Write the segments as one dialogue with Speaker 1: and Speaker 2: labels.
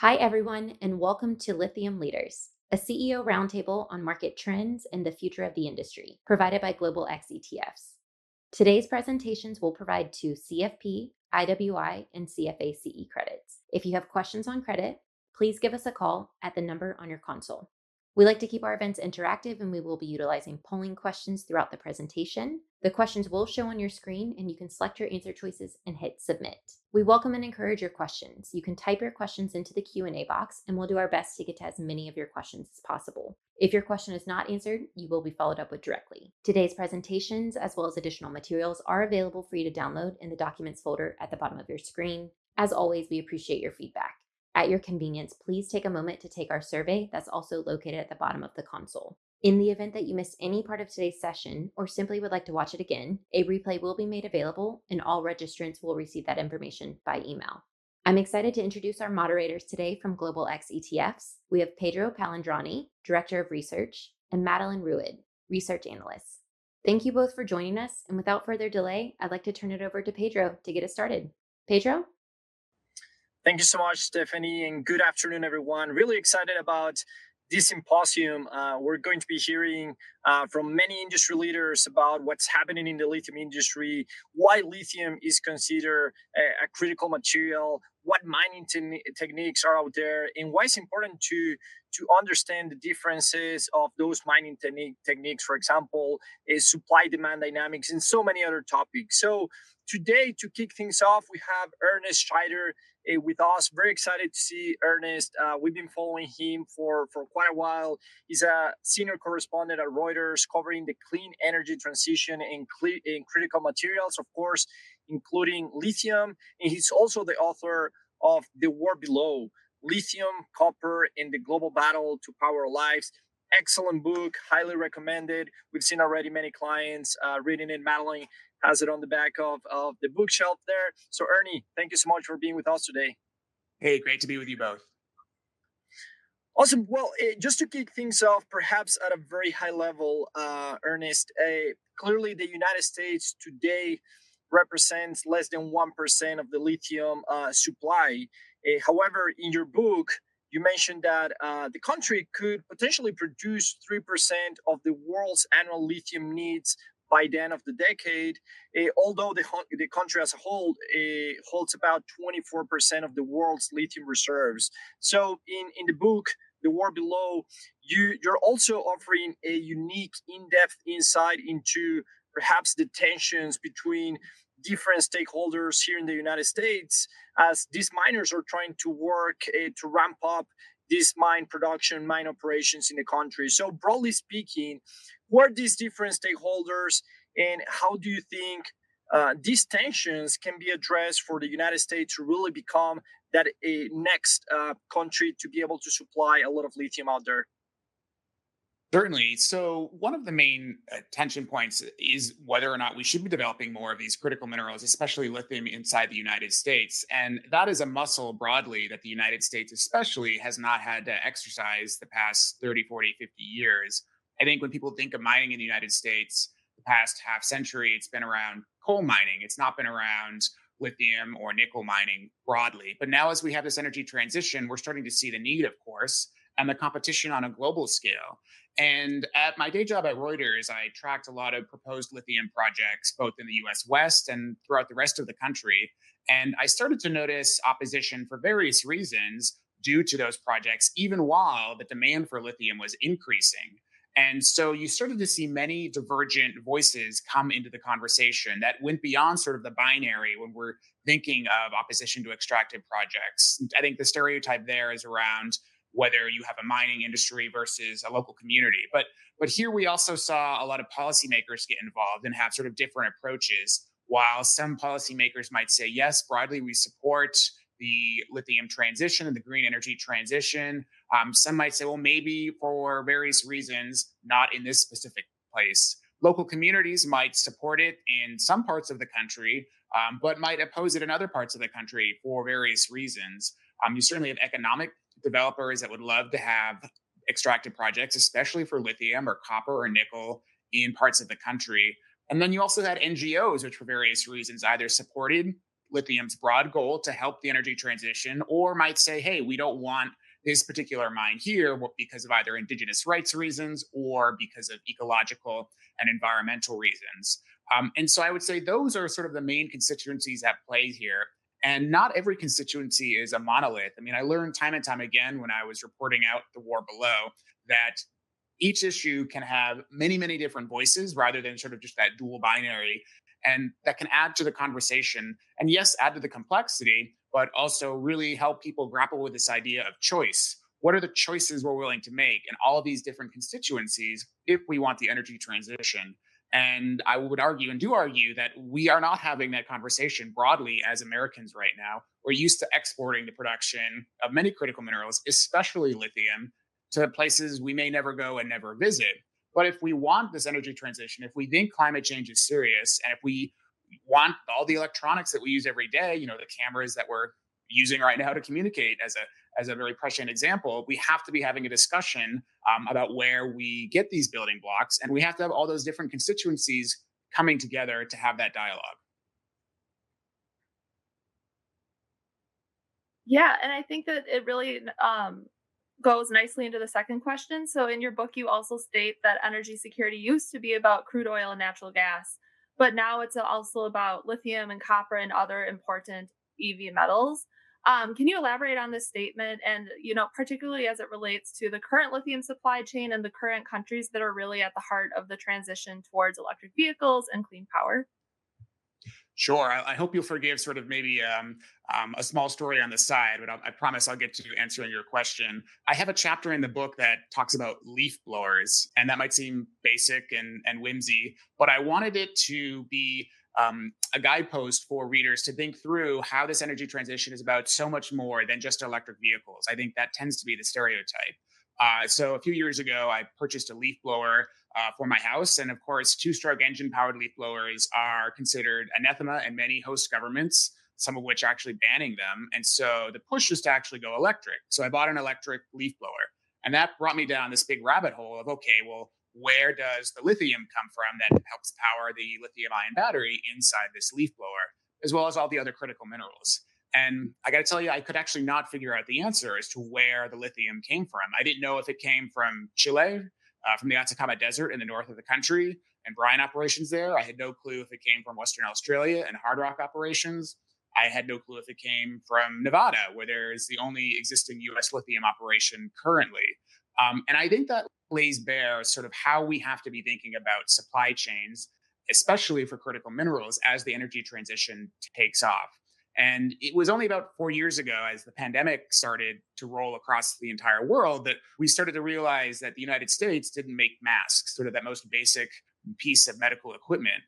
Speaker 1: Hi everyone, and welcome to Lithium Leaders, a CEO roundtable on market trends and the future of the industry, provided by Global X ETFs. Today's presentations will provide 2 CFP, IWI, and CFA CE credits. If you have questions on credit, please give us a call at the number on your console. We like to keep our events interactive, and we will be utilizing polling questions throughout the presentation. The questions will show on your screen, and you can select your answer choices and hit submit. We welcome and encourage your questions. You can type your questions into the Q&A box, and we'll do our best to get to as many of your questions as possible. If your question is not answered, you will be followed up with directly. Today's presentations, as well as additional materials, are available for you to download in the documents folder at the bottom of your screen. As always, we appreciate your feedback. At your convenience, please take a moment to take our survey that's also located at the bottom of the console. In the event that you missed any part of today's session or simply would like to watch it again, a replay will be made available, and all registrants will receive that information by email. I'm excited to introduce our moderators today from Global X ETFs. We have Pedro Palandrani, Director of Research, and Madeline Ruid, Research Analyst. Thank you both for joining us, and without further delay, I'd like to turn it over to Pedro to get us started. Pedro?
Speaker 2: Thank you so much, Stephanie, and good afternoon, everyone. Really excited about this symposium. We're going to be hearing from many industry leaders about what's happening in the lithium industry, why lithium is considered a critical material, what mining techniques are out there, and why it's important to understand the differences of those mining techniques, for example, supply-demand dynamics, and so many other topics. So today, to kick things off, we have Ernest Scheyder with us. Very excited to see Ernest. We've been following him for quite a while. He's a senior correspondent at Reuters covering the clean energy transition and critical materials, of course, including lithium. And he's also the author of The War Below: Lithium, Copper, and the Global Battle to Power Our Lives. Excellent book, highly recommended. We've seen already many clients reading it. Madeline has it on the back of the bookshelf there. Ernie, thank you so much for being with us today.
Speaker 3: Hey, great to be with you both.
Speaker 2: Awesome. Well, just to kick things off, perhaps at a very high level, Ernest, clearly the United States today represents less than 1% of the lithium supply. However, in your book, you mentioned that the country could potentially produce 3% of the world's annual lithium needs by the end of the decade, although the country as a whole holds about 24% of the world's lithium reserves. So in the book, The War Below, you're also offering a unique in-depth insight into perhaps the tensions between different stakeholders here in the United States as these miners are trying to work to ramp up this mine production, mine operations in the country. So broadly speaking, who are these different stakeholders, and how do you think these tensions can be addressed for the United States to really become that next country to be able to supply a lot of lithium out there?
Speaker 3: Certainly. So one of the main tension points is whether or not we should be developing more of these critical minerals, especially lithium, inside the United States. And that is a muscle broadly that the United States especially has not had to exercise the past 30, 40, 50 years. I think when people think of mining in the United States, the past half century, it's been around coal mining. It's not been around lithium or nickel mining broadly. But now as we have this energy transition, we're starting to see the need, of course, and the competition on a global scale. And at my day job at Reuters, I tracked a lot of proposed lithium projects, both in the U.S. West and throughout the rest of the country. And I started to notice opposition for various reasons due to those projects, even while the demand for lithium was increasing. And so you started to see many divergent voices come into the conversation that went beyond sort of the binary when we're thinking of opposition to extractive projects. I think the stereotype there is around whether you have a mining industry versus a local community. But here we also saw a lot of policymakers get involved and have sort of different approaches, while some policymakers might say, yes, broadly, we support the lithium transition and the green energy transition. Some might say, well, maybe for various reasons, not in this specific place. Local communities might support it in some parts of the country but might oppose it in other parts of the country for various reasons. You certainly have economic developers that would love to have extractive projects, especially for lithium or copper or nickel in parts of the country. Then you also had NGOs which, for various reasons, either supported lithium's broad goal to help the energy transition or might say, hey, we don't want this particular mine here because of either indigenous rights reasons or because of ecological and environmental reasons. So I would say those are sort of the main constituencies at play here. Not every constituency is a monolith. I mean, I learned time and time again when I was reporting out The War Below that each issue can have many, many different voices rather than sort of just that dual binary. That can add to the conversation and, yes, add to the complexity, but also really help people grapple with this idea of choice. What are the choices we're willing to make in all of these different constituencies if we want the energy transition? I would argue and do argue that we are not having that conversation broadly as Americans right now. We're used to exporting the production of many critical minerals, especially lithium, to places we may never go and never visit. If we want this energy transition, if we think climate change is serious, and if we want all the electronics that we use every day, the cameras that we're using right now to communicate as a very prescient example, we have to be having a discussion about where we get these building blocks. We have to have all those different constituencies coming together to have that dialogue.
Speaker 4: Yeah, and I think that it really goes nicely into the second question. So in your book, you also state that energy security used to be about crude oil and natural gas, but now it's also about lithium and copper and other important EV metals. Can you elaborate on this statement, and particularly as it relates to the current lithium supply chain and the current countries that are really at the heart of the transition towards electric vehicles and clean power?
Speaker 3: Sure. I hope you'll forgive sort of maybe a small story on the side, but I promise I'll get to answering your question. I have a chapter in the book that talks about leaf blowers, and that might seem basic and whimsy, but I wanted it to be a guidepost for readers to think through how this energy transition is about so much more than just electric vehicles. I think that tends to be the stereotype. So a few years ago, I purchased a leaf blower for my house. And of course, two-stroke engine-powered leaf blowers are considered anathema in many host governments, some of which are actually banning them. And so the push was to actually go electric. So I bought an electric leaf blower. That brought me down this big rabbit hole of, OK, well, where does the lithium come from that helps power the lithium-ion battery inside this leaf blower, as well as all the other critical minerals? And I got to tell you, I could actually not figure out the answer as to where the lithium came from. I didn't know if it came from Chile, from the Atacama Desert in the north of the country and brine operations there. I had no clue if it came from Western Australia and hard rock operations. I had no clue if it came from Nevada, where there's the only existing U.S. lithium operation currently. And I think that lays bare sort of how we have to be thinking about supply chains, especially for critical minerals, as the energy transition takes off. It was only about four years ago, as the pandemic started to roll across the entire world, that we started to realize that the United States didn't make masks, sort of that most basic piece of medical equipment.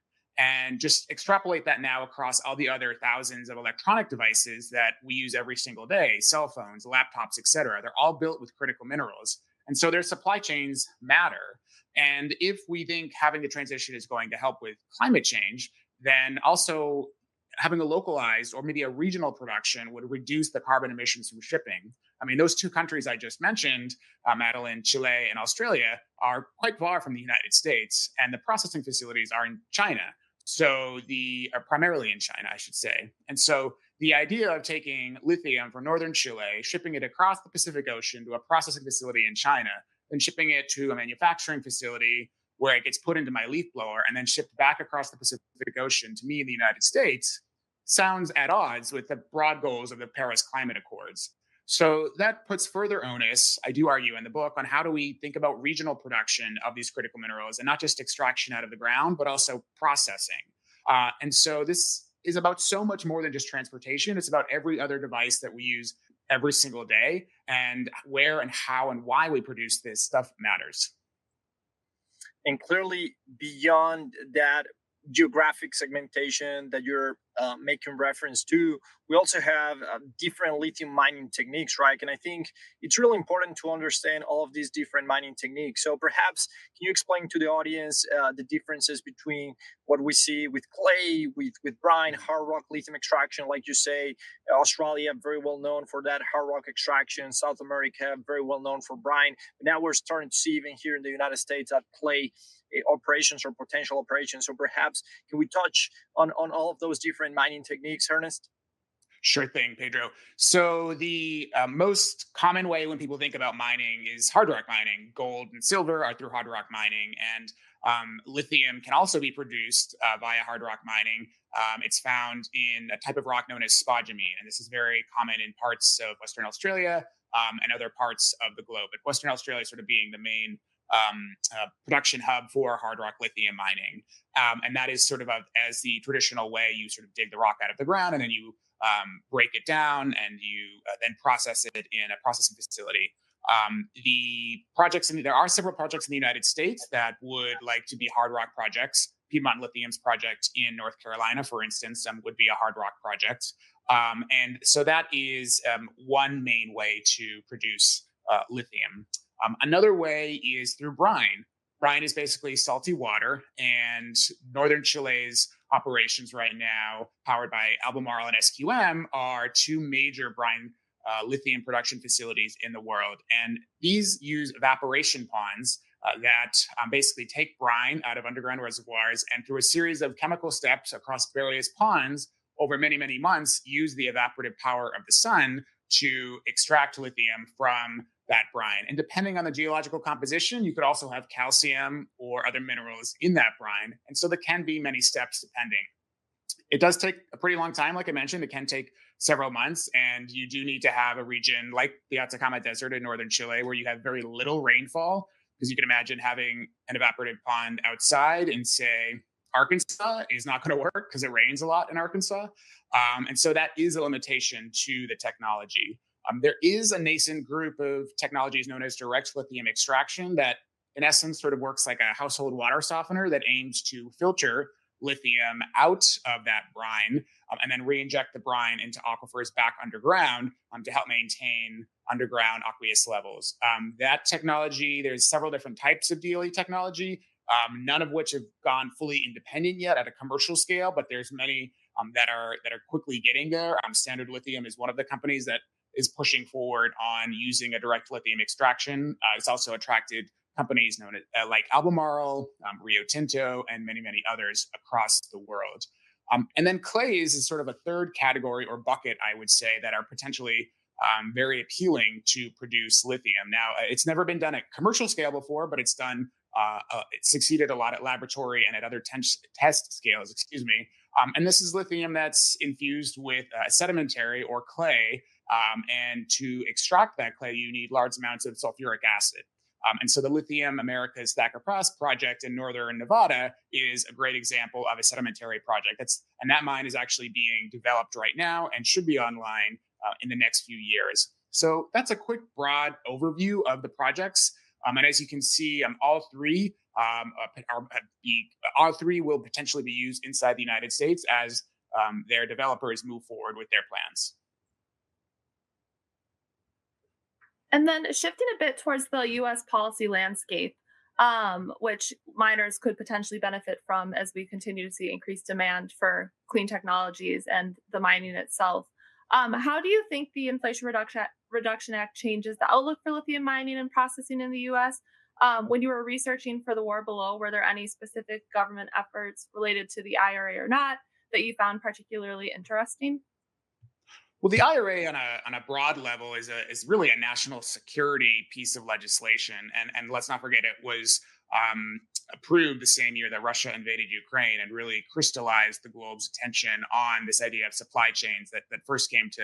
Speaker 3: Just extrapolate that now across all the other thousands of electronic devices that we use every single day, cell phones, laptops, et cetera. They're all built with critical minerals. So their supply chains matter. And if we think having the transition is going to help with climate change, then also having a localized or maybe a regional production would reduce the carbon emissions from shipping. I mean, those two countries I just mentioned, Madeline, Chile, and Australia, are quite far from the United States. And the processing facilities are in China, primarily in China, I should say. The idea of taking lithium from northern Chile, shipping it across the Pacific Ocean to a processing facility in China, then shipping it to a manufacturing facility where it gets put into my leaf blower and then shipped back across the Pacific Ocean to me in the United States sounds at odds with the broad goals of the Paris Climate Accords. That puts further onus, I do argue in the book, on how do we think about regional production of these critical minerals and not just extraction out of the ground but also processing. This is about so much more than just transportation. It's about every other device that we use every single day. Where and how and why we produce this stuff matters.
Speaker 2: And clearly, beyond that geographic segmentation that you're making reference to, we also have different lithium mining techniques, right? And I think it's really important to understand all of these different mining techniques. So perhaps can you explain to the audience the differences between what we see with clay, with brine, hard rock lithium extraction? Like you say, Australia very well known for that hard rock extraction. South America very well known for brine. Now we're starting to see even here in the United States that clay operations or potential operations. So perhaps can we touch on all of those different mining techniques, Ernest?
Speaker 3: Sure thing, Pedro. So the most common way when people think about mining is hard rock mining. Gold and silver are through hard rock mining. And lithium can also be produced via hard rock mining. It's found in a type of rock known as spodumene. And this is very common in parts of Western Australia and other parts of the globe, with Western Australia sort of being the main production hub for hard rock lithium mining. And that is sort of as the traditional way you sort of dig the rock out of the ground, and then you break it down, and you then process it in a processing facility. There are several projects in the United States that would like to be hard rock projects. Piedmont Lithium's project in North Carolina, for instance, would be a hard rock project. And so that is one main way to produce lithium. Another way is through brine. Brine is basically salty water. Northern Chile's operations right now, powered by Albemarle and SQM, are two major brine lithium production facilities in the world. These use evaporation ponds that basically take brine out of underground reservoirs and, through a series of chemical steps across various ponds over many, many months, use the evaporative power of the sun to extract lithium from that brine. Depending on the geological composition, you could also have calcium or other minerals in that brine. So there can be many steps depending. It does take a pretty long time, like I mentioned. It can take several months. You do need to have a region like the Atacama Desert in northern Chile where you have very little rainfall. Because you can imagine having an evaporative pond outside in, say, Arkansas is not going to work because it rains a lot in Arkansas. So that is a limitation to the technology. There is a nascent group of technologies known as direct lithium extraction that, in essence, sort of works like a household water softener that aims to filter lithium out of that brine and then reinject the brine into aquifers back underground to help maintain underground aqueous levels. That technology, there's several different types of DLE technology, none of which have gone fully independent yet at a commercial scale. But there's many that are quickly getting there. Standard Lithium is one of the companies that is pushing forward on using a direct lithium extraction. It's also attracted companies like Albemarle, Rio Tinto, and many, many others across the world. And then clays is sort of a third category or bucket, I would say, that are potentially very appealing to produce lithium. Now, it's never been done at commercial scale before, but it's succeeded a lot at laboratory and at other test scales, excuse me. And this is lithium that's infused with a sedimentary or clay. And to extract that clay, you need large amounts of sulfuric acid. And so the Lithium Americas' Thacker Pass project in northern Nevada is a great example of a sedimentary project. And that mine is actually being developed right now and should be online in the next few years. So that's a quick, broad overview of the projects. And as you can see, all three will potentially be used inside the United States as their developers move forward with their plans.
Speaker 4: Then shifting a bit towards the U.S. policy landscape, which miners could potentially benefit from as we continue to see increased demand for clean technologies and the mining itself, how do you think the Inflation Reduction Act changes the outlook for lithium mining and processing in the U.S.? When you were researching for The War Below, were there any specific government efforts related to the IRA or not that you found particularly interesting?
Speaker 3: Well, the IRA, on a broad level, is really a national security piece of legislation. And let's not forget, it was approved the same year that Russia invaded Ukraine and really crystallized the globe's attention on this idea of supply chains that first came to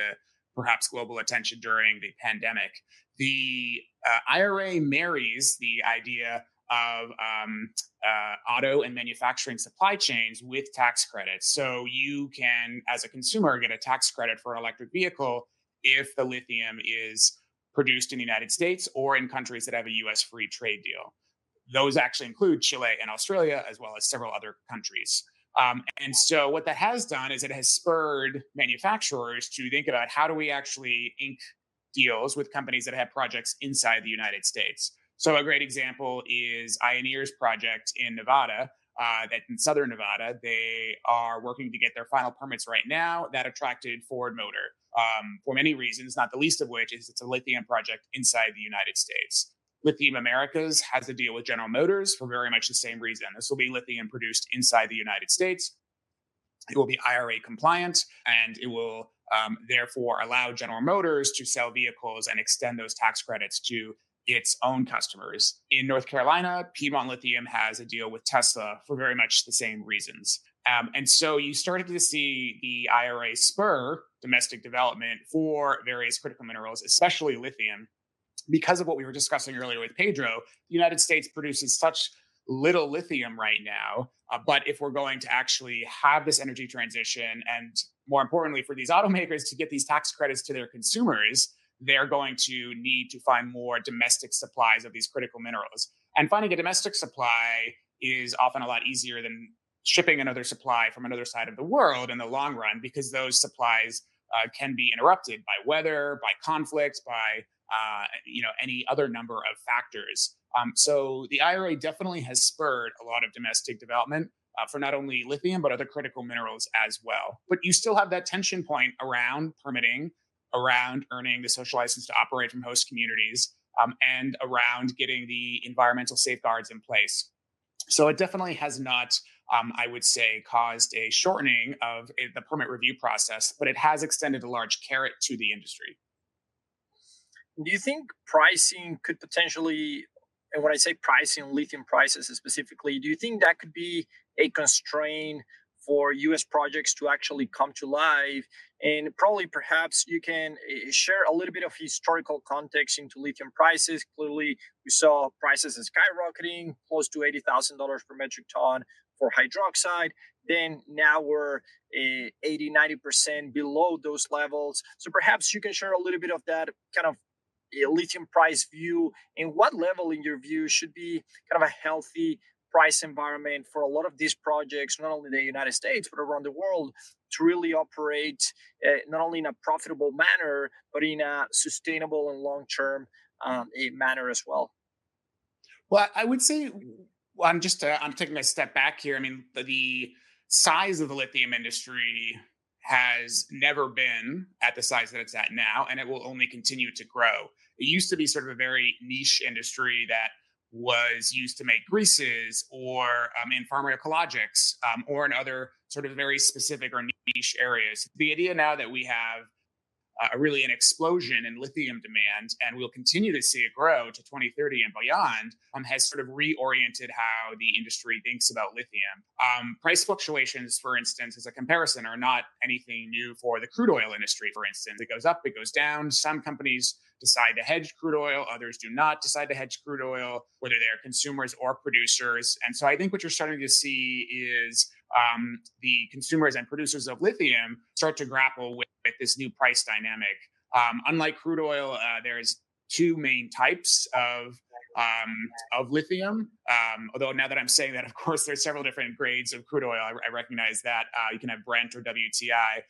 Speaker 3: perhaps global attention during the pandemic. The IRA marries the idea of auto and manufacturing supply chains with tax credits. So you can, as a consumer, get a tax credit for an electric vehicle if the lithium is produced in the United States or in countries that have a U.S. free trade deal. Those actually include Chile and Australia, as well as several other countries. And so what that has done is it has spurred manufacturers to think about, how do we actually ink deals with companies that have projects inside the United States? So a great example is Ioneer's project in Nevada. In southern Nevada, they are working to get their final permits right now that attracted Ford Motor for many reasons, not the least of which is it's a lithium project inside the United States. Lithium Americas has a deal with General Motors for very much the same reason. This will be lithium produced inside the United States. It will be IRA compliant. And it will, therefore, allow General Motors to sell vehicles and extend those tax credits to its own customers. In North Carolina, Piedmont Lithium has a deal with Tesla for very much the same reasons. And so you started to see the IRA spur domestic development for various critical minerals, especially lithium. Because of what we were discussing earlier with Pedro, the United States produces such little lithium right now. But if we're going to actually have this energy transition and, more importantly, for these automakers to get these tax credits to their consumers, they're going to need to find more domestic supplies of these critical minerals. And finding a domestic supply is often a lot easier than shipping another supply from another side of the world in the long run because those supplies can be interrupted by weather, by conflicts, by any other number of factors. So the IRA definitely has spurred a lot of domestic development for not only lithium but other critical minerals as well. But you still have that tension point around permitting, around earning the social license to operate from host communities, and around getting the environmental safeguards in place. So it definitely has not, I would say, caused a shortening of the permit review process. But it has extended a large carrot to the industry.
Speaker 2: Do you think pricing could potentially and when I say pricing, lithium prices specifically, do you think that could be a constraint for U.S. projects to actually come to life? And probably, perhaps, you can share a little bit of historical context into lithium prices. Clearly, we saw prices skyrocketing, close to $80,000 per metric ton for hydroxide. Then now we're 80%, 90% below those levels. So perhaps you can share a little bit of that kind of lithium price view. And what level, in your view, should be kind of a healthy price environment for a lot of these projects, not only in the United States but around the world, to really operate not only in a profitable manner but in a sustainable and long-term manner as well?
Speaker 3: Well, I would say I'm taking a step back here. I mean, the size of the lithium industry has never been at the size that it's at now. It will only continue to grow. It used to be sort of a very niche industry that was used to make greases or in pharma, biologics or in other sort of very specific or niche areas. The idea now that we have really an explosion in lithium demand and we'll continue to see it grow to 2030 and beyond has sort of reoriented how the industry thinks about lithium. Price fluctuations, for instance, as a comparison, are not anything new for the crude oil industry. For instance, it goes up. It goes down. Some companies decide to hedge crude oil. Others do not decide to hedge crude oil, whether they're consumers or producers. And so I think what you're starting to see is the consumers and producers of lithium start to grapple with this new price dynamic. Unlike crude oil, there's two main types of lithium. Although now that I'm saying that, of course, there are several different grades of crude oil, I recognize that. You can have Brent or WTI.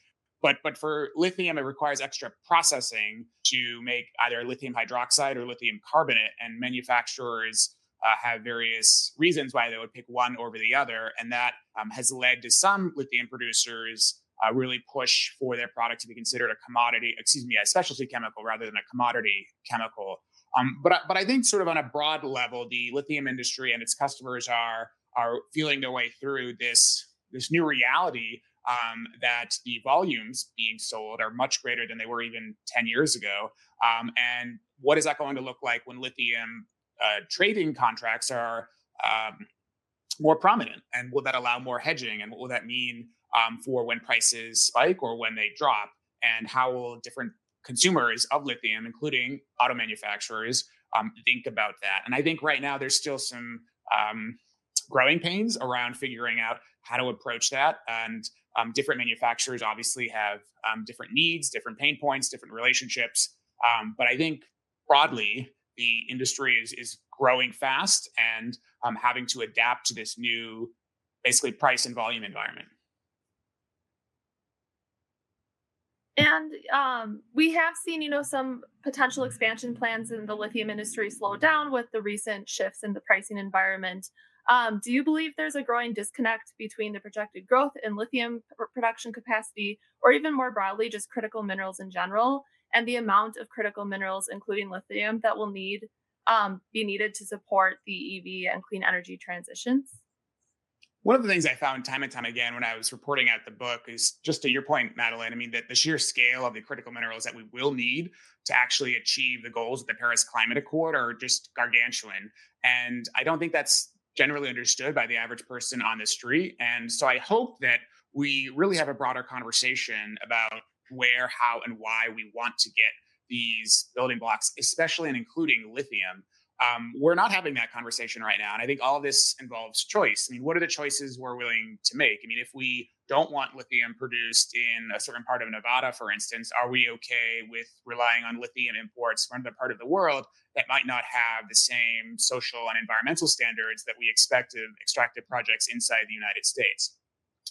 Speaker 3: But for lithium, it requires extra processing to make either lithium hydroxide or lithium carbonate. And manufacturers have various reasons why they would pick one over the other. And that has led to some lithium producers really push for their product to be considered a commodity, excuse me, a specialty chemical rather than a commodity chemical. But I think sort of on a broad level, the lithium industry and its customers are feeling their way through this new reality that the volumes being sold are much greater than they were even 10 years ago. And what is that going to look like when lithium trading contracts are more prominent? And will that allow more hedging? And what will that mean for when prices spike or when they drop? And how will different consumers of lithium, including auto manufacturers, think about that? And I think right now there's still some growing pains around figuring out how to approach that. And different manufacturers obviously have different needs, different pain points, different relationships. But I think, broadly, the industry is growing fast and having to adapt to this new, basically, price and volume environment.
Speaker 4: We have seen some potential expansion plans in the lithium industry slow down with the recent shifts in the pricing environment. Do you believe there's a growing disconnect between the projected growth in lithium production capacity or, even more broadly, just critical minerals in general and the amount of critical minerals, including lithium, that will be needed to support the EV and clean energy transitions?
Speaker 3: One of the things I found time and time again when I was reporting at the book is just to your point, Madeline, I mean, the sheer scale of the critical minerals that we will need to actually achieve the goals of the Paris Climate Accord are just gargantuan. I don't think that's generally understood by the average person on the street. So I hope that we really have a broader conversation about where, how, and why we want to get these building blocks, especially and including lithium. We're not having that conversation right now. I think all of this involves choice. I mean, what are the choices we're willing to make? I mean, if we don't want lithium produced in a certain part of Nevada, for instance, are we OK with relying on lithium imports from the part of the world that might not have the same social and environmental standards that we expect of extractive projects inside the United States?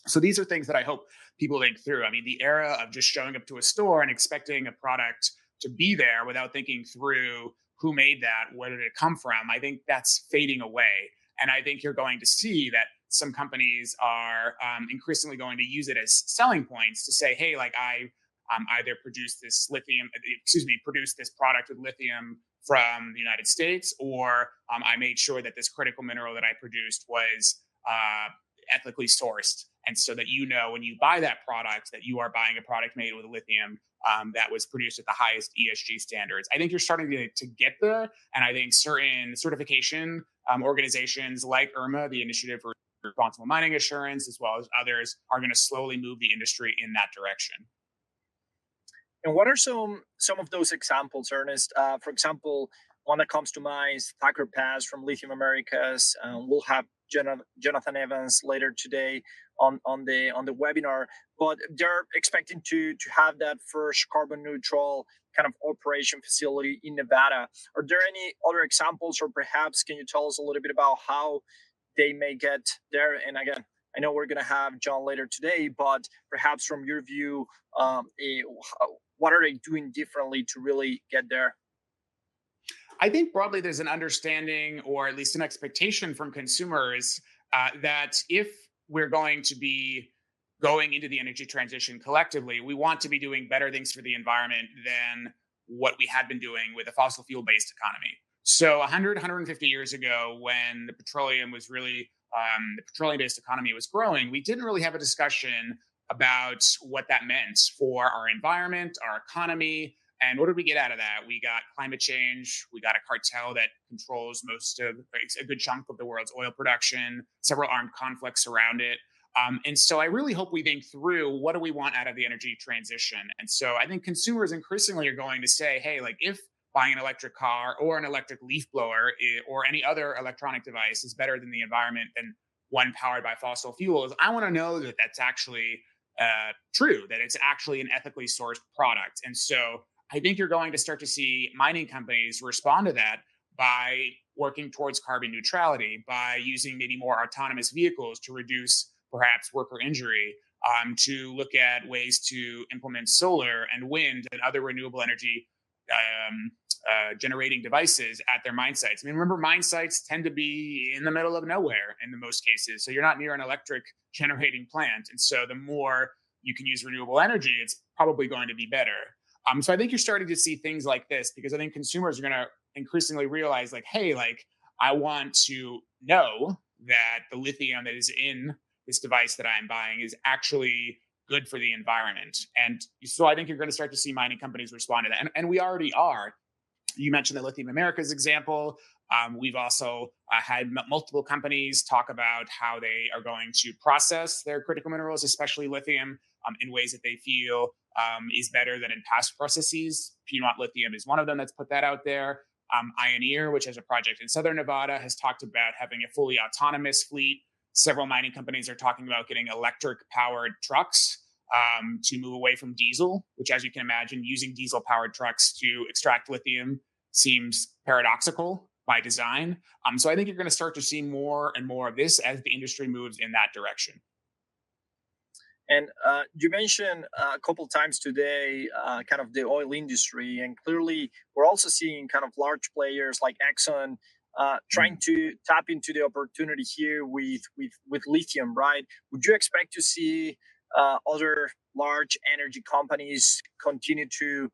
Speaker 3: So these are things that I hope people think through. I mean, the era of just showing up to a store and expecting a product to be there without thinking through who made that, where did it come from, I think that's fading away. And I think you're going to see that some companies are increasingly going to use it as selling points to say, hey, I either produced this product with lithium from the United States, or I made sure that this critical mineral that I produced was ethically sourced. And so that you know when you buy that product that you are buying a product made with lithium that was produced at the highest ESG standards. I think you're starting to get there. And I think certain certification organizations like IRMA, the Initiative for Responsible Mining Assurance, as well as others, are going to slowly move the industry in that direction.
Speaker 2: What are some of those examples, Ernest? For example, one that comes to mind is Thacker Pass from Lithium Americas. We'll have John Evans later today on the webinar. But they're expecting to have that first carbon-neutral kind of operation facility in Nevada. Are there any other examples? Or perhaps can you tell us a little bit about how they may get there? And again, I know we're going to have John later today. But perhaps, from your view, what are they doing differently to really get there?
Speaker 3: I think, broadly, there's an understanding or at least an expectation from consumers that if we're going to be going into the energy transition collectively, we want to be doing better things for the environment than what we had been doing with a fossil fuel-based economy. So 100, 150 years ago, when the petroleum was really the petroleum-based economy was growing, we didn't really have a discussion about what that meant for our environment, our economy. And what did we get out of that? We got climate change. We got a cartel that controls most of a good chunk of the world's oil production, several armed conflicts around it. And so I really hope we think through, what do we want out of the energy transition? And so I think consumers increasingly are going to say, hey, if buying an electric car or an electric leaf blower or any other electronic device is better for the environment than one powered by fossil fuels, I want to know that that's actually true, that it's actually an ethically sourced product. And so I think you're going to start to see mining companies respond to that by working towards carbon neutrality, by using maybe more autonomous vehicles to reduce perhaps worker injury, to look at ways to implement solar and wind and other renewable energy-generating devices at their mine sites. I mean, remember, mine sites tend to be in the middle of nowhere in the most cases. So you're not near an electric-generating plant. And so the more you can use renewable energy, it's probably going to be better. So I think you're starting to see things like this because I think consumers are going to increasingly realize, hey, I want to know that the lithium that is in this device that I am buying is actually good for the environment. And so I think you're going to start to see mining companies respond to that. And we already are. You mentioned the Lithium Americas' example. We've also had multiple companies talk about how they are going to process their critical minerals, especially lithium, in ways that they feel is better than in past processes. Piedmont Lithium is one of them that's put that out there. Ioneer, which has a project in southern Nevada, has talked about having a fully autonomous fleet. Several mining companies are talking about getting electric-powered trucks to move away from diesel, which, as you can imagine, using diesel-powered trucks to extract lithium seems paradoxical by design. So I think you're going to start to see more and more of this as the industry moves in that direction.
Speaker 2: You mentioned a couple of times today kind of the oil industry. Clearly, we're also seeing kind of large players like Exxon trying to tap into the opportunity here with lithium, right? Would you expect to see other large energy companies continue to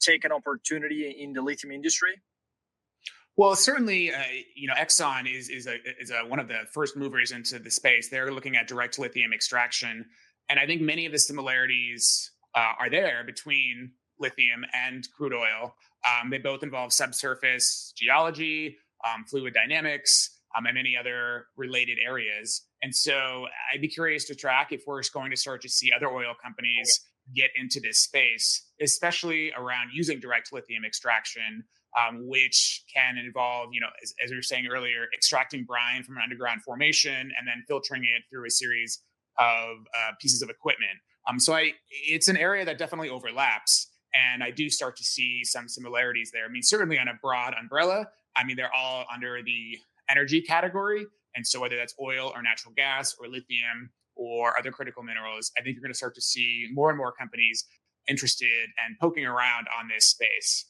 Speaker 2: take an opportunity in the lithium industry?
Speaker 3: Well, certainly, Exxon is one of the first movers into the space. They're looking at direct lithium extraction. I think many of the similarities are there between lithium and crude oil. They both involve subsurface geology, fluid dynamics, and many other related areas. So I'd be curious to track if we're going to start to see other oil companies get into this space, especially around using direct lithium extraction, which can involve, as we were saying earlier, extracting brine from an underground formation and then filtering it through a series of pieces of equipment. It's an area that definitely overlaps. I do start to see some similarities there. I mean, certainly, on a broad umbrella, I mean, they're all under the energy category. And so whether that's oil or natural gas or lithium or other critical minerals, I think you're going to start to see more and more companies interested and poking around on this space.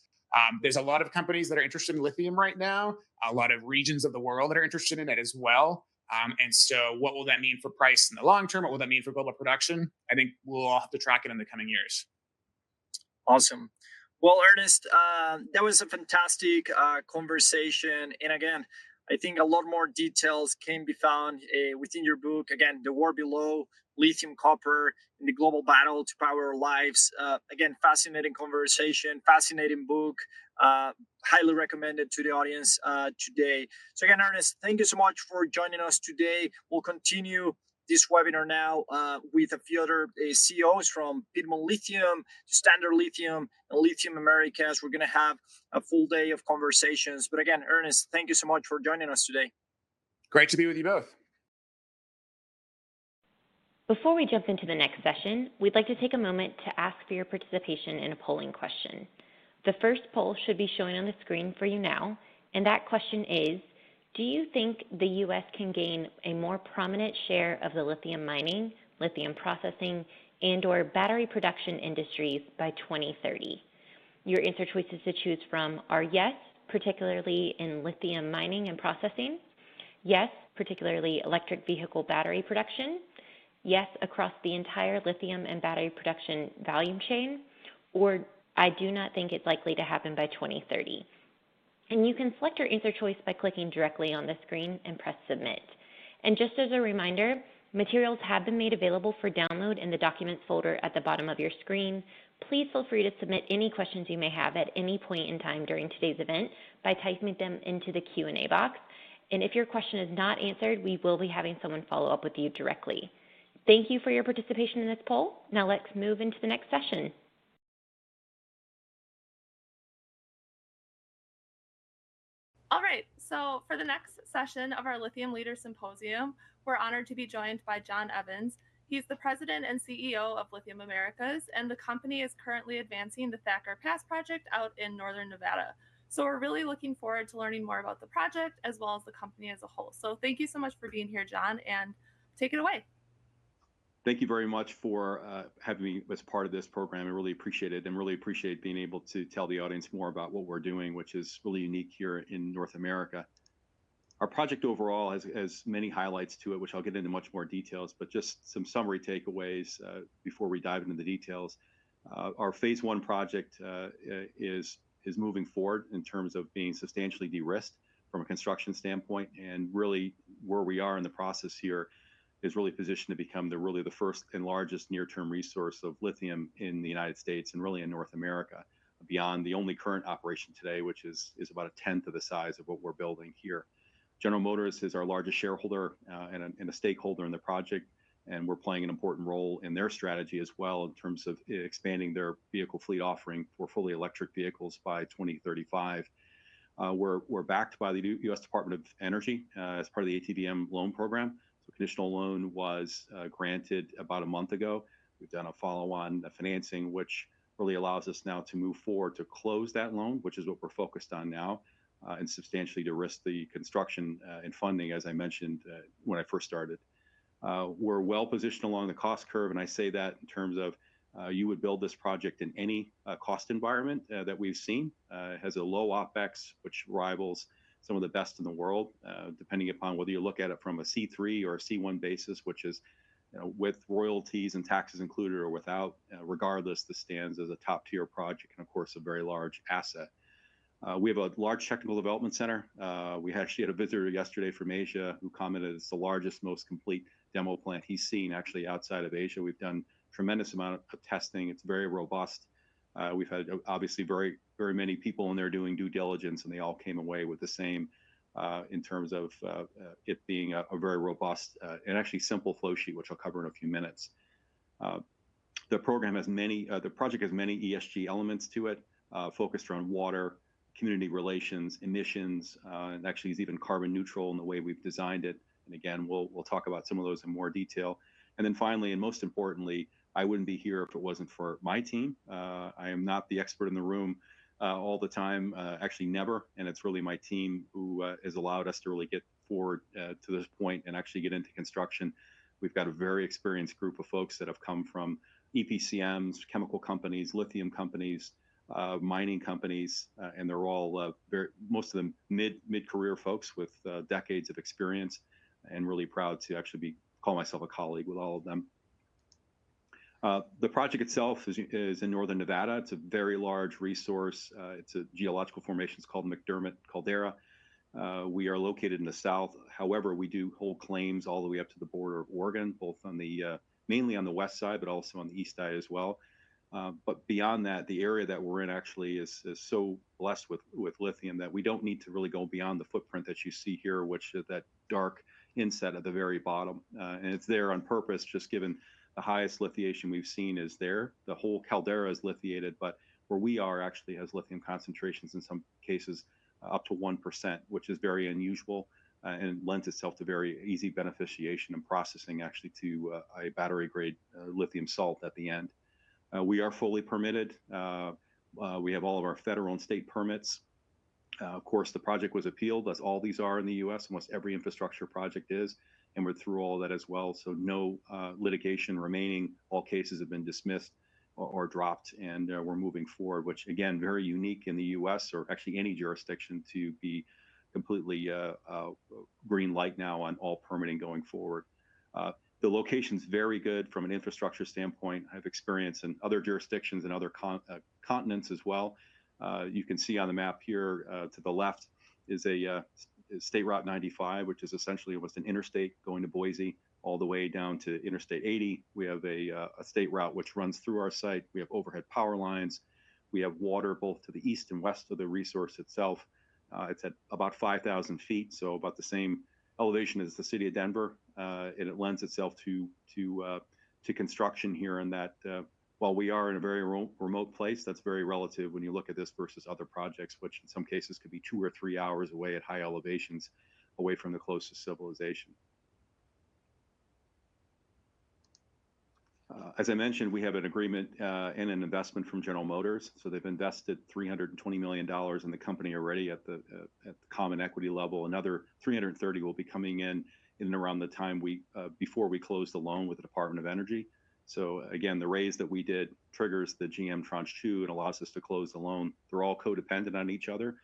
Speaker 3: There's a lot of companies that are interested in lithium right now, a lot of regions of the world that are interested in it as well. And so what will that mean for price in the long term? What will that mean for global production? I think we'll all have to track it in the coming years.
Speaker 2: Awesome. Well, Ernest, that was a fantastic conversation. And again, I think a lot more details can be found within your book. Again, "The War Below: Lithium, Copper, and the Global Battle to Power Our Lives." Again, fascinating conversation, fascinating book. Highly recommended to the audience today. So again, Ernest, thank you so much for joining us today. We'll continue this webinar now with a few other CEOs from Piedmont Lithium to Standard Lithium and Lithium Americas. We're going to have a full day of conversations. But again, Ernest, thank you so much for joining us today.
Speaker 3: Great to be with you both.
Speaker 1: Before we jump into the next session, we'd like to take a moment to ask for your participation in a polling question. The first poll should be showing on the screen for you now. That question is, do you think the U.S. can gain a more prominent share of the lithium mining, lithium processing, and/or battery production industries by 2030? Your answer choices to choose from are yes, particularly in lithium mining and processing. Yes, particularly electric vehicle battery production. Yes, across the entire lithium and battery production volume chain. Or I do not think it's likely to happen by 2030. You can select your answer choice by clicking directly on the screen and press Submit. Just as a reminder, materials have been made available for download in the Documents folder at the bottom of your screen. Please feel free to submit any questions you may have at any point in time during today's event by typing them into the Q&A box. If your question is not answered, we will be having someone follow up with you directly. Thank you for your participation in this poll. Now let's move into the next session.
Speaker 4: All right. So for the next session of our Lithium Leaders Symposium, we're honored to be joined by John Evans. He's the president and CEO of Lithium Americas. And the company is currently advancing the Thacker Pass project out in northern Nevada. So we're really looking forward to learning more about the project as well as the company as a whole. So thank you so much for being here, John. And take it away.
Speaker 5: Thank you very much for having me as part of this program. I really appreciate it. Really appreciate being able to tell the audience more about what we're doing, which is really unique here in North America. Our project overall has many highlights to it, which I'll get into much more details. Just some summary takeaways before we dive into the details. Our Phase I project is moving forward in terms of being substantially de-risked from a construction standpoint. Really, where we are in the process here is really positioned to become really the first and largest near-term resource of lithium in the United States and really in North America, beyond the only current operation today, which is about a tenth of the size of what we're building here. General Motors is our largest shareholder and a stakeholder in the project. We're playing an important role in their strategy as well in terms of expanding their vehicle fleet offering for fully electric vehicles by 2035. We're backed by the U.S. Department of Energy as part of the ATVM Loan Program. A conditional loan was granted about a month ago. We've done a follow-on financing, which really allows us now to move forward to close that loan, which is what we're focused on now, and substantially de-risk the construction and funding, as I mentioned when I first started. We're well positioned along the cost curve. I say that in terms of you would build this project in any cost environment that we've seen. It has a low OpEx, which rivals some of the best in the world, depending upon whether you look at it from a C3 or a C1 basis, which is with royalties and taxes included or without. Regardless, this stands as a top-tier project and, of course, a very large asset. We have a large technical development center. We actually had a visitor yesterday from Asia who commented it's the largest, most complete demo plant he's seen actually outside of Asia. We've done a tremendous amount of testing. It's very robust. We've had, obviously, very, very many people in there doing due diligence. They all came away with the same in terms of it being a very robust and actually simple flow sheet, which I'll cover in a few minutes. The project has many ESG elements to it focused around water, community relations, emissions. And actually, it's even carbon neutral in the way we've designed it. And again, we'll talk about some of those in more detail. And then finally, and most importantly, I wouldn't be here if it wasn't for my team. I am not the expert in the room all the time, actually never. And it's really my team who has allowed us to really get forward to this point and actually get into construction. We've got a very experienced group of folks that have come from EPCMs, chemical companies, lithium companies, mining companies. And they're all, most of them, mid-career folks with decades of experience. And really proud to actually call myself a colleague with all of them. The project itself is in northern Nevada. It's a very large resource. It's a geological formation. It's called McDermitt Caldera. We are located in the south. However, we do hold claims all the way up to the border of Oregon, both mainly on the west side but also on the east side as well. But beyond that, the area that we're in actually is so blessed with lithium that we don't need to really go beyond the footprint that you see here, which is that dark inset at the very bottom. And it's there on purpose, just given the highest lithiation we've seen is there. The whole caldera is lithiated. But where we are actually has lithium concentrations in some cases up to 1%, which is very unusual and lends itself to very easy beneficiation and processing actually to a battery-grade lithium salt at the end. We are fully permitted. We have all of our federal and state permits. Of course, the project was appealed, as all these are in the U.S., almost every infrastructure project is. And we're through all of that as well. So no litigation remaining. All cases have been dismissed or dropped. And we're moving forward, which, again, very unique in the U.S. or actually any jurisdiction to be completely green light now on all permitting going forward. The location is very good from an infrastructure standpoint. I have experience in other jurisdictions and other continents as well. You can see on the map here to the left is State Route 95, which is essentially almost an interstate going to Boise all the way down to Interstate 80. We have a state route which runs through our site. We have overhead power lines. We have water both to the east and west of the resource itself. It's at about 5,000 feet, so about the same elevation as the city of Denver. It lends itself to construction here in that while we are in a very remote place, that's very relative when you look at this versus other projects, which in some cases could be two or three hours away at high elevations away from the closest civilization. As I mentioned, we have an agreement and an investment from General Motors. They've invested $320 million in the company already at the common equity level. Another $330 million will be coming in in and around the time before we close the loan with the Department of Energy. Again, the raise that we did triggers the GM tranche two and allows us to close the loan. They're all co-dependent on each other.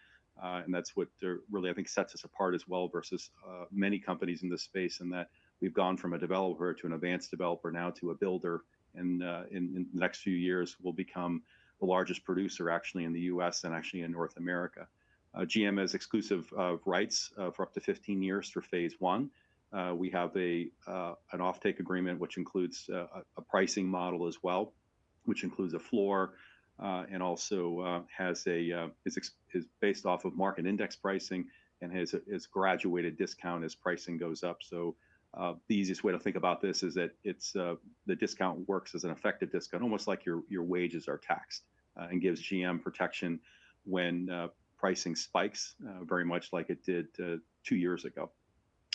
Speaker 5: That's what really, I think, sets us apart as well versus many companies in this space in that we've gone from a developer to an advanced developer now to a builder. In the next few years, we'll become the largest producer actually in the US and actually in North America. GM has exclusive rights for up to 15 years for Phase I. We have an offtake agreement, which includes a pricing model as well, which includes a floor and also is based off of market index pricing and has a graduated discount as pricing goes up. The easiest way to think about this is that the discount works as an effective discount, almost like your wages are taxed, and gives GM protection when pricing spikes, very much like it did two years ago.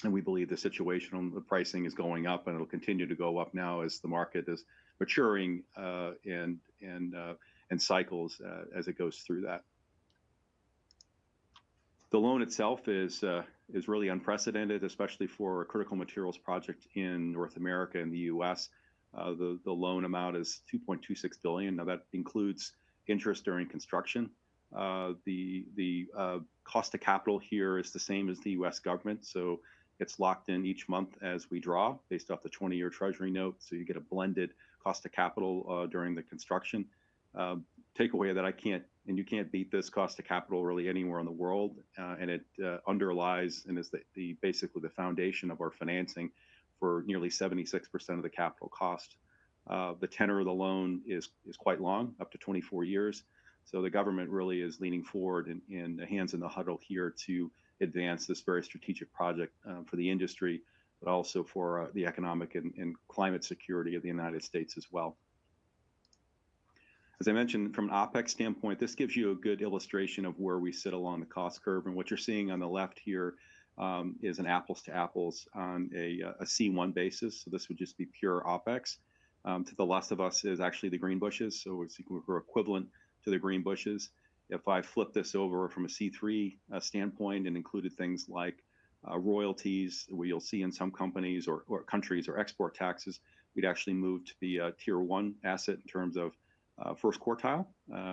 Speaker 5: We believe the situation on the pricing is going up. It'll continue to go up now as the market is maturing and cycles as it goes through that. The loan itself is really unprecedented, especially for a critical materials project in North America and the US. The loan amount is $2.26 billion. Now, that includes interest during construction. The cost of capital here is the same as the US government. So it's locked in each month as we draw based off the 20-year Treasury note. So you get a blended cost of capital during the construction. Takeaway that I can't and you can't beat this cost of capital really anywhere in the world. And it underlies and is basically the foundation of our financing for nearly 76% of the capital cost. The tenor of the loan is quite long, up to 24 years. So the government really is leaning forward and hands in the huddle here to advance this very strategic project for the industry but also for the economic and climate security of the United States as well. As I mentioned, from an OpEx standpoint, this gives you a good illustration of where we sit along the cost curve. And what you're seeing on the left here is an apples to apples on a C1 basis. So this would just be pure OpEx. To the left of us is actually the Greenbushes. So we're equivalent to the Greenbushes. If I flip this over from a C3 standpoint and included things like royalties that you'll see in some companies or countries or export taxes, we'd actually move to be a Tier I asset in terms of first quartile.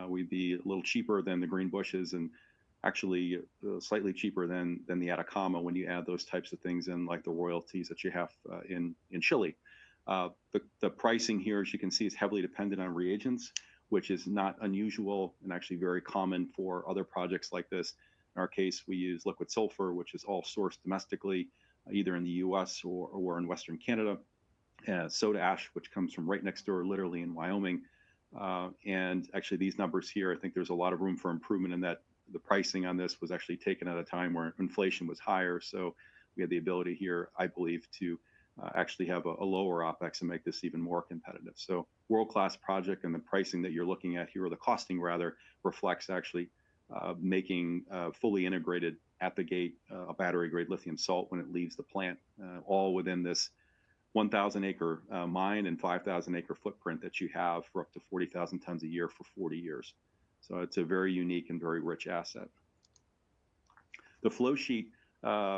Speaker 5: We'd be a little cheaper than Greenbushes and actually slightly cheaper than the Atacama when you add those types of things in, like the royalties that you have in Chile. The pricing here, as you can see, is heavily dependent on reagents, which is not unusual and actually very common for other projects like this. In our case, we use liquid sulfur, which is all sourced domestically, either in the US or in Western Canada, soda ash, which comes from right next door, literally in Wyoming. And actually, these numbers here, I think there's a lot of room for improvement in that the pricing on this was actually taken at a time where inflation was higher. So we had the ability here, I believe, to actually have a lower OpEx and make this even more competitive. So world-class project. The pricing that you're looking at here or the costing, rather, reflects actually making fully integrated at the gate a battery-grade lithium salt when it leaves the plant, all within this 1,000-acre mine and 5,000-acre footprint that you have for up to 40,000 tons a year for 40 years. It's a very unique and very rich asset. The flow sheet,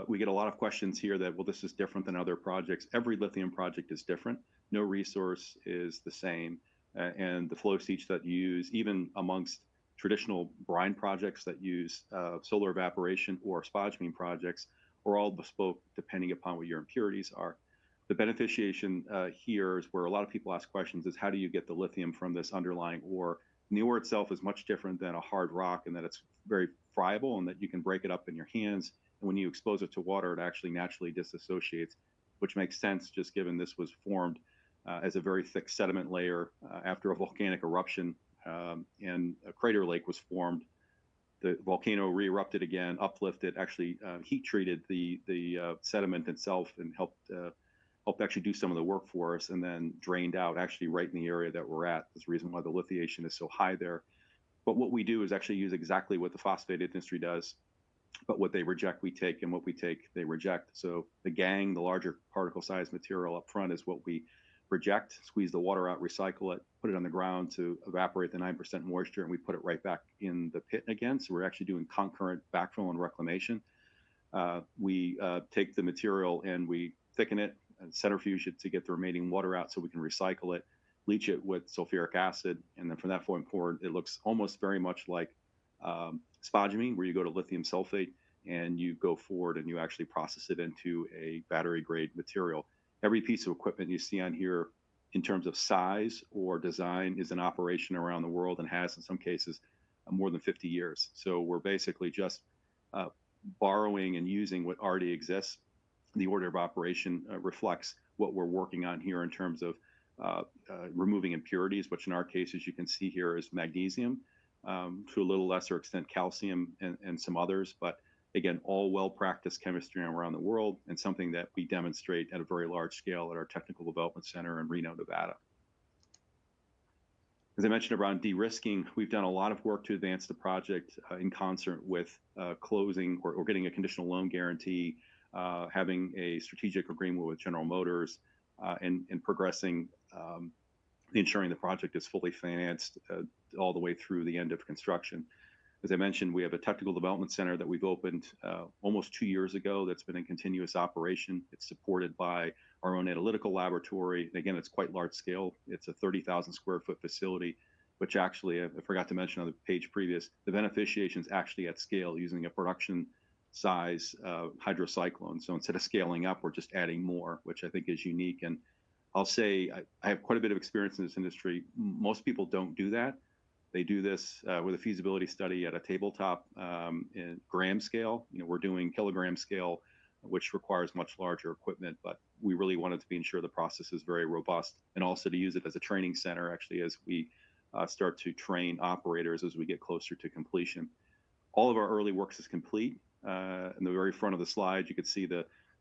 Speaker 5: we get a lot of questions here that, well, this is different than other projects. Every lithium project is different. No resource is the same. And the flow sheet that you use, even amongst traditional brine projects that use solar evaporation or spodumene projects, are all bespoke depending upon what your impurities are. The beneficiation here is where a lot of people ask questions is, how do you get the lithium from this underlying ore? The ore itself is much different than a hard rock in that it's very friable and that you can break it up in your hands. And when you expose it to water, it actually naturally dissociates, which makes sense just given this was formed as a very thick sediment layer after a volcanic eruption. And a crater lake was formed. The volcano re-erupted again, uplifted, actually heat treated the sediment itself and helped actually do some of the work for us and then drained out actually right in the area that we're at. That's the reason why the lithiation is so high there. But what we do is actually use exactly what the phosphate industry does. But what they reject, we take. And what we take, they reject. So the gangue, the larger particle-sized material up front, is what we reject, squeeze the water out, recycle it, put it on the ground to evaporate the 9% moisture. And we put it right back in the pit again. So we're actually doing concurrent backfill and reclamation. We take the material, and we thicken it and centrifuge it to get the remaining water out so we can recycle it, leach it with sulfuric acid. And then from that point forward, it looks almost very much like spodumene, where you go to lithium sulfate and you go forward, and you actually process it into a battery-grade material. Every piece of equipment you see on here in terms of size or design is an operation around the world and has, in some cases, more than 50 years. So we're basically just borrowing and using what already exists. The order of operation reflects what we're working on here in terms of removing impurities, which in our case, as you can see here, is magnesium, to a little lesser extent, calcium, and some others. But again, all well-practiced chemistry around the world, and something that we demonstrate at a very large scale at our Technical Development Center in Reno, Nevada. As I mentioned around de-risking, we've done a lot of work to advance the project in concert with closing or getting a conditional loan guarantee, having a strategic agreement with General Motors, and ensuring the project is fully financed all the way through the end of construction. As I mentioned, we have a Technical Development Center that we've opened almost two years ago that's been in continuous operation. It's supported by our own analytical laboratory. And again, it's quite large scale. It's a 30,000 sq ft facility, which actually I forgot to mention on the page previous. The beneficiation is actually at scale using a production-size hydrocyclone. So instead of scaling up, we're just adding more, which I think is unique. And I'll say I have quite a bit of experience in this industry. Most people don't do that. They do this with a feasibility study at a tabletop in gram scale. We're doing kilogram scale, which requires much larger equipment. But we really wanted to ensure the process is very robust and also to use it as a training center, actually, as we start to train operators as we get closer to completion. All of our early works is complete. In the very front of the slide, you could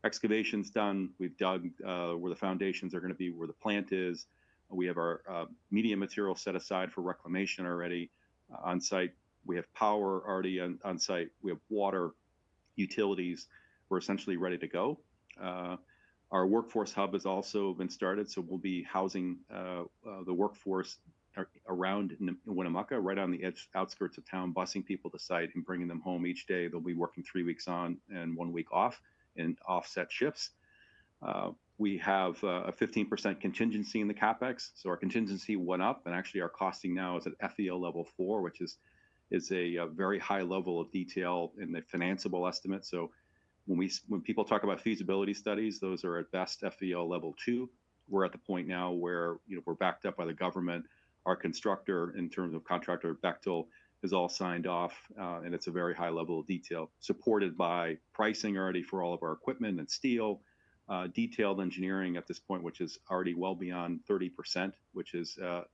Speaker 5: see the excavations done. We've dug where the foundations are going to be, where the plant is. We have our media material set aside for reclamation already on site. We have power already on site. We have water utilities. We're essentially ready to go. Our workforce hub has also been started. So we'll be housing the workforce around Winnemucca, right on the outskirts of town, bussing people to site and bringing them home each day. They'll be working 3 weeks on and 1 week off in offset shifts. We have a 15% contingency in the CapEx. So our contingency went up. And actually, our costing now is at FEL Level 4, which is a very high level of detail in the financeable estimate. So when people talk about feasibility studies, those are at best FEL Level 2. We're at the point now where we're backed up by the government. Our constructor, in terms of contractor, Bechtel, is all signed off. It's a very high level of detail, supported by pricing already for all of our equipment and steel, detailed engineering at this point, which is already well beyond 30%, which is a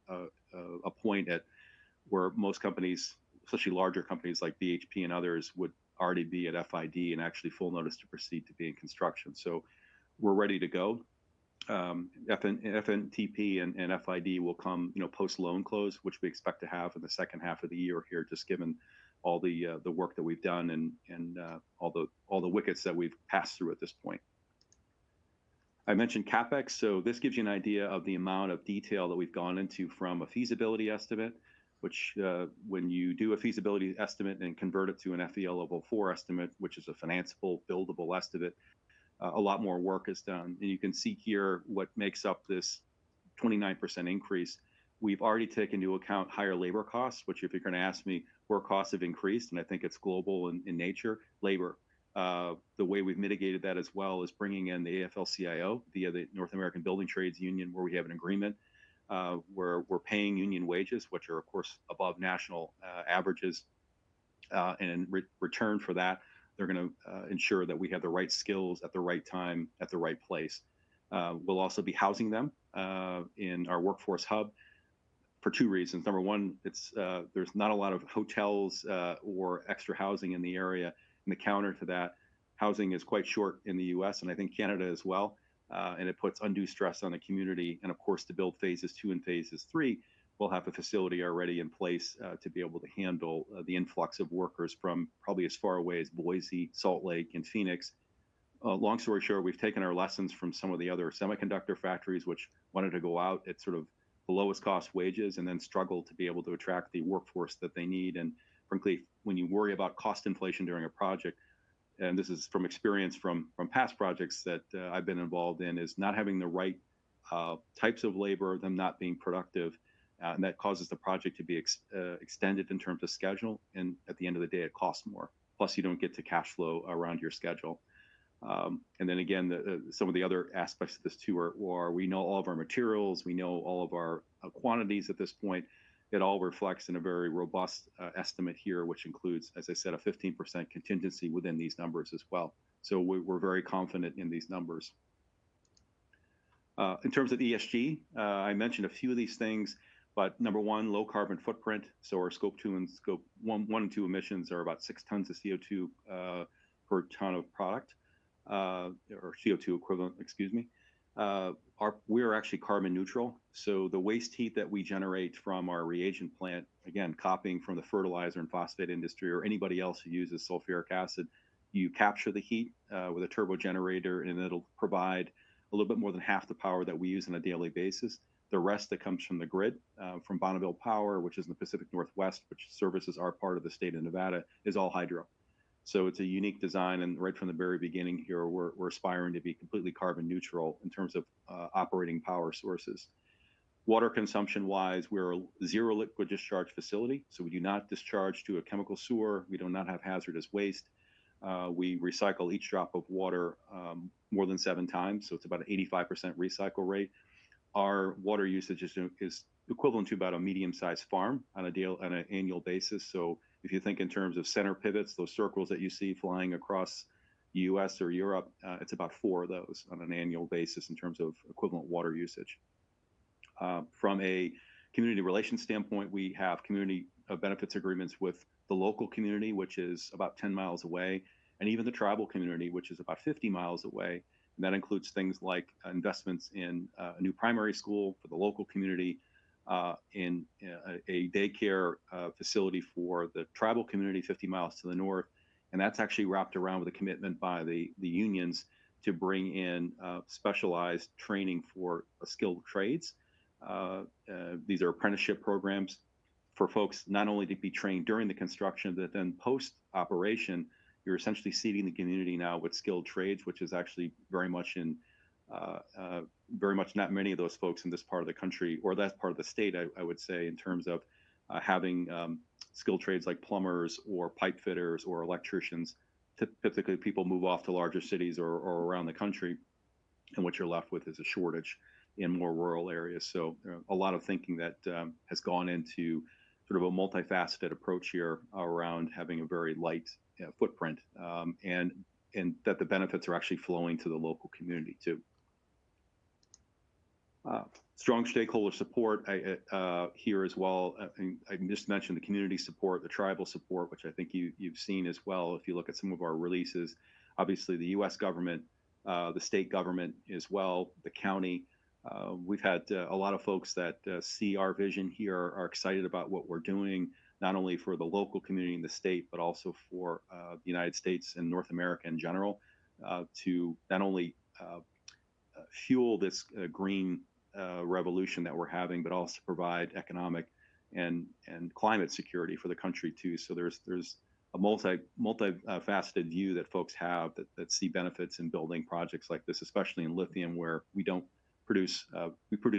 Speaker 5: point at where most companies, especially larger companies like BHP and others, would already be at FID and actually full notice to proceed to be in construction. So we're ready to go. FNTP and FID will come post-loan close, which we expect to have in the second half of the year here, just given all the work that we've done and all the wickets that we've passed through at this point. I mentioned CapEx. So this gives you an idea of the amount of detail that we've gone into from a feasibility estimate, which when you do a feasibility estimate and convert it to an FEO Level 4 estimate, which is a financiable, buildable estimate, a lot more work is done. And you can see here what makes up this 29% increase. We've already taken into account higher labor costs, which, if you're going to ask me where costs have increased, and I think it's global in nature, labor. The way we've mitigated that as well is bringing in the AFL-CIO via the North American Building Trades Union, where we have an agreement. We're paying union wages, which are, of course, above national averages. And in return for that, they're going to ensure that we have the right skills at the right time at the right place. We'll also be housing them in our workforce hub for two reasons. Number one, there's not a lot of hotels or extra housing in the area. In counter to that, housing is quite short in the U.S., and I think Canada as well. And it puts undue stress on the community. And of course, to build Phases II and Phases III, we'll have a facility already in place to be able to handle the influx of workers from probably as far away as Boise, Salt Lake, and Phoenix. Long story short, we've taken our lessons from some of the other semiconductor factories, which wanted to go out at sort of the lowest cost wages and then struggle to be able to attract the workforce that they need. And frankly, when you worry about cost inflation during a project, and this is from experience from past projects that I've been involved in, is not having the right types of labor, them not being productive. And that causes the project to be extended in terms of schedule. And at the end of the day, it costs more. Plus, you don't get to cash flow around your schedule. And then again, some of the other aspects of this too are we know all of our materials. We know all of our quantities at this point. It all reflects in a very robust estimate here, which includes, as I said, a 15% contingency within these numbers as well. So we're very confident in these numbers. In terms of ESG, I mentioned a few of these things. But number one, low carbon footprint. So our Scope 2 and Scope 1 and 2 emissions are about 6 tons of CO2 per ton of product or CO2 equivalent, excuse me. We are actually carbon neutral. The waste heat that we generate from our reagent plant, again, copying from the fertilizer and phosphate industry or anybody else who uses sulfuric acid, you capture the heat with a turbo generator. And it'll provide a little bit more than half the power that we use on a daily basis. The rest that comes from the grid, from Bonneville Power, which is in the Pacific Northwest, which services our part of the state of Nevada, is all hydro. It's a unique design. And right from the very beginning here, we're aspiring to be completely carbon neutral in terms of operating power sources. Water consumption-wise, we're a zero-liquid discharge facility. So we do not discharge to a chemical sewer. We do not have hazardous waste. We recycle each drop of water more than 7 times. So it's about an 85% recycle rate. Our water usage is equivalent to about a medium-sized farm on an annual basis. So if you think in terms of center pivots, those circles that you see flying across the US or Europe, it's about 4 of those on an annual basis in terms of equivalent water usage. From a community relations standpoint, we have community benefits agreements with the local community, which is about 10 miles away, and even the tribal community, which is about 50 miles away. And that includes things like investments in a new primary school for the local community, a daycare facility for the tribal community 50 miles to the north. That's actually wrapped around with a commitment by the unions to bring in specialized training for skilled trades. These are apprenticeship programs for folks not only to be trained during the construction, but then post-operation, you're essentially seeding the community now with skilled trades, which is actually very much not many of those folks in this part of the country or that part of the state, I would say, in terms of having skilled trades like plumbers or pipe fitters or electricians. Typically, people move off to larger cities or around the country. What you're left with is a shortage in more rural areas. So a lot of thinking that has gone into sort of a multifaceted approach here around having a very light footprint and that the benefits are actually flowing to the local community too. Strong stakeholder support here as well. I just mentioned the community support, the tribal support, which I think you've seen as well if you look at some of our releases. Obviously, the U.S. government, the state government as well, the county. We've had a lot of folks that see our vision here, are excited about what we're doing not only for the local community in the state but also for the United States and North America in general to not only fuel this green revolution that we're having but also provide economic and climate security for the country too. So there's a multifaceted view that folks have that see benefits in building projects like this, especially in lithium, where we produce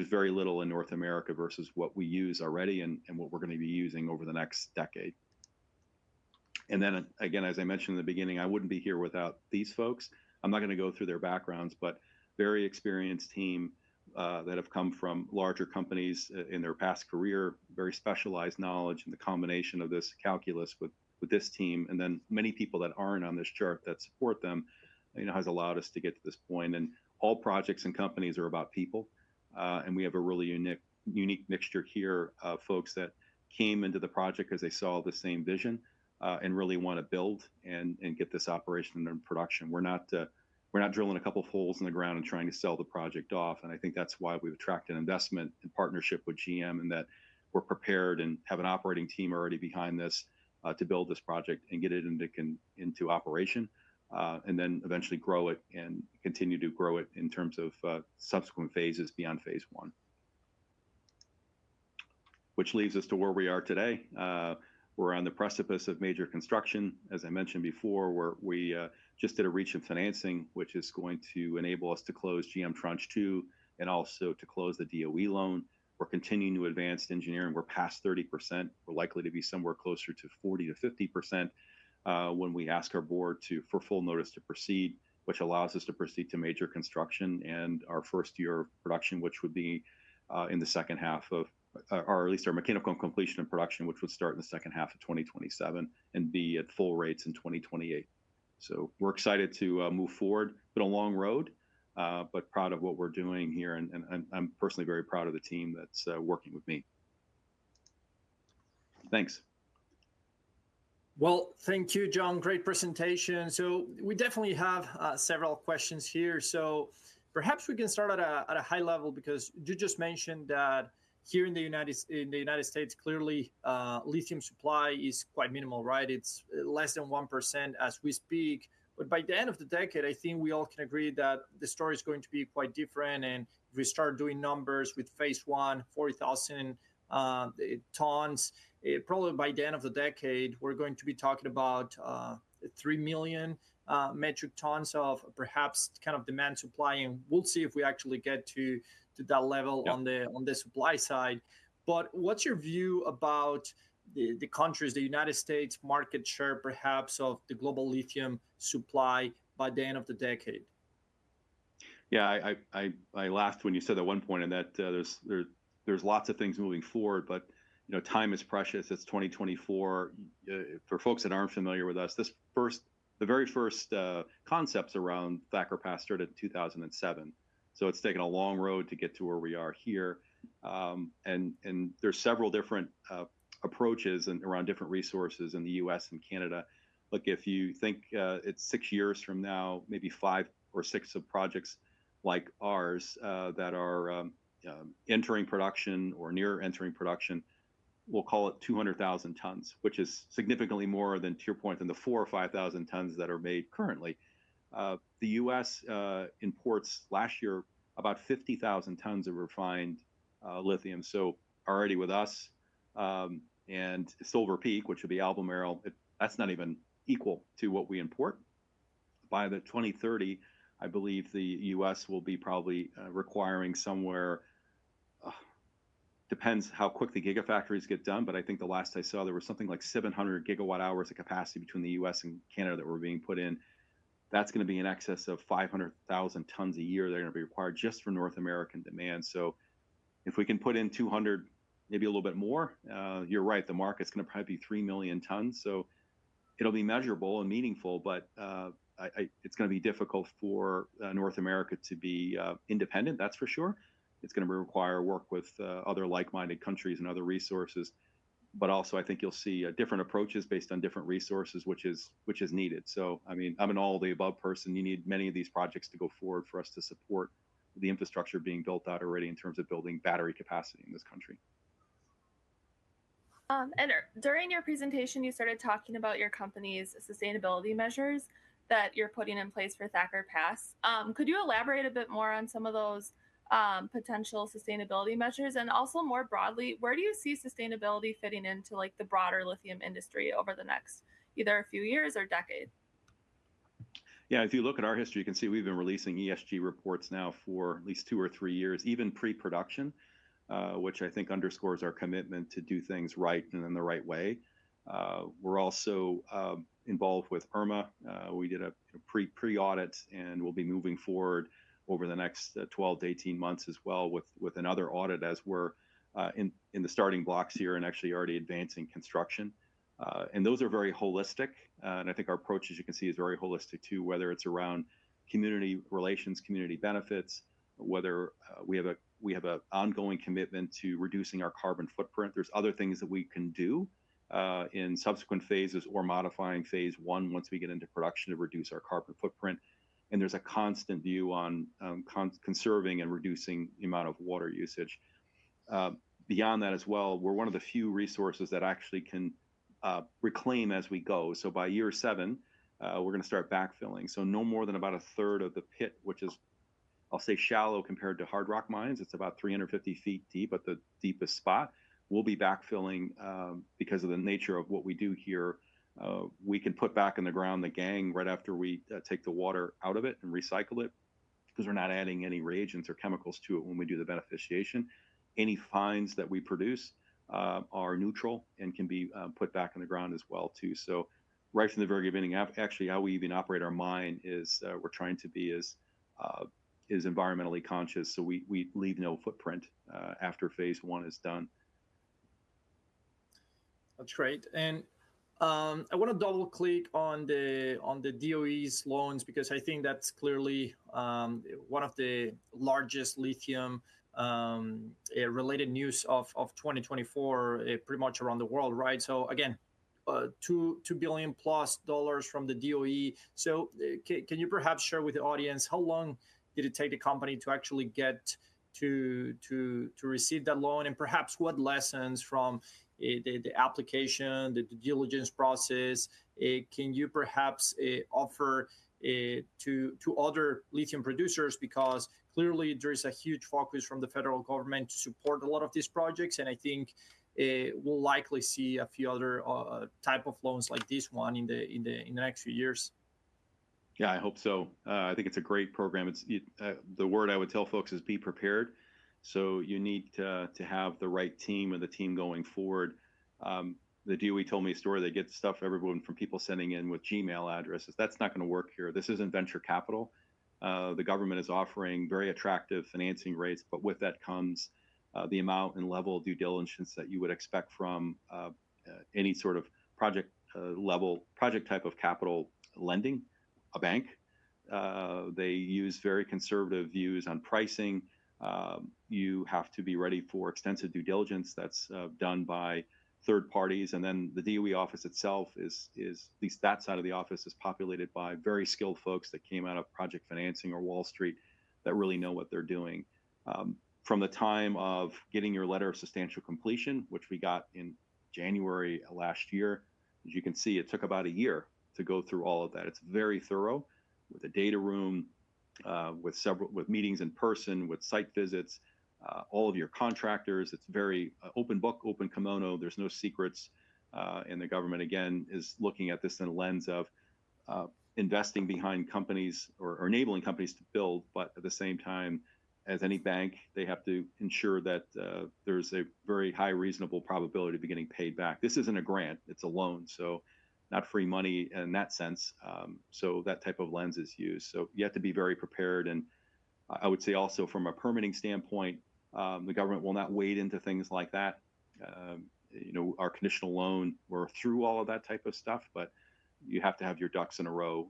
Speaker 5: very little in North America versus what we use already and what we're going to be using over the next decade. And then again, as I mentioned in the beginning, I wouldn't be here without these folks. I'm not going to go through their backgrounds, but a very experienced team that have come from larger companies in their past career, very specialized knowledge, and the combination of this caliber with this team and then many people that aren't on this chart that support them has allowed us to get to this point. All projects and companies are about people. We have a really unique mixture here of folks that came into the project because they saw the same vision and really want to build and get this operation in production. We're not drilling a couple of holes in the ground and trying to sell the project off. I think that's why we've attracted investment and partnership with GM and that we're prepared and have an operating team already behind this to build this project and get it into operation and then eventually grow it and continue to grow it in terms of subsequent phases beyond Phase I, which leads us to where we are today. We're on the precipice of major construction. As I mentioned before, we just did a round of financing, which is going to enable us to close GM tranche II and also to close the DOE loan. We're continuing to advance engineering. We're past 30%. We're likely to be somewhere closer to 40%-50% when we ask our board for full notice to proceed, which allows us to proceed to major construction and our first year of production, which would be in the second half of or at least our mechanical completion of production, which would start in the second half of 2027 and be at full rates in 2028. So we're excited to move forward. It's been a long road, but proud of what we're doing here. And I'm personally very proud of the team that's working with me. Thanks.
Speaker 2: Well, thank you, John. Great presentation. So we definitely have several questions here. So perhaps we can start at a high level because you just mentioned that here in the United States, clearly, lithium supply is quite minimal, right? It's less than 1% as we speak. But by the end of the decade, I think we all can agree that the story is going to be quite different. And if we start doing numbers with Phase I, 40,000 tons, probably by the end of the decade, we're going to be talking about 3 million metric tons of perhaps kind of demand supply. And we'll see if we actually get to that level on the supply side. But what's your view about the countries, the United States market share perhaps of the global lithium supply by the end of the decade?
Speaker 5: Yeah, I laughed when you said at one point and that there's lots of things moving forward. But time is precious. It's 2024. For folks that aren't familiar with us, the very first concepts around Thacker Pass started in 2007. So it's taken a long road to get to where we are here. There's several different approaches around different resources in the U.S. and Canada. Look, if you think it's 6 years from now, maybe 5 or 6 of projects like ours that are entering production or near entering production, we'll call it 200,000 tons, which is significantly more than this point than the 4,000 or 5,000 tons that are made currently. The U.S. imports last year about 50,000 tons of refined lithium. So already with us and Silver Peak, which would be Albemarle, that's not even equal to what we import. By 2030, I believe the U.S. will be probably requiring somewhere, depends how quick the gigafactories get done. But I think the last I saw, there was something like 700 GWh of capacity between the U.S. and Canada that were being put in. That's going to be in excess of 500,000 tons a year. They're going to be required just for North American demand. So if we can put in 200, maybe a little bit more, you're right, the market's going to probably be 3 million tons. So it'll be measurable and meaningful. But it's going to be difficult for North America to be independent, that's for sure. It's going to require work with other like-minded countries and other resources. But also, I think you'll see different approaches based on different resources, which is needed. So I mean, I'm an all the above person. You need many of these projects to go forward for us to support the infrastructure being built out already in terms of building battery capacity in this country.
Speaker 4: And during your presentation, you started talking about your company's sustainability measures that you're putting in place for Thacker Pass. Could you elaborate a bit more on some of those potential sustainability measures? And also more broadly, where do you see sustainability fitting into the broader lithium industry over the next either a few years or decade?
Speaker 5: Yeah, if you look at our history, you can see we've been releasing ESG reports now for at least 2 or 3 years, even pre-production, which I think underscores our commitment to do things right and in the right way. We're also involved with IRMA. We did a pre-audit. And we'll be moving forward over the next 12-18 months as well with another audit as we're in the starting blocks here and actually already advancing construction. And those are very holistic. I think our approach, as you can see, is very holistic too, whether it's around community relations, community benefits, whether we have an ongoing commitment to reducing our carbon footprint. There's other things that we can do in subsequent phases or modifying phase I once we get into production to reduce our carbon footprint. There's a constant view on conserving and reducing the amount of water usage. Beyond that as well, we're one of the few resources that actually can reclaim as we go. By year seven, we're going to start backfilling. No more than about a third of the pit, which is, I'll say, shallow compared to hard rock mines. It's about 350 feet deep at the deepest spot. We'll be backfilling because of the nature of what we do here. We can put back in the ground the gangue right after we take the water out of it and recycle it because we're not adding any reagents or chemicals to it when we do the beneficiation. Any fines that we produce are neutral and can be put back in the ground as well too. So right from the very beginning, actually, how we even operate our mine is we're trying to be as environmentally conscious. So we leave no footprint after phase I is done.
Speaker 2: That's great. And I want to double-click on the DOE's loans because I think that's clearly one of the largest lithium-related news of 2024 pretty much around the world, right? So again, $2 billion-plus from the DOE. So can you perhaps share with the audience, how long did it take the company to actually get to receive that loan? Perhaps what lessons from the application, the due diligence process, can you perhaps offer to other lithium producers? Because clearly, there is a huge focus from the federal government to support a lot of these projects. And I think we'll likely see a few other types of loans like this one in the next few years.
Speaker 5: Yeah, I hope so. I think it's a great program. The word I would tell folks is be prepared. So you need to have the right team and the team going forward. The DOE told me a story. They get stuff, everyone, from people sending in with Gmail addresses. That's not going to work here. This isn't venture capital. The government is offering very attractive financing rates. But with that comes the amount and level of due diligence that you would expect from any sort of project-level project type of capital lending, a bank. They use very conservative views on pricing. You have to be ready for extensive due diligence that's done by third parties. And then the DOE office itself, at least that side of the office, is populated by very skilled folks that came out of project financing or Wall Street that really know what they're doing. From the time of getting your letter of substantial completion, which we got in January last year, as you can see, it took about a year to go through all of that. It's very thorough with a data room, with meetings in person, with site visits, all of your contractors. It's very open book, open kimono. There's no secrets. And the government, again, is looking at this through the lens of investing behind companies or enabling companies to build. But at the same time, as any bank, they have to ensure that there's a very high, reasonable probability of getting paid back. This isn't a grant. It's a loan, so not free money in that sense. So that type of lens is used. So you have to be very prepared. And I would say also from a permitting standpoint, the government will not wade into things like that. Our conditional loan, we're through all of that type of stuff. But you have to have your ducks in a row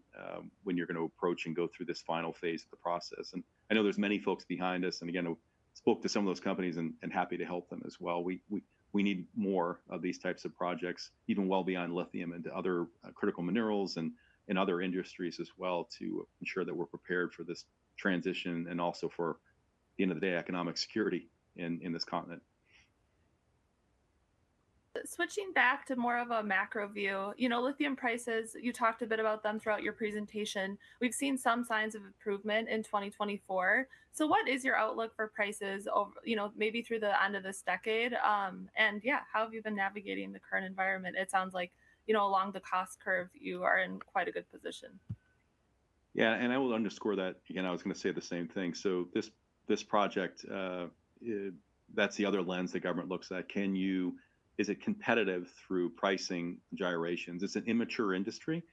Speaker 5: when you're going to approach and go through this final phase of the process. And I know there's many folks behind us. And again, I spoke to some of those companies and happy to help them as well. We need more of these types of projects, even well beyond lithium, into other critical minerals and other industries as well to ensure that we're prepared for this transition and also for, at the end of the day, economic security in this continent.
Speaker 4: Switching back to more of a macro view, lithium prices, you talked a bit about them throughout your presentation. We've seen some signs of improvement in 2024. So what is your outlook for prices maybe through the end of this decade? And yeah, how have you been navigating the current environment? It sounds like along the cost curve, you are in quite a good position.
Speaker 5: Yeah, and I will underscore that. Again, I was going to say the same thing. So this project, that's the other lens the government looks at. Is it competitive through pricing gyrations? It's an immature industry.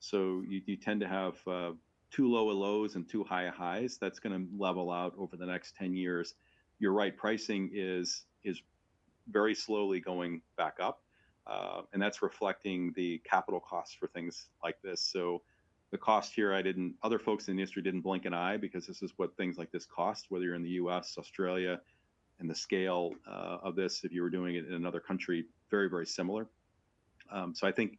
Speaker 5: So you tend to have too low of lows and too high of highs. That's going to level out over the next 10 years. You're right, pricing is very slowly going back up. And that's reflecting the capital costs for things like this. So the cost here, other folks in the industry didn't blink an eye because this is what things like this cost, whether you're in the US, Australia, and the scale of this, if you were doing it in another country, very, very similar. So I think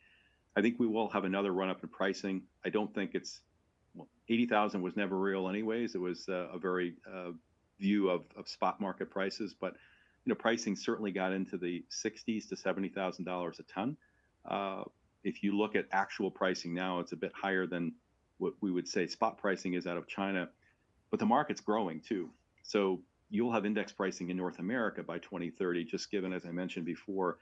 Speaker 5: we will have another run-up in pricing. I don't think it's, well, $80,000 was never real anyways. It was a very few of spot market prices. But pricing certainly got into the $60,000-$70,000 a ton. If you look at actual pricing now, it's a bit higher than what we would say spot pricing is out of China. But the market's growing too. So you'll have index pricing in North America by 2030. Just given, as I mentioned before,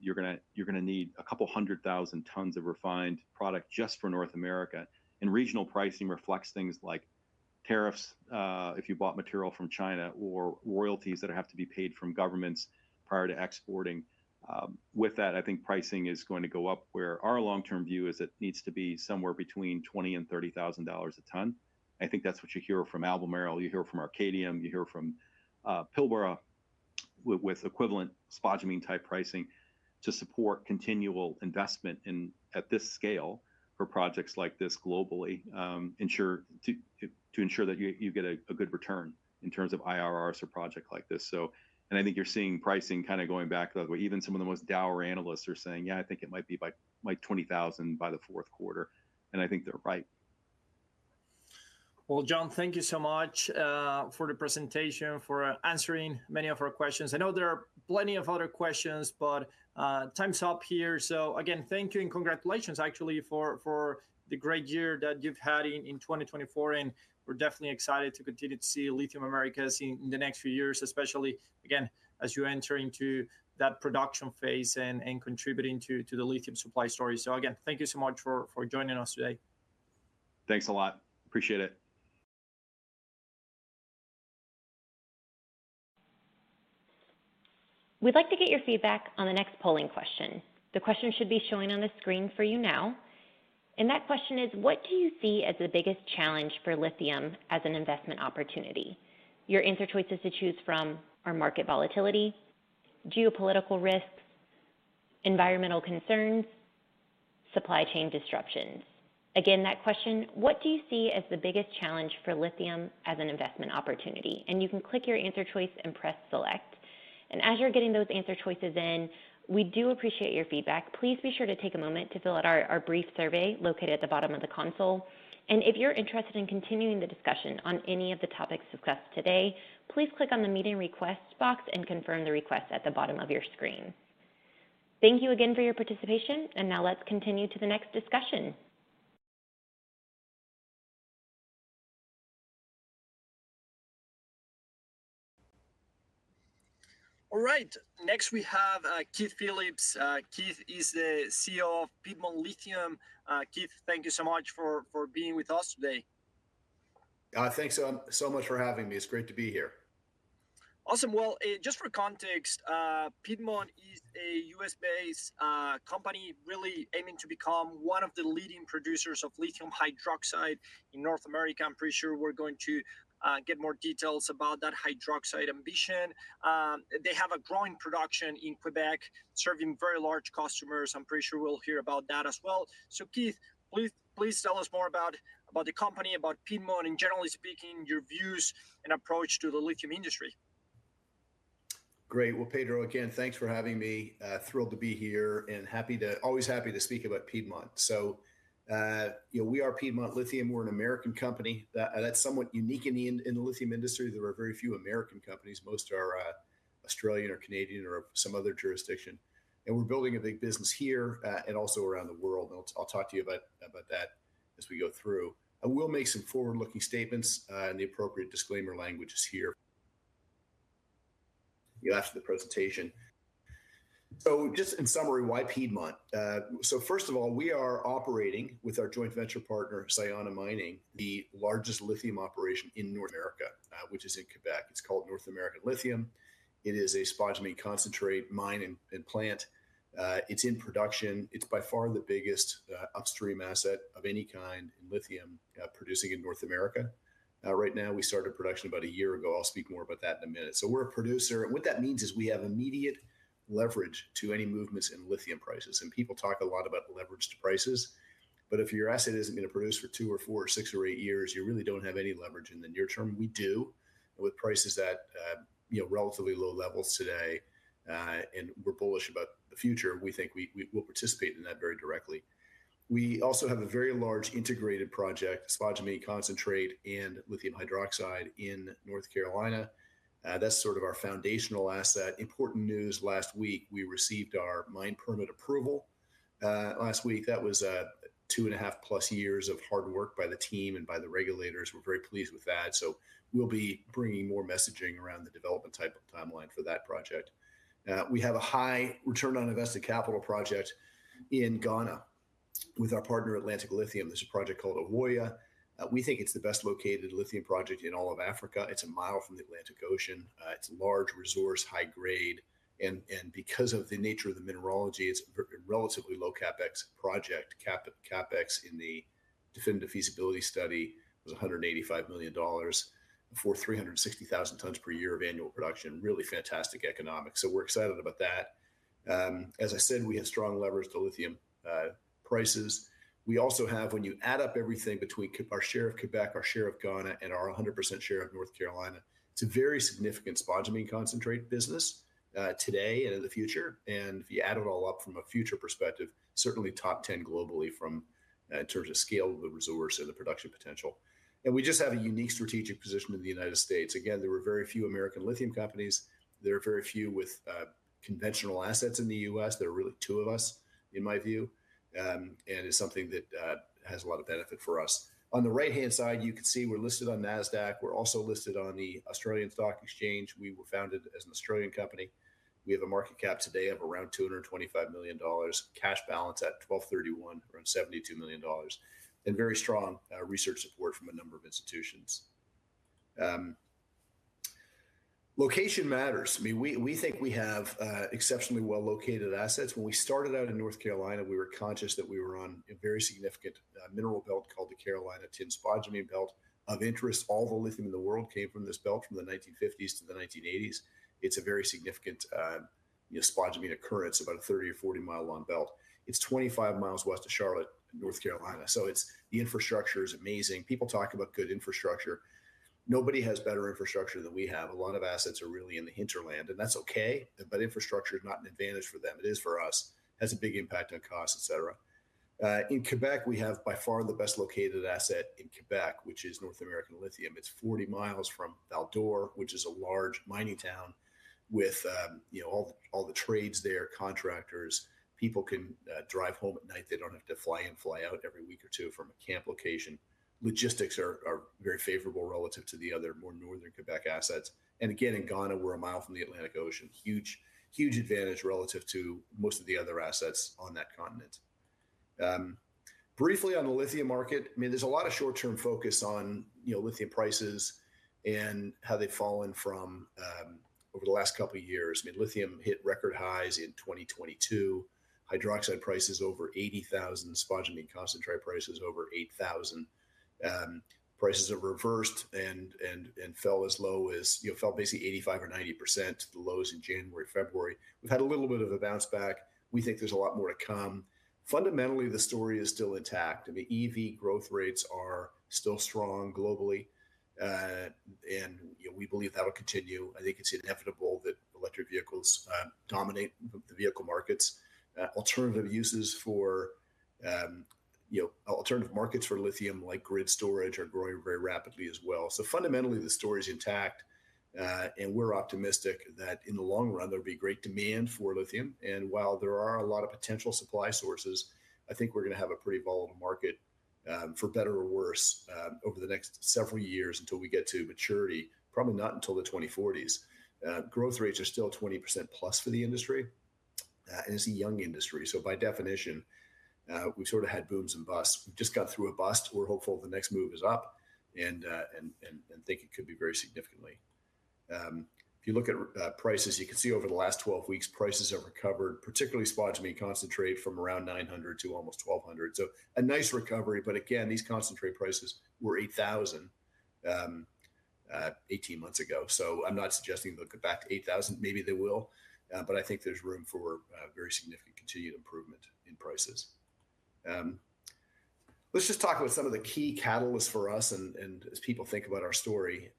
Speaker 5: you're going to need 200,000 tons of refined product just for North America. And regional pricing reflects things like tariffs if you bought material from China or royalties that have to be paid from governments prior to exporting. With that, I think pricing is going to go up where our long-term view is it needs to be somewhere between $20,000-$30,000 a ton. I think that's what you hear from Albemarle. You hear from Arcadium. You hear from Pilbara with equivalent spodumene-type pricing to support continual investment at this scale for projects like this globally, to ensure that you get a good return in terms of IRRs for projects like this. And I think you're seeing pricing kind of going back that way. Even some of the most dour analysts are saying, "Yeah, I think it might be by 20,000 by the fourth quarter." And I think they're right.
Speaker 2: Well, John, thank you so much for the presentation, for answering many of our questions. I know there are plenty of other questions. But time's up here. So again, thank you and congratulations, actually, for the great year that you've had in 2024. And we're definitely excited to continue to see Lithium Americas in the next few years, especially, again, as you enter into that production phase and contributing to the lithium supply story. So again, thank you so much for joining us today.
Speaker 5: Thanks a lot. Appreciate it.
Speaker 1: We'd like to get your feedback on the next polling question. The question should be showing on the screen for you now. That question is, what do you see as the biggest challenge for lithium as an investment opportunity? Your answer choices to choose from are market volatility, geopolitical risks, environmental concerns, supply chain disruptions. Again, that question, what do you see as the biggest challenge for lithium as an investment opportunity? And you can click your answer choice and press Select. And as you're getting those answer choices in, we do appreciate your feedback. Please be sure to take a moment to fill out our brief survey located at the bottom of the console. And if you're interested in continuing the discussion on any of the topics discussed today, please click on the meeting request box and confirm the request at the bottom of your screen. Thank you again for your participation. And now let's continue to the next discussion.
Speaker 2: All right. Next, we have Keith Phillips. Keith is the CEO of Piedmont Lithium. Keith, thank you so much for being with us today.
Speaker 6: Thanks so much for having me. It's great to be here.
Speaker 2: Awesome. Well, just for context, Piedmont is a U.S.-based company really aiming to become one of the leading producers of lithium hydroxide in North America. I'm pretty sure we're going to get more details about that hydroxide ambition. They have a growing production in Quebec serving very large customers. I'm pretty sure we'll hear about that as well. So Keith, please tell us more about the company, about Piedmont, and generally speaking, your views and approach to the lithium industry.
Speaker 6: Great. Well, Pedro, again, thanks for having me. Thrilled to be here and always happy to speak about Piedmont. So we are Piedmont Lithium. We're an American company that's somewhat unique in the lithium industry. There are very few American companies. Most are Australian or Canadian or of some other jurisdiction. We're building a big business here and also around the world. I'll talk to you about that as we go through. We'll make some forward-looking statements. The appropriate disclaimer language is here after the presentation. So just in summary, why Piedmont? First of all, we are operating with our joint venture partner, Sayona Mining, the largest lithium operation in North America, which is in Quebec. It's called North American Lithium. It is a spodumene concentrate mine and plant. It's in production. It's by far the biggest upstream asset of any kind in lithium producing in North America. Right now, we started production about a year ago. I'll speak more about that in a minute. We're a producer. What that means is we have immediate leverage to any movements in lithium prices. People talk a lot about leverage to prices. But if your asset isn't going to produce for 2 or 4 or 6 or 8 years, you really don't have any leverage. In the near term, we do with prices at relatively low levels today. We're bullish about the future. We think we'll participate in that very directly. We also have a very large integrated project, spodumene concentrate and lithium hydroxide, in North Carolina. That's sort of our foundational asset. Important news last week, we received our mine permit approval last week. That was 2.5+ years of hard work by the team and by the regulators. We're very pleased with that. We'll be bringing more messaging around the development type of timeline for that project. We have a high return on invested capital project in Ghana with our partner, Atlantic Lithium. There's a project called Ewoyaa. We think it's the best-located lithium project in all of Africa. It's a mile from the Atlantic Ocean. It's a large resource, high-grade. And because of the nature of the mineralogy, it's a relatively low-CapEx project. CapEx in the Definitive Feasibility Study was $185 million for 360,000 tons per year of annual production. Really fantastic economics. So we're excited about that. As I said, we have strong levers to lithium prices. We also have, when you add up everything between our share of Quebec, our share of Ghana, and our 100% share of North Carolina, it's a very significant spodumene concentrate business today and in the future. And if you add it all up from a future perspective, certainly top 10 globally in terms of scale of the resource and the production potential. And we just have a unique strategic position in the United States. Again, there are very few American lithium companies. There are very few with conventional assets in the U.S. There are really two of us, in my view. And it's something that has a lot of benefit for us. On the right-hand side, you can see we're listed on NASDAQ. We're also listed on the Australian Stock Exchange. We were founded as an Australian company. We have a market cap today of around $225 million, cash balance at 12/31, around $72 million, and very strong research support from a number of institutions. Location matters. I mean, we think we have exceptionally well-located assets. When we started out in North Carolina, we were conscious that we were on a very significant mineral belt called the Carolina Tin-Spodumene Belt of interest. All the lithium in the world came from this belt from the 1950s to the 1980s. It's a very significant spodumene occurrence, about a 30- or 40-mile-long belt. It's 25 miles west of Charlotte, North Carolina. So the infrastructure is amazing. People talk about good infrastructure. Nobody has better infrastructure than we have. A lot of assets are really in the hinterland. And that's okay. But infrastructure is not an advantage for them. It is for us. It has a big impact on cost, et cetera. In Quebec, we have by far the best-located asset in Quebec, which is North American Lithium. It's 40 miles from Val-d'Or, which is a large mining town with all the trades there, contractors. People can drive home at night. They don't have to fly in, fly out every week or two from a camp location. Logistics are very favorable relative to the other more northern Quebec assets. Again, in Ghana, we're a mile from the Atlantic Ocean, huge advantage relative to most of the other assets on that continent. Briefly, on the lithium market, I mean, there's a lot of short-term focus on lithium prices and how they've fallen over the last couple of years. I mean, lithium hit record highs in 2022. Hydroxide prices over $80,000. Spodumene concentrate prices over $8,000. Prices have reversed and fell as low as basically 85%-90% to the lows in January, February. We've had a little bit of a bounce back. We think there's a lot more to come. Fundamentally, the story is still intact. I mean, EV growth rates are still strong globally. And we believe that'll continue. I think it's inevitable that electric vehicles dominate the vehicle markets. Alternative uses for alternative markets for lithium, like grid storage, are growing very rapidly as well. So fundamentally, the story is intact. We're optimistic that in the long run, there'll be great demand for lithium. And while there are a lot of potential supply sources, I think we're going to have a pretty volatile market, for better or worse, over the next several years until we get to maturity, probably not until the 2040s. Growth rates are still 20%+ for the industry. And it's a young industry. So by definition, we've sort of had booms and busts. We've just got through a bust. We're hopeful the next move is up and think it could be very significantly. If you look at prices, you can see over the last 12 weeks, prices have recovered, particularly spodumene concentrate, from around $900 to almost $1,200. So a nice recovery. But again, these concentrate prices were $8,000 18 months ago. I'm not suggesting they'll get back to 8,000. Maybe they will. I think there's room for very significant continued improvement in prices. Let's just talk about some of the key catalysts for us. As people think about our story,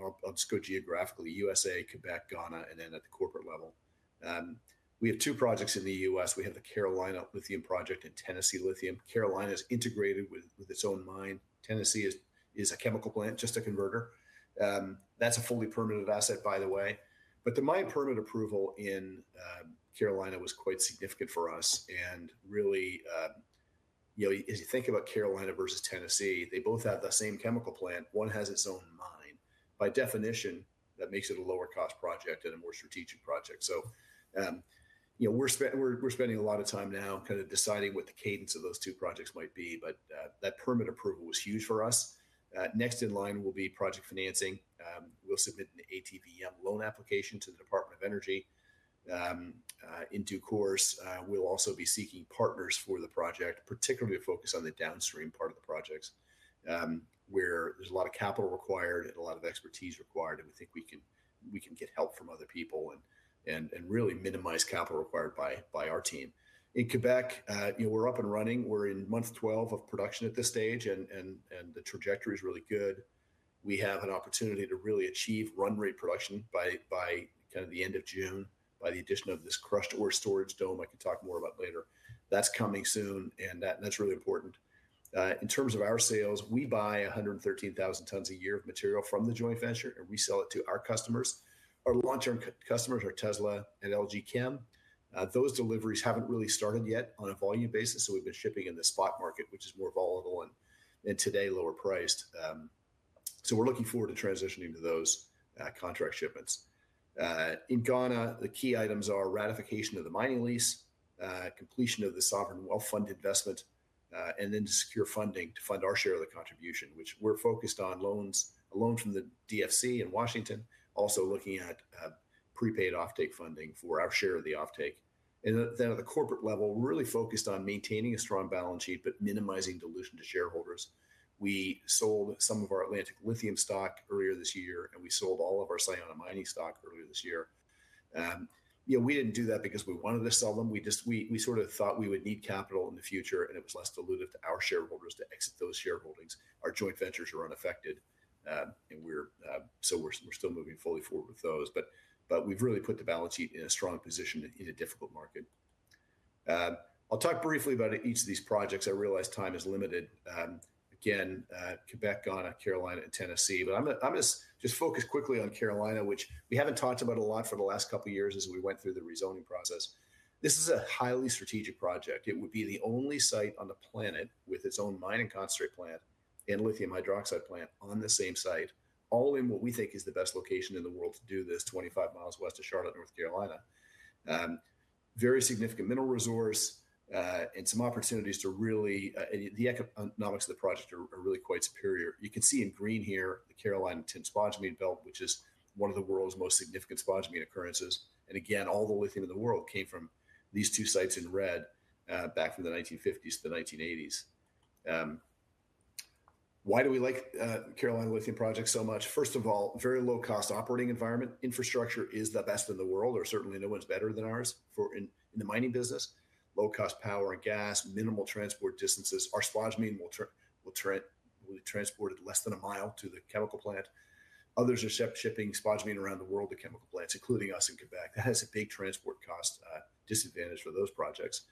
Speaker 6: I'll just go geographically, USA, Quebec, Ghana, and then at the corporate level. We have two projects in the US. We have the Carolina Lithium Project and Tennessee Lithium. Carolina is integrated with its own mine. Tennessee is a chemical plant, just a converter. That's a fully permitted asset, by the way. The mine permit approval in Carolina was quite significant for us. Really, as you think about Carolina versus Tennessee, they both have the same chemical plant. One has its own mine. By definition, that makes it a lower-cost project and a more strategic project. So we're spending a lot of time now kind of deciding what the cadence of those two projects might be. But that permit approval was huge for us. Next in line will be project financing. We'll submit an ATVM loan application to the Department of Energy in due course. We'll also be seeking partners for the project, particularly to focus on the downstream part of the projects where there's a lot of capital required and a lot of expertise required. And we think we can get help from other people and really minimize capital required by our team. In Quebec, we're up and running. We're in month 12 of production at this stage. And the trajectory is really good. We have an opportunity to really achieve run-rate production by kind of the end of June, by the addition of this crushed ore storage dome. I can talk more about later. That's coming soon. That's really important. In terms of our sales, we buy 113,000 tons a year of material from the joint venture. We sell it to our customers. Our long-term customers are Tesla and LG Chem. Those deliveries haven't really started yet on a volume basis. We've been shipping in the spot market, which is more volatile and today lower-priced. We're looking forward to transitioning to those contract shipments. In Ghana, the key items are ratification of the mining lease, completion of the sovereign wealth fund investment, and then to secure funding to fund our share of the contribution, which we're focused on, a loan from the DFC in Washington, also looking at prepaid offtake funding for our share of the offtake. At the corporate level, we're really focused on maintaining a strong balance sheet but minimizing dilution to shareholders. We sold some of our Atlantic Lithium stock earlier this year. We sold all of our Sayona Mining stock earlier this year. We didn't do that because we wanted to sell them. We sort of thought we would need capital in the future. It was less dilutive to our shareholders to exit those shareholdings. Our joint ventures are unaffected. We're still moving fully forward with those. We've really put the balance sheet in a strong position in a difficult market. I'll talk briefly about each of these projects. I realize time is limited, again, Quebec, Ghana, Carolina, and Tennessee. I'm going to just focus quickly on Carolina, which we haven't talked about a lot for the last couple of years as we went through the rezoning process. This is a highly strategic project. It would be the only site on the planet with its own mining concentrate plant and lithium hydroxide plant on the same site, all in what we think is the best location in the world to do this, 25 miles west of Charlotte, North Carolina. Very significant mineral resource and some opportunities to really and the economics of the project are really quite superior. You can see in green here the Carolina Tin-Spodumene Belt, which is one of the world's most significant spodumene occurrences. And again, all the lithium in the world came from these two sites in red back from the 1950s to the 1980s. Why do we like Carolina Lithium Project so much? First of all, very low-cost operating environment. Infrastructure is the best in the world. Or certainly, no one's better than ours in the mining business. Low-cost power and gas, minimal transport distances. Our spodumene will be transported less than a mile to the chemical plant. Others are shipping spodumene around the world to chemical plants, including us in Quebec. That has a big transport cost disadvantage for those projects.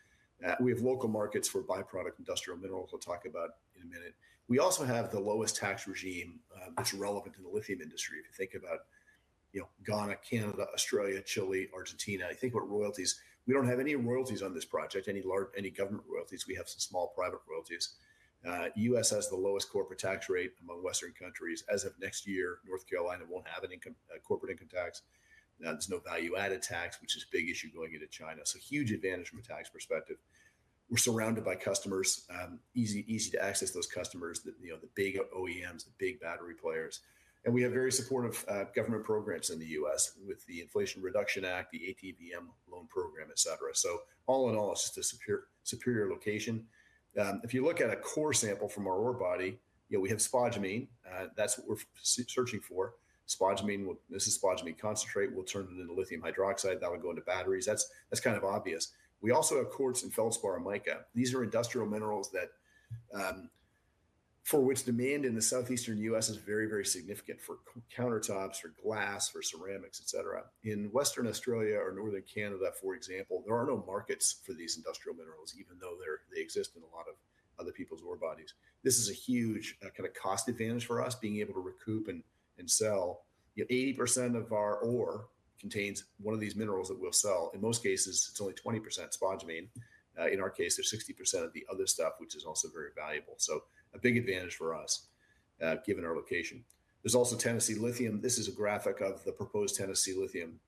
Speaker 6: We have local markets for byproduct industrial minerals, which we'll talk about in a minute. We also have the lowest tax regime that's relevant in the lithium industry. If you think about Ghana, Canada, Australia, Chile, Argentina, you think about royalties. We don't have any royalties on this project, any government royalties. We have some small private royalties. The U.S. has the lowest corporate tax rate among Western countries. As of next year, North Carolina won't have any corporate income tax. There's no value-added tax, which is a big issue going into China. So huge advantage from a tax perspective. We're surrounded by customers, easy to access those customers, the big OEMs, the big battery players. We have very supportive government programs in the U.S. with the Inflation Reduction Act, the ATVM loan program, et cetera. All in all, it's just a superior location. If you look at a core sample from our ore body, we have spodumene. That's what we're searching for. This is spodumene concentrate. We'll turn it into lithium hydroxide. That would go into batteries. That's kind of obvious. We also have quartz and feldspar and mica. These are industrial minerals for which demand in the southeastern U.S. is very, very significant for countertops, for glass, for ceramics, et cetera. In Western Australia or northern Canada, for example, there are no markets for these industrial minerals, even though they exist in a lot of other people's ore bodies. This is a huge kind of cost advantage for us, being able to recoup and sell. 80% of our ore contains one of these minerals that we'll sell. In most cases, it's only 20% spodumene. In our case, there's 60% of the other stuff, which is also very valuable. So a big advantage for us given our location. There's also Tennessee Lithium. This is a graphic of the proposed Tennessee Lithium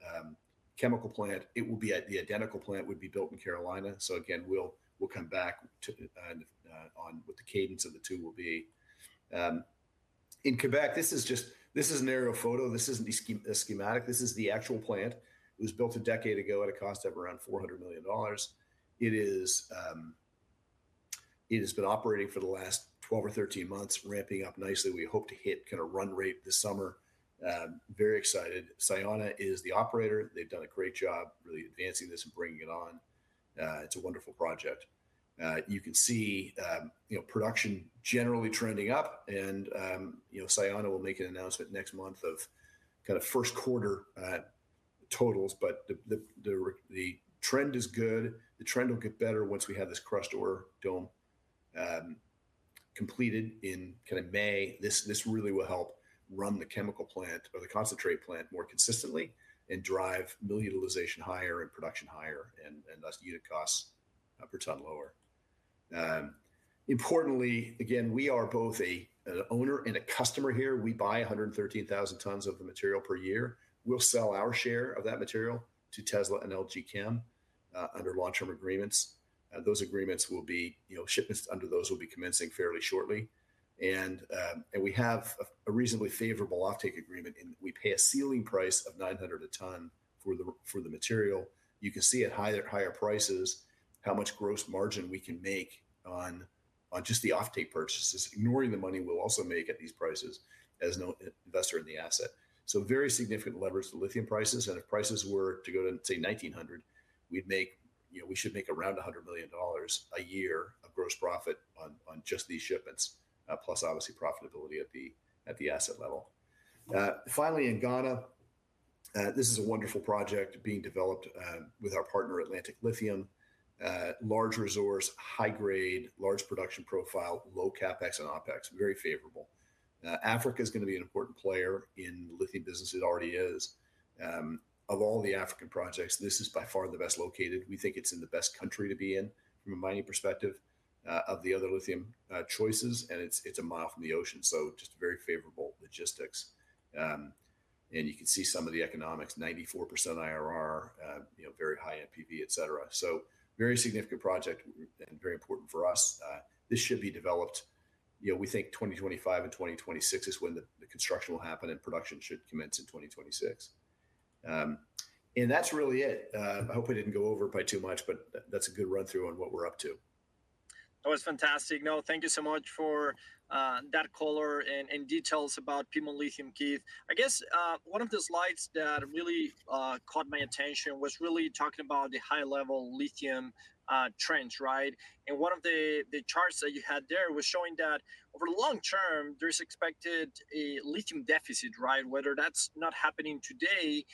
Speaker 6: chemical plant. The identical plant would be built in Carolina. So again, we'll come back on what the cadence of the two will be. In Quebec, this is an aerial photo. This isn't schematic. This is the actual plant. It was built a decade ago at a cost of around $400 million. It has been operating for the last 12 or 13 months, ramping up nicely. We hope to hit kind of run rate this summer. Very excited. Sayona is the operator. They've done a great job really advancing this and bringing it on. It's a wonderful project. You can see production generally trending up. Sayona will make an announcement next month of kind of Q1 totals. The trend is good. The trend will get better once we have this crushed ore dome completed in kind of May. This really will help run the chemical plant or the concentrate plant more consistently and drive mill utilization higher and production higher, and thus unit costs per ton lower. Importantly, again, we are both an owner and a customer here. We buy 113,000 tons of the material per year. We'll sell our share of that material to Tesla and LG Chem under long-term agreements. Shipments under those will be commencing fairly shortly. We have a reasonably favorable offtake agreement. We pay a ceiling price of $900 a ton for the material. You can see at higher prices how much gross margin we can make on just the offtake purchases, ignoring the money we'll also make at these prices as an investor in the asset. So very significant leverage to lithium prices. And if prices were to go to, say, $1,900, we should make around $100 million a year of gross profit on just these shipments, plus obviously profitability at the asset level. Finally, in Ghana, this is a wonderful project being developed with our partner, Atlantic Lithium, large resource, high-grade, large production profile, low CapEx and OpEx, very favorable. Africa is going to be an important player in the lithium business. It already is. Of all the African projects, this is by far the best located. We think it's in the best country to be in from a mining perspective of the other lithium choices. It's a mile from the ocean. So just very favorable logistics. You can see some of the economics, 94% IRR, very high NPV, et cetera. So very significant project and very important for us. This should be developed. We think 2025 and 2026 is when the construction will happen. Production should commence in 2026. That's really it. I hope I didn't go over it by too much. But that's a good run-through on what we're up to.
Speaker 2: That was fantastic, Now. Thank you so much for that color and details about Piedmont Lithium, Keith. I guess one of the slides that really caught my attention was really talking about the high-level lithium trends, right? And one of the charts that you had there was showing that over the long term, there's expected a lithium deficit, right? Whether that's not happening today,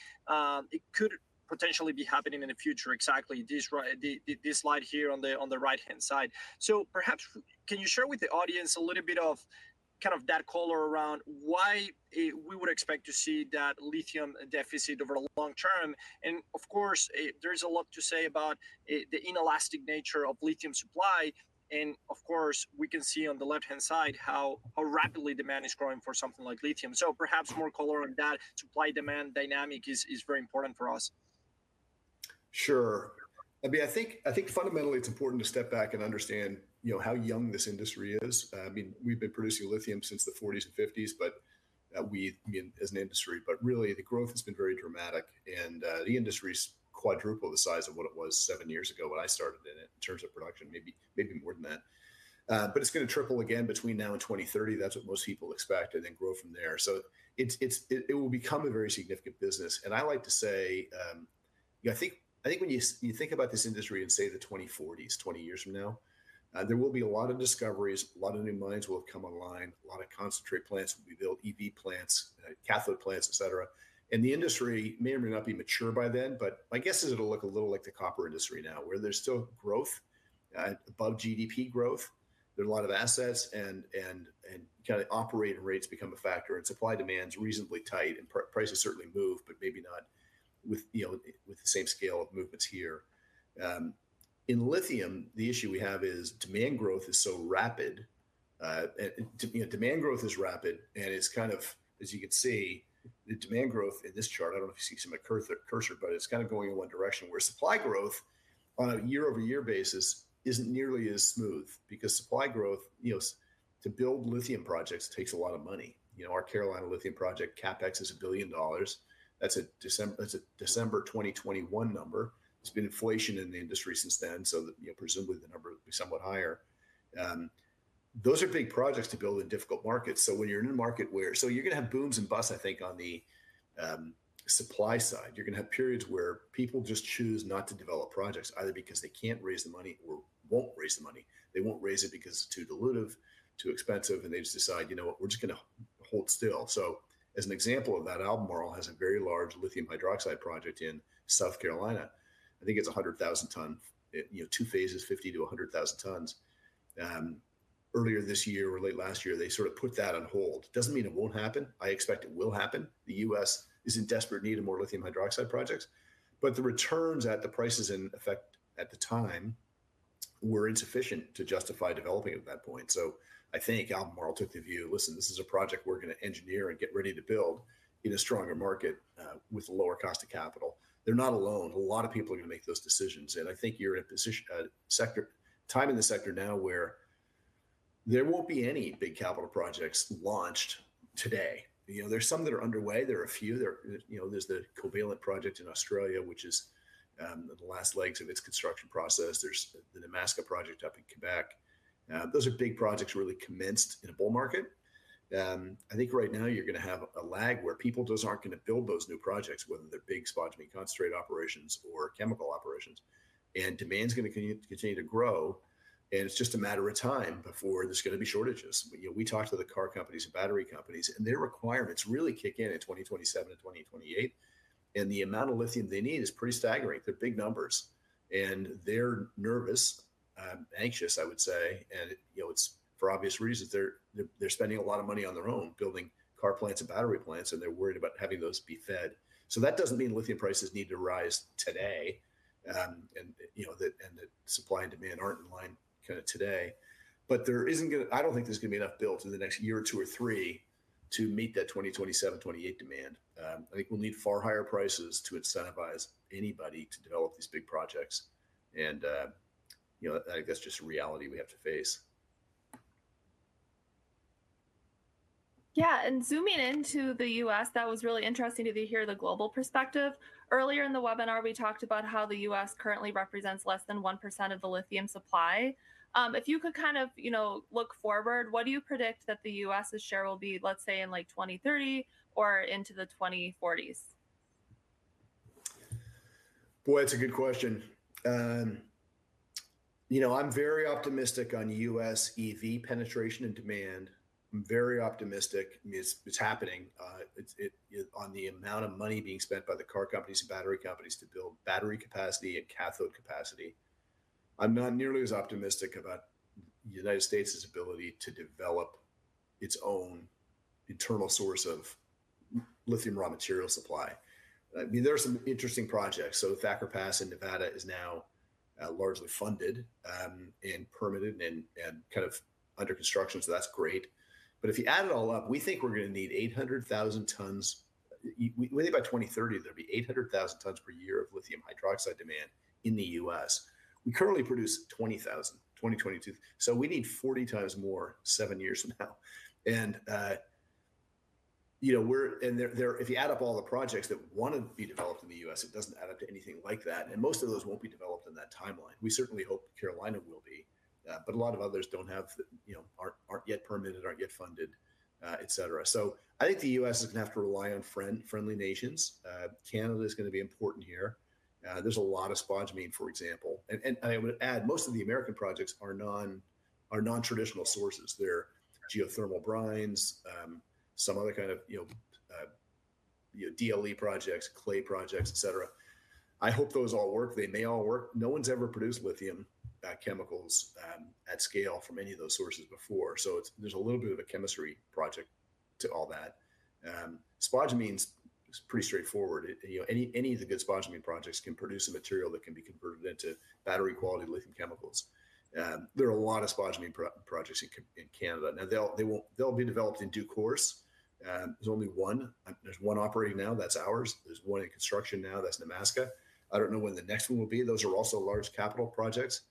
Speaker 2: it could potentially be happening in the future, exactly this slide here on the right-hand side. So perhaps can you share with the audience a little bit of kind of that color around why we would expect to see that lithium deficit over the long term? And of course, there is a lot to say about the inelastic nature of lithium supply. And of course, we can see on the left-hand side how rapidly demand is growing for something like lithium. Perhaps more color on that. Supply-demand dynamic is very important for us.
Speaker 6: Sure. I mean, I think fundamentally, it's important to step back and understand how young this industry is. I mean, we've been producing lithium since the 1940s and 1950s, as an industry. But really, the growth has been very dramatic. And the industry's quadruple the size of what it was 7 years ago when I started in it in terms of production, maybe more than that. But it's going to triple again between now and 2030. That's what most people expect, and then grow from there. So it will become a very significant business. And I like to say, I think when you think about this industry and say the 2040s, 20 years from now, there will be a lot of discoveries. A lot of new mines will have come online. A lot of concentrate plants will be built, EV plants, cathode plants, et cetera. The industry may or may not be mature by then. My guess is it'll look a little like the copper industry now, where there's still growth above GDP growth. There are a lot of assets. Kind of operating rates become a factor. Supply demand's reasonably tight. Prices certainly move, but maybe not with the same scale of movements here. In lithium, the issue we have is demand growth is so rapid. Demand growth is rapid. It's kind of, as you can see, the demand growth in this chart I don't know if you see some of the cursor, but it's kind of going in one direction, where supply growth on a year-over-year basis isn't nearly as smooth because supply growth to build lithium projects takes a lot of money. Our Carolina Lithium project, CapEx is $1 billion. That's a December 2021 number. There's been inflation in the industry since then. So presumably, the number will be somewhat higher. Those are big projects to build in difficult markets. So when you're in a market where you're going to have booms and busts, I think, on the supply side. You're going to have periods where people just choose not to develop projects, either because they can't raise the money or won't raise the money. They won't raise it because it's too dilutive, too expensive. And they just decide, you know what? We're just going to hold still. So as an example of that, Albemarle has a very large lithium hydroxide project in South Carolina. I think it's 100,000 tons, two phases, 50,000-100,000 tons. Earlier this year or late last year, they sort of put that on hold. It doesn't mean it won't happen. I expect it will happen. The U.S. is in desperate need of more lithium hydroxide projects. But the returns at the prices in effect at the time were insufficient to justify developing it at that point. So I think Albemarle took the view, listen, this is a project we're going to engineer and get ready to build in a stronger market with a lower cost of capital. They're not alone. A lot of people are going to make those decisions. And I think you're in a time in the sector now where there won't be any big capital projects launched today. There's some that are underway. There are a few. There's the Covalent project in Australia, which is the last legs of its construction process. There's the Nemaska project up in Quebec. Those are big projects really commenced in a bull market. I think right now, you're going to have a lag where people aren't going to build those new projects, whether they're big spodumene concentrate operations or chemical operations. And demand's going to continue to grow. And it's just a matter of time before there's going to be shortages. We talked to the car companies and battery companies. And their requirements really kick in in 2027 and 2028. And the amount of lithium they need is pretty staggering. They're big numbers. And they're nervous, anxious, I would say. And for obvious reasons, they're spending a lot of money on their own building car plants and battery plants. And they're worried about having those be fed. So that doesn't mean lithium prices need to rise today and that supply and demand aren't in line kind of today. But I don't think there's going to be enough built in the next year or 2 or 3 to meet that 2027, 2028 demand. I think we'll need far higher prices to incentivize anybody to develop these big projects. And I think that's just a reality we have to face.
Speaker 4: Yeah. Zooming into the U.S., that was really interesting to hear the global perspective. Earlier in the webinar, we talked about how the U.S. currently represents less than 1% of the lithium supply. If you could kind of look forward, what do you predict that the U.S.'s share will be, let's say, in 2030 or into the 2040s?
Speaker 6: Boy, that's a good question. I'm very optimistic on US EV penetration and demand. I'm very optimistic it's happening on the amount of money being spent by the car companies and battery companies to build battery capacity and cathode capacity. I'm not nearly as optimistic about the United States' ability to develop its own internal source of lithium raw material supply. I mean, there are some interesting projects. So Thacker Pass in Nevada is now largely funded and permitted and kind of under construction. So that's great. But if you add it all up, we think we're going to need 800,000 tons. We think by 2030, there'll be 800,000 tons per year of lithium hydroxide demand in the US. We currently produce 20,000, 2022. So we need 40 times more seven years from now. And if you add up all the projects that want to be developed in the U.S., it doesn't add up to anything like that. And most of those won't be developed in that timeline. We certainly hope Carolina will be. But a lot of others aren't yet permitted, aren't yet funded, et cetera. So I think the U.S. is going to have to rely on friendly nations. Canada is going to be important here. There's a lot of spodumene, for example. And I would add, most of the American projects are non-traditional sources. They're geothermal brines, some other kind of DLE projects, clay projects, et cetera. I hope those all work. They may all work. No one's ever produced lithium chemicals at scale from any of those sources before. So there's a little bit of a chemistry project to all that. Spodumene's pretty straightforward. Any of the good spodumene projects can produce a material that can be converted into battery-quality lithium chemicals. There are a lot of spodumene projects in Canada. Now, they'll be developed in due course. There's only one. There's one operating now. That's ours. There's one in construction now. That's Nemaska. I don't know when the next one will be. Those are also large capital projects.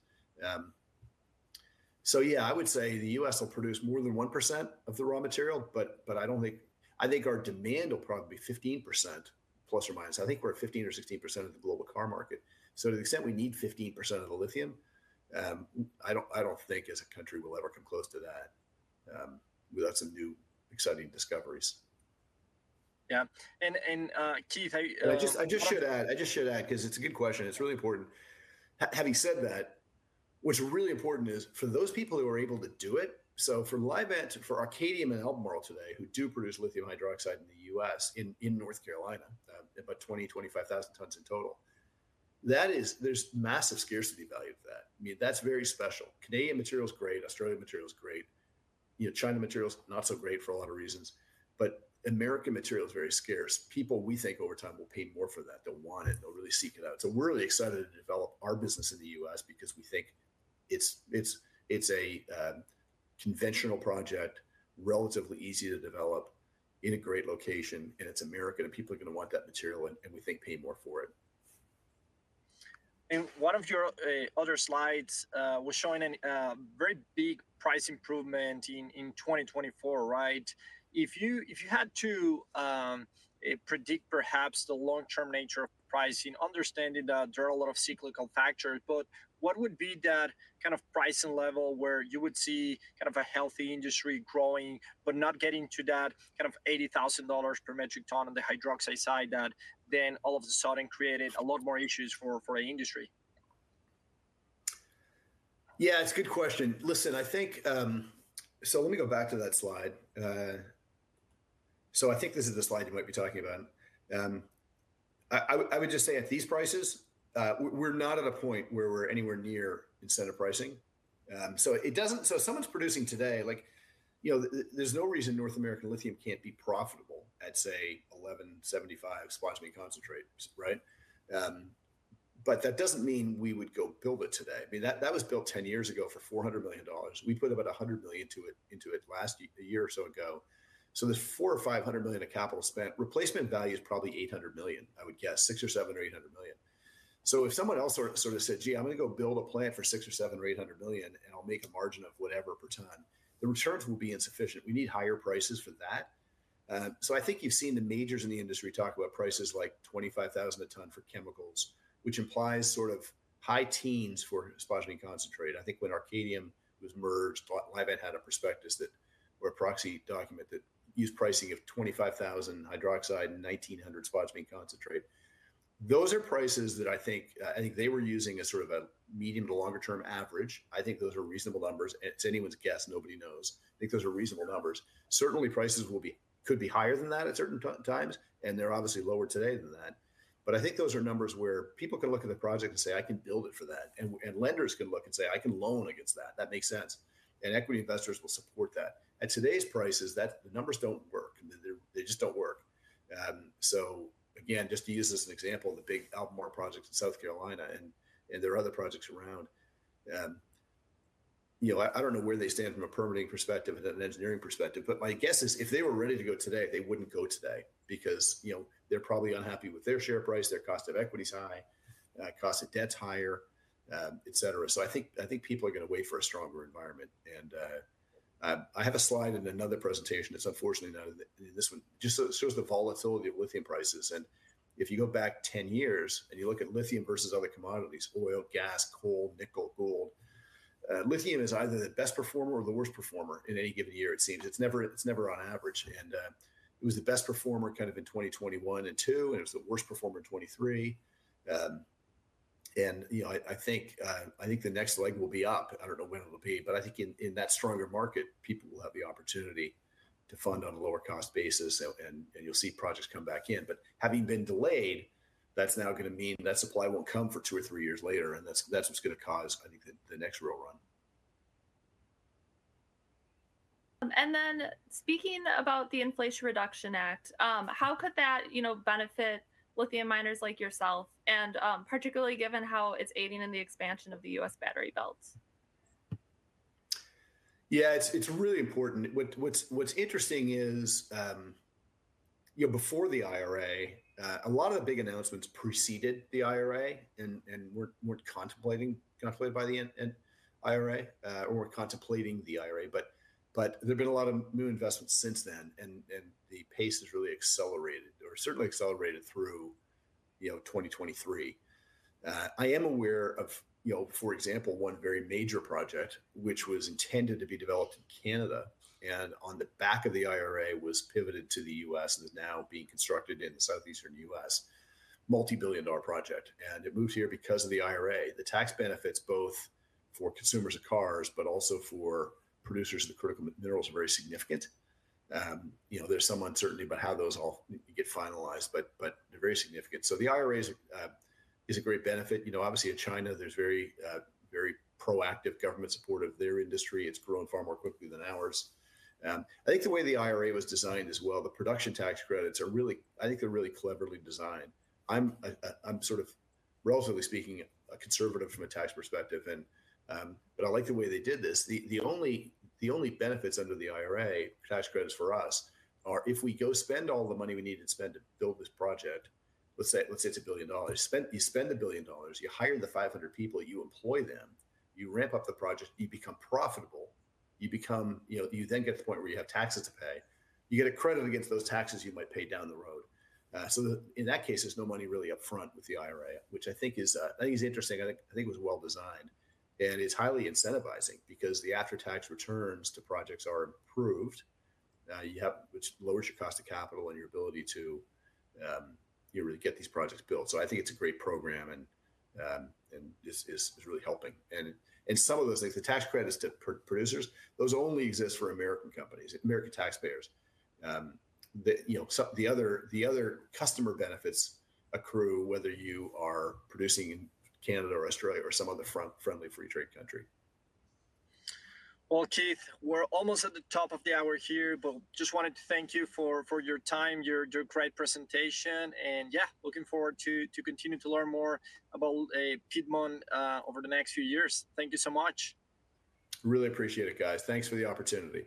Speaker 6: So yeah, I would say the U.S. will produce more than 1% of the raw material. But I think our demand will probably be 15% ±. I think we're at 15% or 16% of the global car market. So to the extent we need 15% of the lithium, I don't think as a country, we'll ever come close to that without some new exciting discoveries.
Speaker 2: Yeah. And Keith, how.
Speaker 6: I just should add because it's a good question. It's really important. Having said that, what's really important is for those people who are able to do it so for Livent, for Arcadium and Albemarle today, who do produce lithium hydroxide in the US, in North Carolina, about 20,000-25,000 tons in total, there's massive scarcity value of that. I mean, that's very special. Canadian material's great. Australian material's great. China material's not so great for a lot of reasons. But American material's very scarce. People, we think, over time will pay more for that. They'll want it. They'll really seek it out. So we're really excited to develop our business in the US because we think it's a conventional project, relatively easy to develop, in a great location. And it's American. And people are going to want that material. And we think pay more for it.
Speaker 2: One of your other slides was showing a very big price improvement in 2024, right? If you had to predict perhaps the long-term nature of pricing, understanding that there are a lot of cyclical factors, but what would be that kind of pricing level where you would see kind of a healthy industry growing but not getting to that kind of $80,000 per metric ton on the hydroxide side that then all of a sudden created a lot more issues for an industry?
Speaker 6: Yeah, it's a good question. Listen, I think so let me go back to that slide. So I think this is the slide you might be talking about. I would just say at these prices, we're not at a point where we're anywhere near incentive pricing. So if someone's producing today, there's no reason North American Lithium can't be profitable at, say, $1,175 spodumene concentrates, right? But that doesn't mean we would go build it today. I mean, that was built 10 years ago for $400 million. We put about $100 million into it a year or so ago. So there's $400 million or $500 million of capital spent. Replacement value is probably $800 million, I would guess, $600 million or $700 million or $800 million. So if someone else sort of said, gee, I'm going to go build a plant for $600 million or $700 million or $800 million, and I'll make a margin of whatever per ton, the returns will be insufficient. We need higher prices for that. So I think you've seen the majors in the industry talk about prices like $25,000 a ton for chemicals, which implies sort of high teens for spodumene concentrate. I think when Arcadium was merged, Livent had a prospectus or a proxy document that used pricing of $25,000 hydroxide and $1,900 spodumene concentrate. Those are prices that I think they were using as sort of a medium to longer-term average. I think those are reasonable numbers. And it's anyone's guess. Nobody knows. I think those are reasonable numbers. Certainly, prices could be higher than that at certain times. And they're obviously lower today than that. But I think those are numbers where people can look at the project and say, I can build it for that. And lenders can look and say, I can loan against that. That makes sense. And equity investors will support that. At today's prices, the numbers don't work. They just don't work. So again, just to use this as an example, the big Albemarle projects in South Carolina and there are other projects around, I don't know where they stand from a permitting perspective and an engineering perspective. But my guess is if they were ready to go today, they wouldn't go today because they're probably unhappy with their share price. Their cost of equity's high. Cost of debt's higher, et cetera. So I think people are going to wait for a stronger environment. And I have a slide in another presentation. It's unfortunately not in this one. It just shows the volatility of lithium prices. If you go back 10 years and you look at lithium versus other commodities, oil, gas, coal, nickel, gold, lithium is either the best performer or the worst performer in any given year, it seems. It's never on average. It was the best performer kind of in 2021 and 2022. It was the worst performer in 2023. I think the next leg will be up. I don't know when it will be. I think in that stronger market, people will have the opportunity to fund on a lower-cost basis. You'll see projects come back in. Having been delayed, that's now going to mean that supply won't come for two or three years later. That's what's going to cause, I think, the next real run.
Speaker 4: And then speaking about the Inflation Reduction Act, how could that benefit lithium miners like yourself, and particularly given how it's aiding in the expansion of the U.S. battery belts?
Speaker 6: Yeah, it's really important. What's interesting is before the IRA, a lot of the big announcements preceded the IRA. And we weren't contemplating or contemplated by the IRA or contemplating the IRA. But there have been a lot of new investments since then. And the pace has really accelerated or certainly accelerated through 2023. I am aware of, for example, one very major project, which was intended to be developed in Canada and on the back of the IRA was pivoted to the US and is now being constructed in the Southeastern US, multibillion-dollar project. And it moved here because of the IRA. The tax benefits, both for consumers of cars but also for producers of the critical minerals, are very significant. There's some uncertainty about how those all get finalized. But they're very significant. So the IRA is a great benefit. Obviously, in China, there's very proactive government support of their industry. It's growing far more quickly than ours. I think the way the IRA was designed as well, the production tax credits, I think they're really cleverly designed. I'm sort of, relatively speaking, a conservative from a tax perspective. But I like the way they did this. The only benefits under the IRA tax credits for us are if we go spend all the money we need to spend to build this project, let's say it's $1 billion. You spend $1 billion. You hire the 500 people. You employ them. You ramp up the project. You become profitable. You then get to the point where you have taxes to pay. You get a credit against those taxes you might pay down the road. So in that case, there's no money really up front with the IRA, which I think is interesting. I think it was well designed. It's highly incentivizing because the after-tax returns to projects are improved, which lowers your cost of capital and your ability to really get these projects built. So I think it's a great program. It's really helping. Some of those things, the tax credits to producers, those only exist for American companies, American taxpayers. The other customer benefits accrue whether you are producing in Canada or Australia or some other friendly free trade country.
Speaker 2: Well, Keith, we're almost at the top of the hour here. But just wanted to thank you for your time, your great presentation. And yeah, looking forward to continuing to learn more about Piedmont over the next few years. Thank you so much.
Speaker 6: Really appreciate it, guys. Thanks for the opportunity.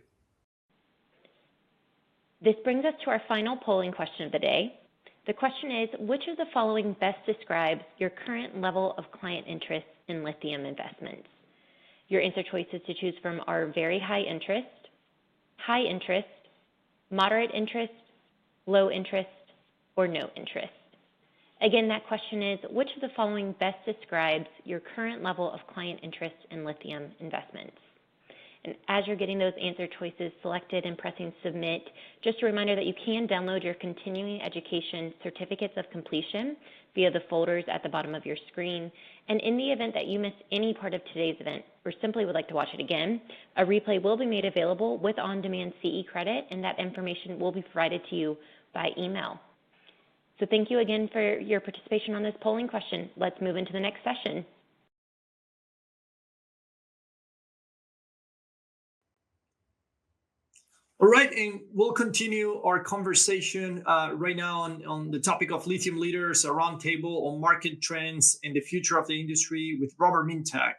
Speaker 1: This brings us to our final polling question of the day. The question is, which of the following best describes your current level of client interest in lithium investments? Your answer choices to choose from are very high interest, high interest, moderate interest, low interest, or no interest. Again, that question is, which of the following best describes your current level of client interest in lithium investments? As you're getting those answer choices selected and pressing submit, just a reminder that you can download your continuing education certificates of completion via the folders at the bottom of your screen. In the event that you missed any part of today's event or simply would like to watch it again, a replay will be made available with on-demand CE credit. That information will be provided to you by email. Thank you again for your participation on this polling question. Let's move into the next session.
Speaker 2: All right. We'll continue our conversation right now on the topic of lithium leaders, a roundtable on market trends and the future of the industry with Robert Mintak,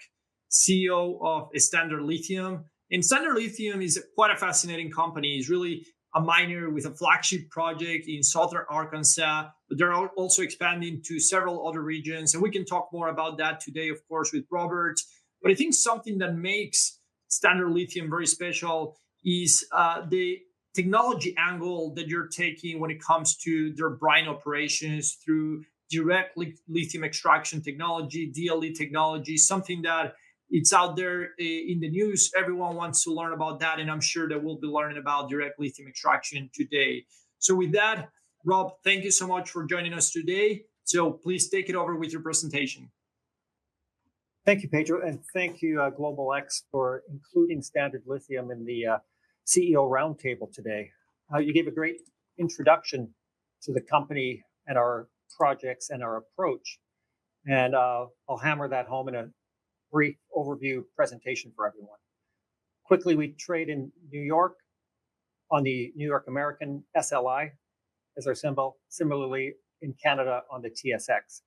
Speaker 2: CEO of Standard Lithium. Standard Lithium is quite a fascinating company. It's really a miner with a flagship project in southern Arkansas. They're also expanding to several other regions. We can talk more about that today, of course, with Robert. But I think something that makes Standard Lithium very special is the technology angle that you're taking when it comes to their brine operations through direct lithium extraction technology, DLE technology, something that's out there in the news. Everyone wants to learn about that. I'm sure they will be learning about direct lithium extraction today. So with that, Rob, thank you so much for joining us today. Please take it over with your presentation.
Speaker 7: Thank you, Pedro. Thank you, Global X, for including Standard Lithium in the CEO roundtable today. You gave a great introduction to the company and our projects and our approach. I'll hammer that home in a brief overview presentation for everyone. Quickly, we trade in New York on the New York American, SLI as our symbol. Similarly, in Canada, on the TSX.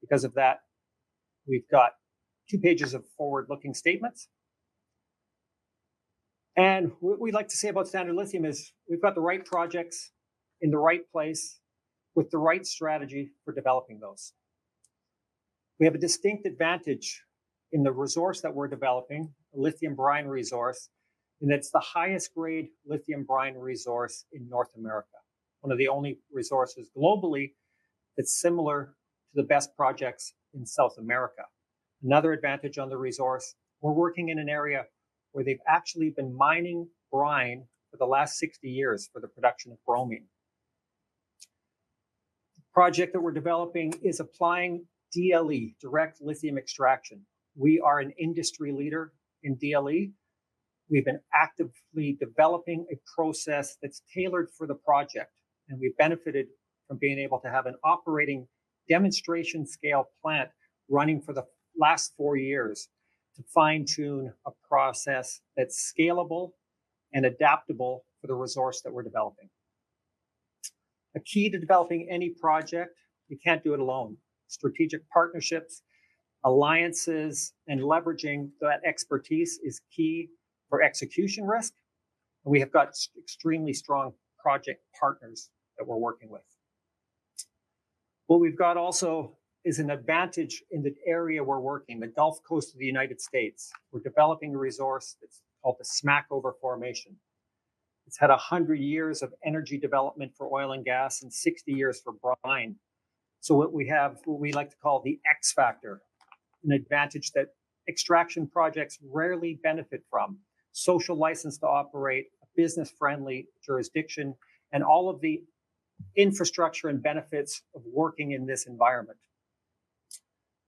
Speaker 7: Because of that, we've got two pages of forward-looking statements. What we'd like to say about Standard Lithium is we've got the right projects in the right place with the right strategy for developing those. We have a distinct advantage in the resource that we're developing, a lithium brine resource, in that it's the highest-grade lithium brine resource in North America, one of the only resources globally that's similar to the best projects in South America. Another advantage on the resource, we're working in an area where they've actually been mining brine for the last 60 years for the production of bromine. The project that we're developing is applying DLE, direct lithium extraction. We are an industry leader in DLE. We've been actively developing a process that's tailored for the project. We've benefited from being able to have an operating demonstration-scale plant running for the last 4 years to fine-tune a process that's scalable and adaptable for the resource that we're developing. A key to developing any project, you can't do it alone. Strategic partnerships, alliances, and leveraging that expertise is key for execution risk. We have got extremely strong project partners that we're working with. What we've got also is an advantage in the area we're working, the Gulf Coast of the United States. We're developing a resource that's called the Smackover Formation. It's had 100 years of energy development for oil and gas and 60 years for brine. So what we have, what we like to call the X factor, an advantage that extraction projects rarely benefit from, social license to operate, a business-friendly jurisdiction, and all of the infrastructure and benefits of working in this environment.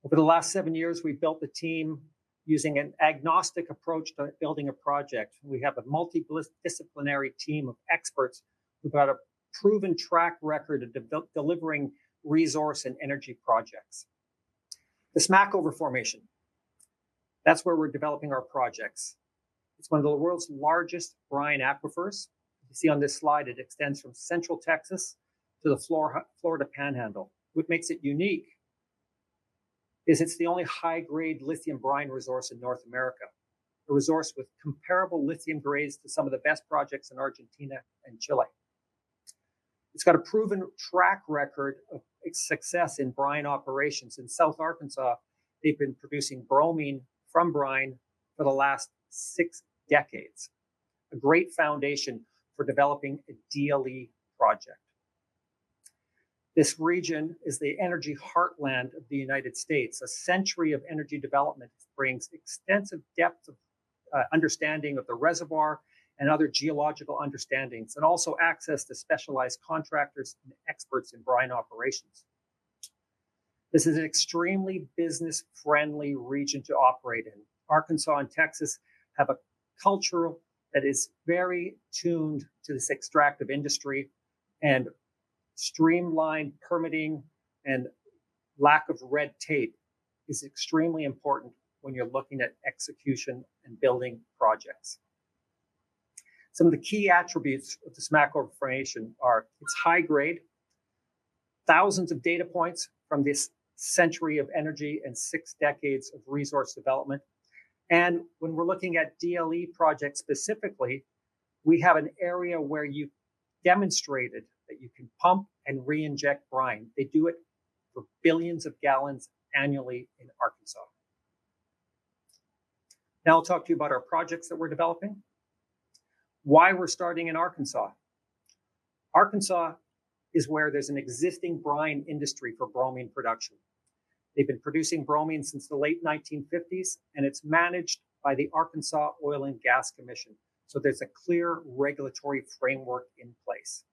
Speaker 7: Over the last 7 years, we've built the team using an agnostic approach to building a project. We have a multidisciplinary team of experts. We've got a proven track record of delivering resource and energy projects. The Smackover Formation, that's where we're developing our projects. It's one of the world's largest brine aquifers. You see on this slide, it extends from central Texas to the Florida Panhandle. What makes it unique is it's the only high-grade lithium brine resource in North America, a resource with comparable lithium grades to some of the best projects in Argentina and Chile. It's got a proven track record of success in brine operations. In South Arkansas, they've been producing bromine from brine for the last six decades, a great foundation for developing a DLE project. This region is the energy heartland of the United States. A century of energy development brings extensive depth of understanding of the reservoir and other geological understandings and also access to specialized contractors and experts in brine operations. This is an extremely business-friendly region to operate in. Arkansas and Texas have a culture that is very tuned to this extractive industry. And streamlined permitting and lack of red tape is extremely important when you're looking at execution and building projects. Some of the key attributes of the Smackover Formation are its high-grade, thousands of data points from this century of energy and six decades of resource development. And when we're looking at DLE projects specifically, we have an area where you've demonstrated that you can pump and reinject brine. They do it for billions of gallons annually in Arkansas. Now I'll talk to you about our projects that we're developing, why we're starting in Arkansas. Arkansas is where there's an existing brine industry for bromine production. They've been producing bromine since the late 1950s. And it's managed by the Arkansas Oil and Gas Commission. So there's a clear regulatory framework in place.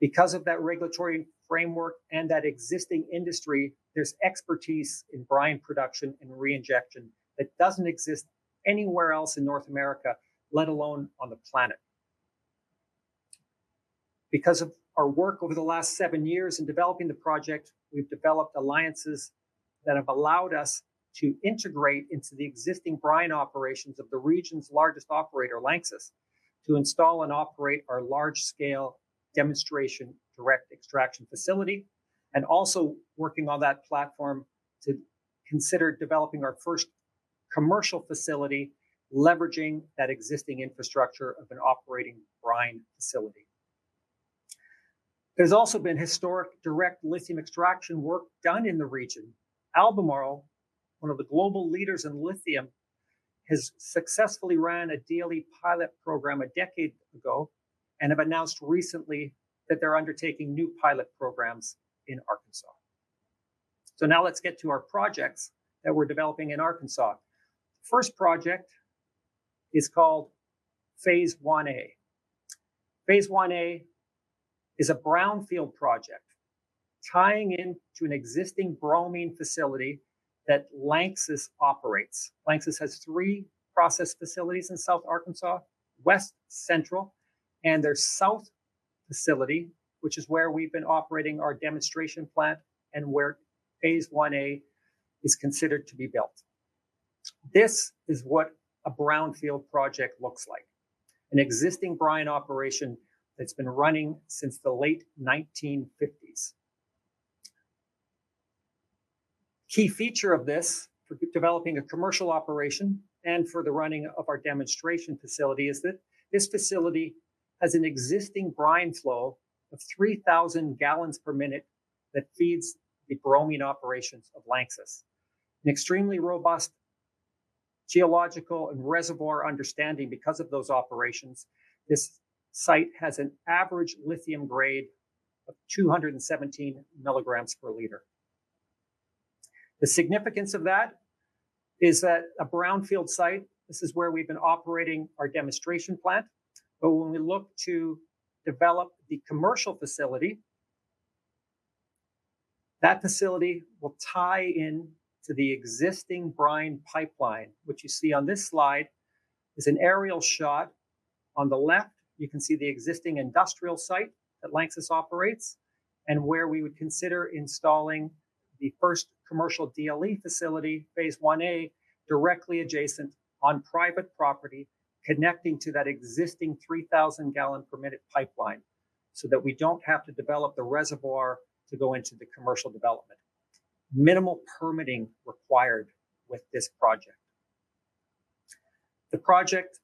Speaker 7: Because of that regulatory framework and that existing industry, there's expertise in brine production and reinjection that doesn't exist anywhere else in North America, let alone on the planet. Because of our work over the last seven years in developing the project, we've developed alliances that have allowed us to integrate into the existing brine operations of the region's largest operator, LANXESS, to install and operate our large-scale demonstration direct extraction facility and also working on that platform to consider developing our first commercial facility, leveraging that existing infrastructure of an operating brine facility. There's also been historic direct lithium extraction work done in the region. Albemarle, one of the global leaders in lithium, has successfully run a DLE pilot program a decade ago and have announced recently that they're undertaking new pilot programs in Arkansas. So now let's get to our projects that we're developing in Arkansas. The first project is called Phase 1A. Phase 1A is a brownfield project tying into an existing bromine facility that LANXESS operates. LANXESS has three process facilities in south Arkansas, west, central, and their south facility, which is where we've been operating our demonstration plant and where Phase 1A is considered to be built. This is what a brownfield project looks like, an existing brine operation that's been running since the late 1950s. A key feature of this for developing a commercial operation and for the running of our demonstration facility is that this facility has an existing brine flow of 3,000 gallons per minute that feeds the bromine operations of LANXESS. An extremely robust geological and reservoir understanding because of those operations, this site has an average lithium grade of 217 milligrams per liter. The significance of that is that a brownfield site, this is where we've been operating our demonstration plant. When we look to develop the commercial facility, that facility will tie into the existing brine pipeline, which you see on this slide is an aerial shot. On the left, you can see the existing industrial site that LANXESS operates and where we would consider installing the first commercial DLE facility, Phase 1A, directly adjacent on private property, connecting to that existing 3,000-gallon-per-minute pipeline so that we don't have to develop the reservoir to go into the commercial development. Minimal permitting required with this project. The project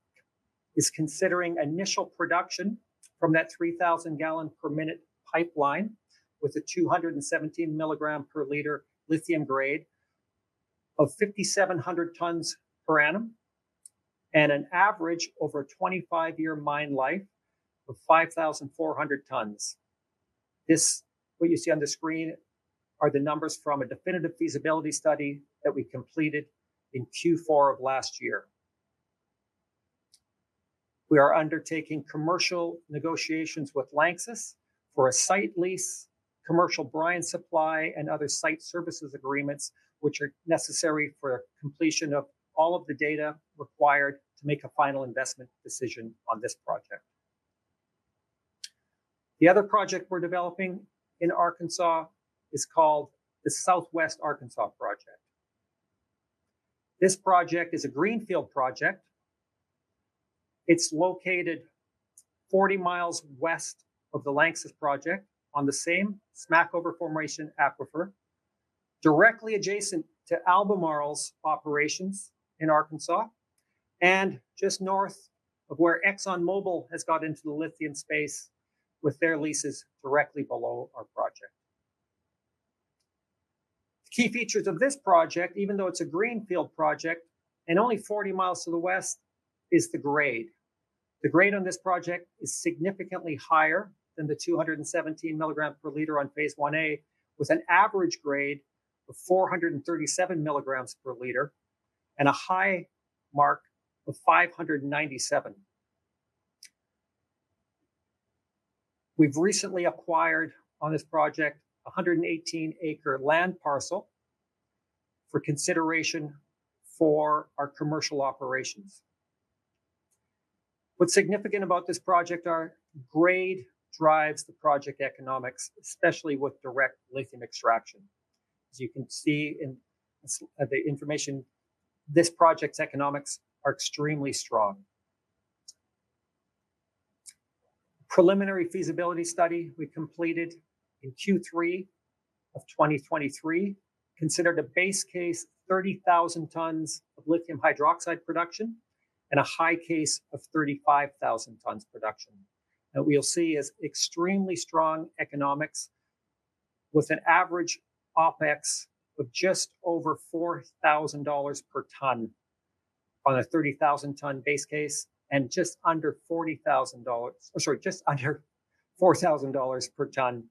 Speaker 7: is considering initial production from that 3,000-gallon-per-minute pipeline with a 217 milligram-per-liter lithium grade of 5,700 tons per annum and an average over a 25-year mine life of 5,400 tons. What you see on the screen are the numbers from a definitive feasibility study that we completed in Q4 of last year. We are undertaking commercial negotiations with LANXESS for a site lease, commercial brine supply, and other site services agreements, which are necessary for the completion of all of the data required to make a final investment decision on this project. The other project we're developing in Arkansas is called the Southwest Arkansas Project. This project is a greenfield project. It's located 40 miles west of the LANXESS project on the same Smackover Formation aquifer, directly adjacent to Albemarle's operations in Arkansas and just north of where ExxonMobil has got into the lithium space with their leases directly below our project. The key features of this project, even though it's a greenfield project and only 40 miles to the west, is the grade. The grade on this project is significantly higher than the 217 milligrams per liter on Phase 1A, with an average grade of 437 milligrams per liter and a high mark of 597. We've recently acquired on this project a 118-acre land parcel for consideration for our commercial operations. What's significant about this project is that grade drives the project economics, especially with direct lithium extraction. As you can see in the information, this project's economics are extremely strong. A preliminary feasibility study we completed in Q3 of 2023 considered a base case of 30,000 tons of lithium hydroxide production and a high case of 35,000 tons production. What we'll see is extremely strong economics with an average OpEx of just over $4,000 per ton on a 30,000-ton base case and just under $40,000 or sorry, just under $4,000 per ton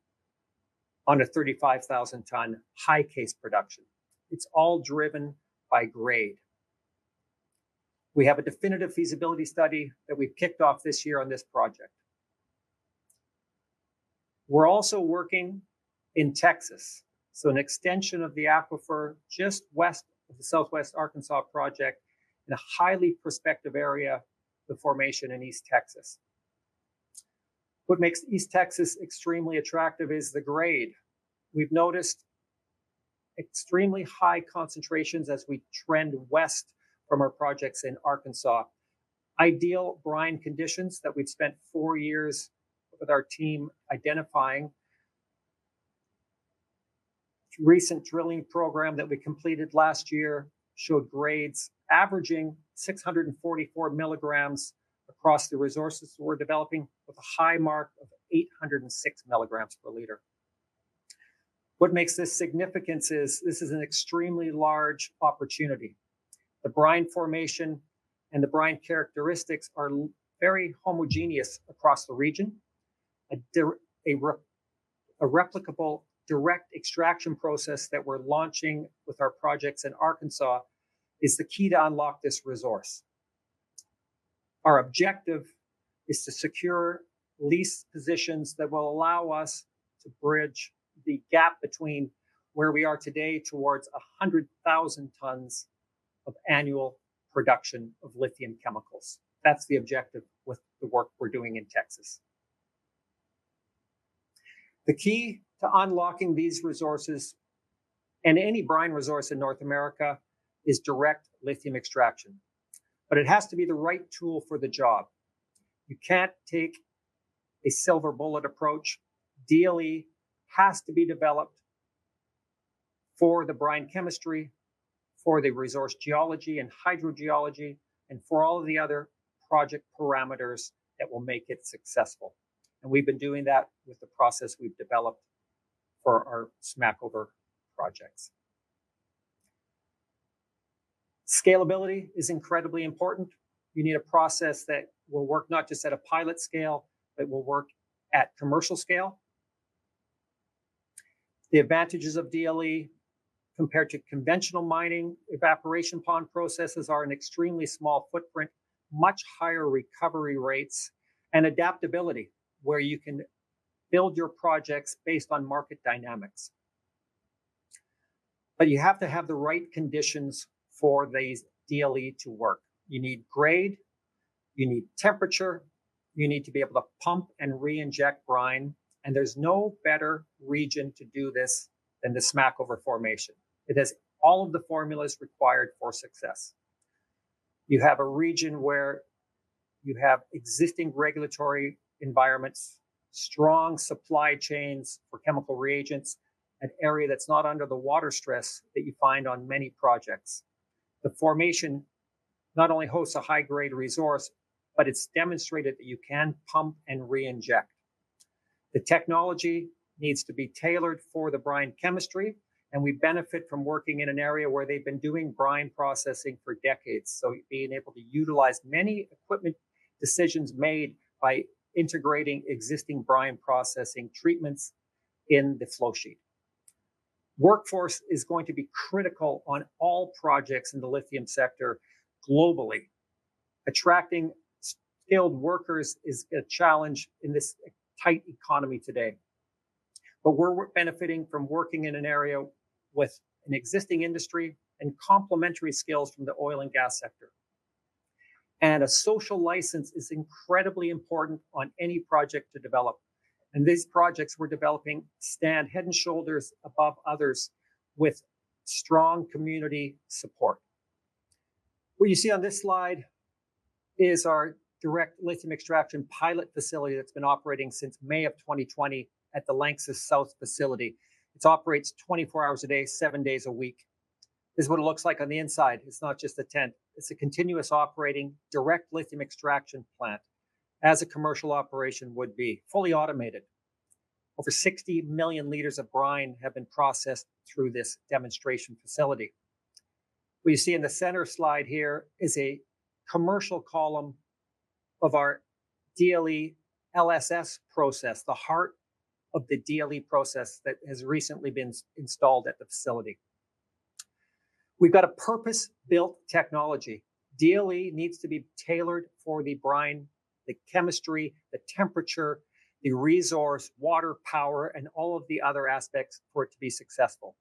Speaker 7: on a 35,000-ton high case production. It's all driven by grade. We have a definitive feasibility study that we've kicked off this year on this project. We're also working in Texas, so an extension of the aquifer just west of the Southwest Arkansas Project in a highly prospective area, the formation in East Texas. What makes East Texas extremely attractive is the grade. We've noticed extremely high concentrations as we trend west from our projects in Arkansas. Ideal brine conditions that we've spent 4 years with our team identifying. The recent drilling program that we completed last year showed grades averaging 644 milligrams across the resources that we're developing with a high mark of 806 milligrams per liter. What makes this significant is this is an extremely large opportunity. The brine formation and the brine characteristics are very homogeneous across the region. A replicable direct extraction process that we're launching with our projects in Arkansas is the key to unlock this resource. Our objective is to secure lease positions that will allow us to bridge the gap between where we are today towards 100,000 tons of annual production of lithium chemicals. That's the objective with the work we're doing in Texas. The key to unlocking these resources and any brine resource in North America is direct lithium extraction. But it has to be the right tool for the job. You can't take a silver bullet approach. DLE has to be developed for the brine chemistry, for the resource geology and hydrogeology, and for all of the other project parameters that will make it successful. And we've been doing that with the process we've developed for our Smackover projects. Scalability is incredibly important. You need a process that will work not just at a pilot scale, but will work at commercial scale. The advantages of DLE compared to conventional mining evaporation pond processes are an extremely small footprint, much higher recovery rates, and adaptability where you can build your projects based on market dynamics. But you have to have the right conditions for the DLE to work. You need grade, you need temperature, you need to be able to pump and reinject brine. And there's no better region to do this than the Smackover Formation. It has all of the formulas required for success. You have a region where you have existing regulatory environments, strong supply chains for chemical reagents, an area that's not under the water stress that you find on many projects. The formation not only hosts a high-grade resource, but it's demonstrated that you can pump and reinject. The technology needs to be tailored for the brine chemistry, and we benefit from working in an area where they've been doing brine processing for decades. Being able to utilize many equipment decisions made by integrating existing brine processing treatments in the flow sheet. Workforce is going to be critical on all projects in the lithium sector globally. Attracting skilled workers is a challenge in this tight economy today. But we're benefiting from working in an area with an existing industry and complementary skills from the oil and gas sector. A social license is incredibly important on any project to develop. These projects we're developing stand head and shoulders above others with strong community support. What you see on this slide is our direct lithium extraction pilot facility that's been operating since May of 2020 at the LANXESS South facility. It operates 24 hours a day, 7 days a week. This is what it looks like on the inside. It's not just a tent. It's a continuous operating direct lithium extraction plant as a commercial operation would be, fully automated. Over 60 million liters of brine have been processed through this demonstration facility. What you see in the center slide here is a commercial column of our DLE LSS process, the heart of the DLE process that has recently been installed at the facility. We've got a purpose-built technology. DLE needs to be tailored for the brine, the chemistry, the temperature, the resource, water, power, and all of the other aspects for it to be successful.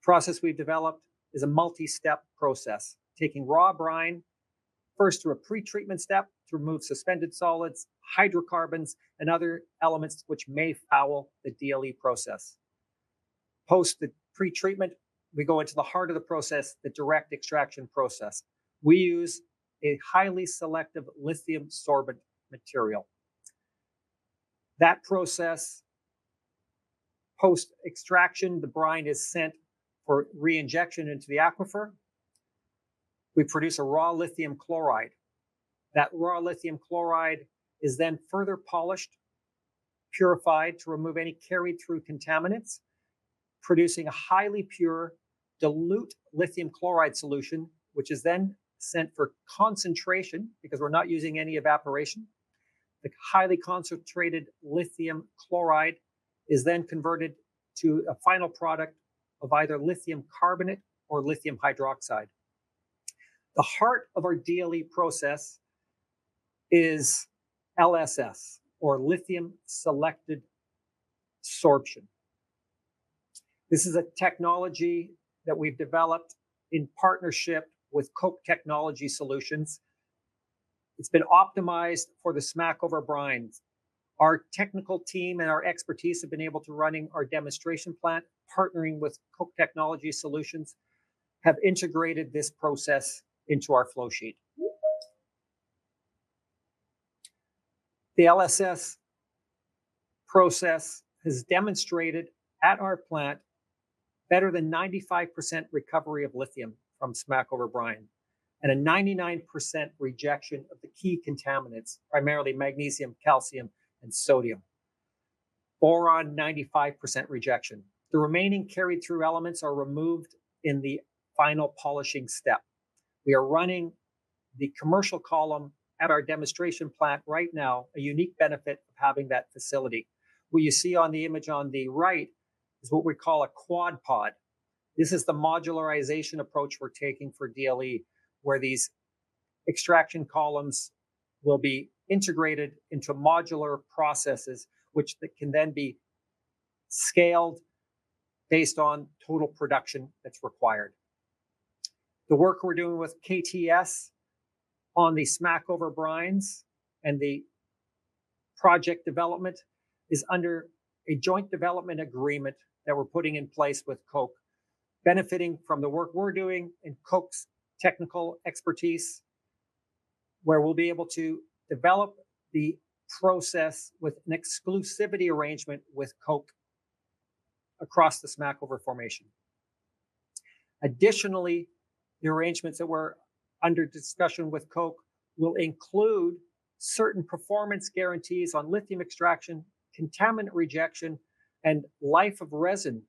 Speaker 7: The process we've developed is a multi-step process, taking raw brine first through a pretreatment step to remove suspended solids, hydrocarbons, and other elements which may foul the DLE process. Post the pretreatment, we go into the heart of the process, the direct extraction process. We use a highly selective lithium sorbent material. That process, post extraction, the brine is sent for reinjection into the aquifer. We produce a raw lithium chloride. That raw lithium chloride is then further polished, purified to remove any carried-through contaminants, producing a highly pure dilute lithium chloride solution, which is then sent for concentration because we're not using any evaporation. The highly concentrated lithium chloride is then converted to a final product of either lithium carbonate or lithium hydroxide. The heart of our DLE process is LSS, or lithium selective sorption. This is a technology that we've developed in partnership with Koch Technology Solutions. It's been optimized for the Smackover brines. Our technical team and our expertise have been able to run our demonstration plant, partnering with Koch Technology Solutions, have integrated this process into our flow sheet. The LSS process has demonstrated at our plant better than 95% recovery of lithium from Smackover brine and a 99% rejection of the key contaminants, primarily magnesium, calcium, and sodium. Boron, 95% rejection. The remaining carried-through elements are removed in the final polishing step. We are running the commercial column at our demonstration plant right now, a unique benefit of having that facility. What you see on the image on the right is what we call a quad pod. This is the modularization approach we're taking for DLE, where these extraction columns will be integrated into modular processes, which can then be scaled based on total production that's required. The work we're doing with KTS on the Smackover brines and the project development is under a joint development agreement that we're putting in place with Koch, benefiting from the work we're doing and Koch's technical expertise, where we'll be able to develop the process with an exclusivity arrangement with Koch across the Smackover Formation. Additionally, the arrangements that were under discussion with Koch will include certain performance guarantees on lithium extraction, contaminant rejection, and life of resin,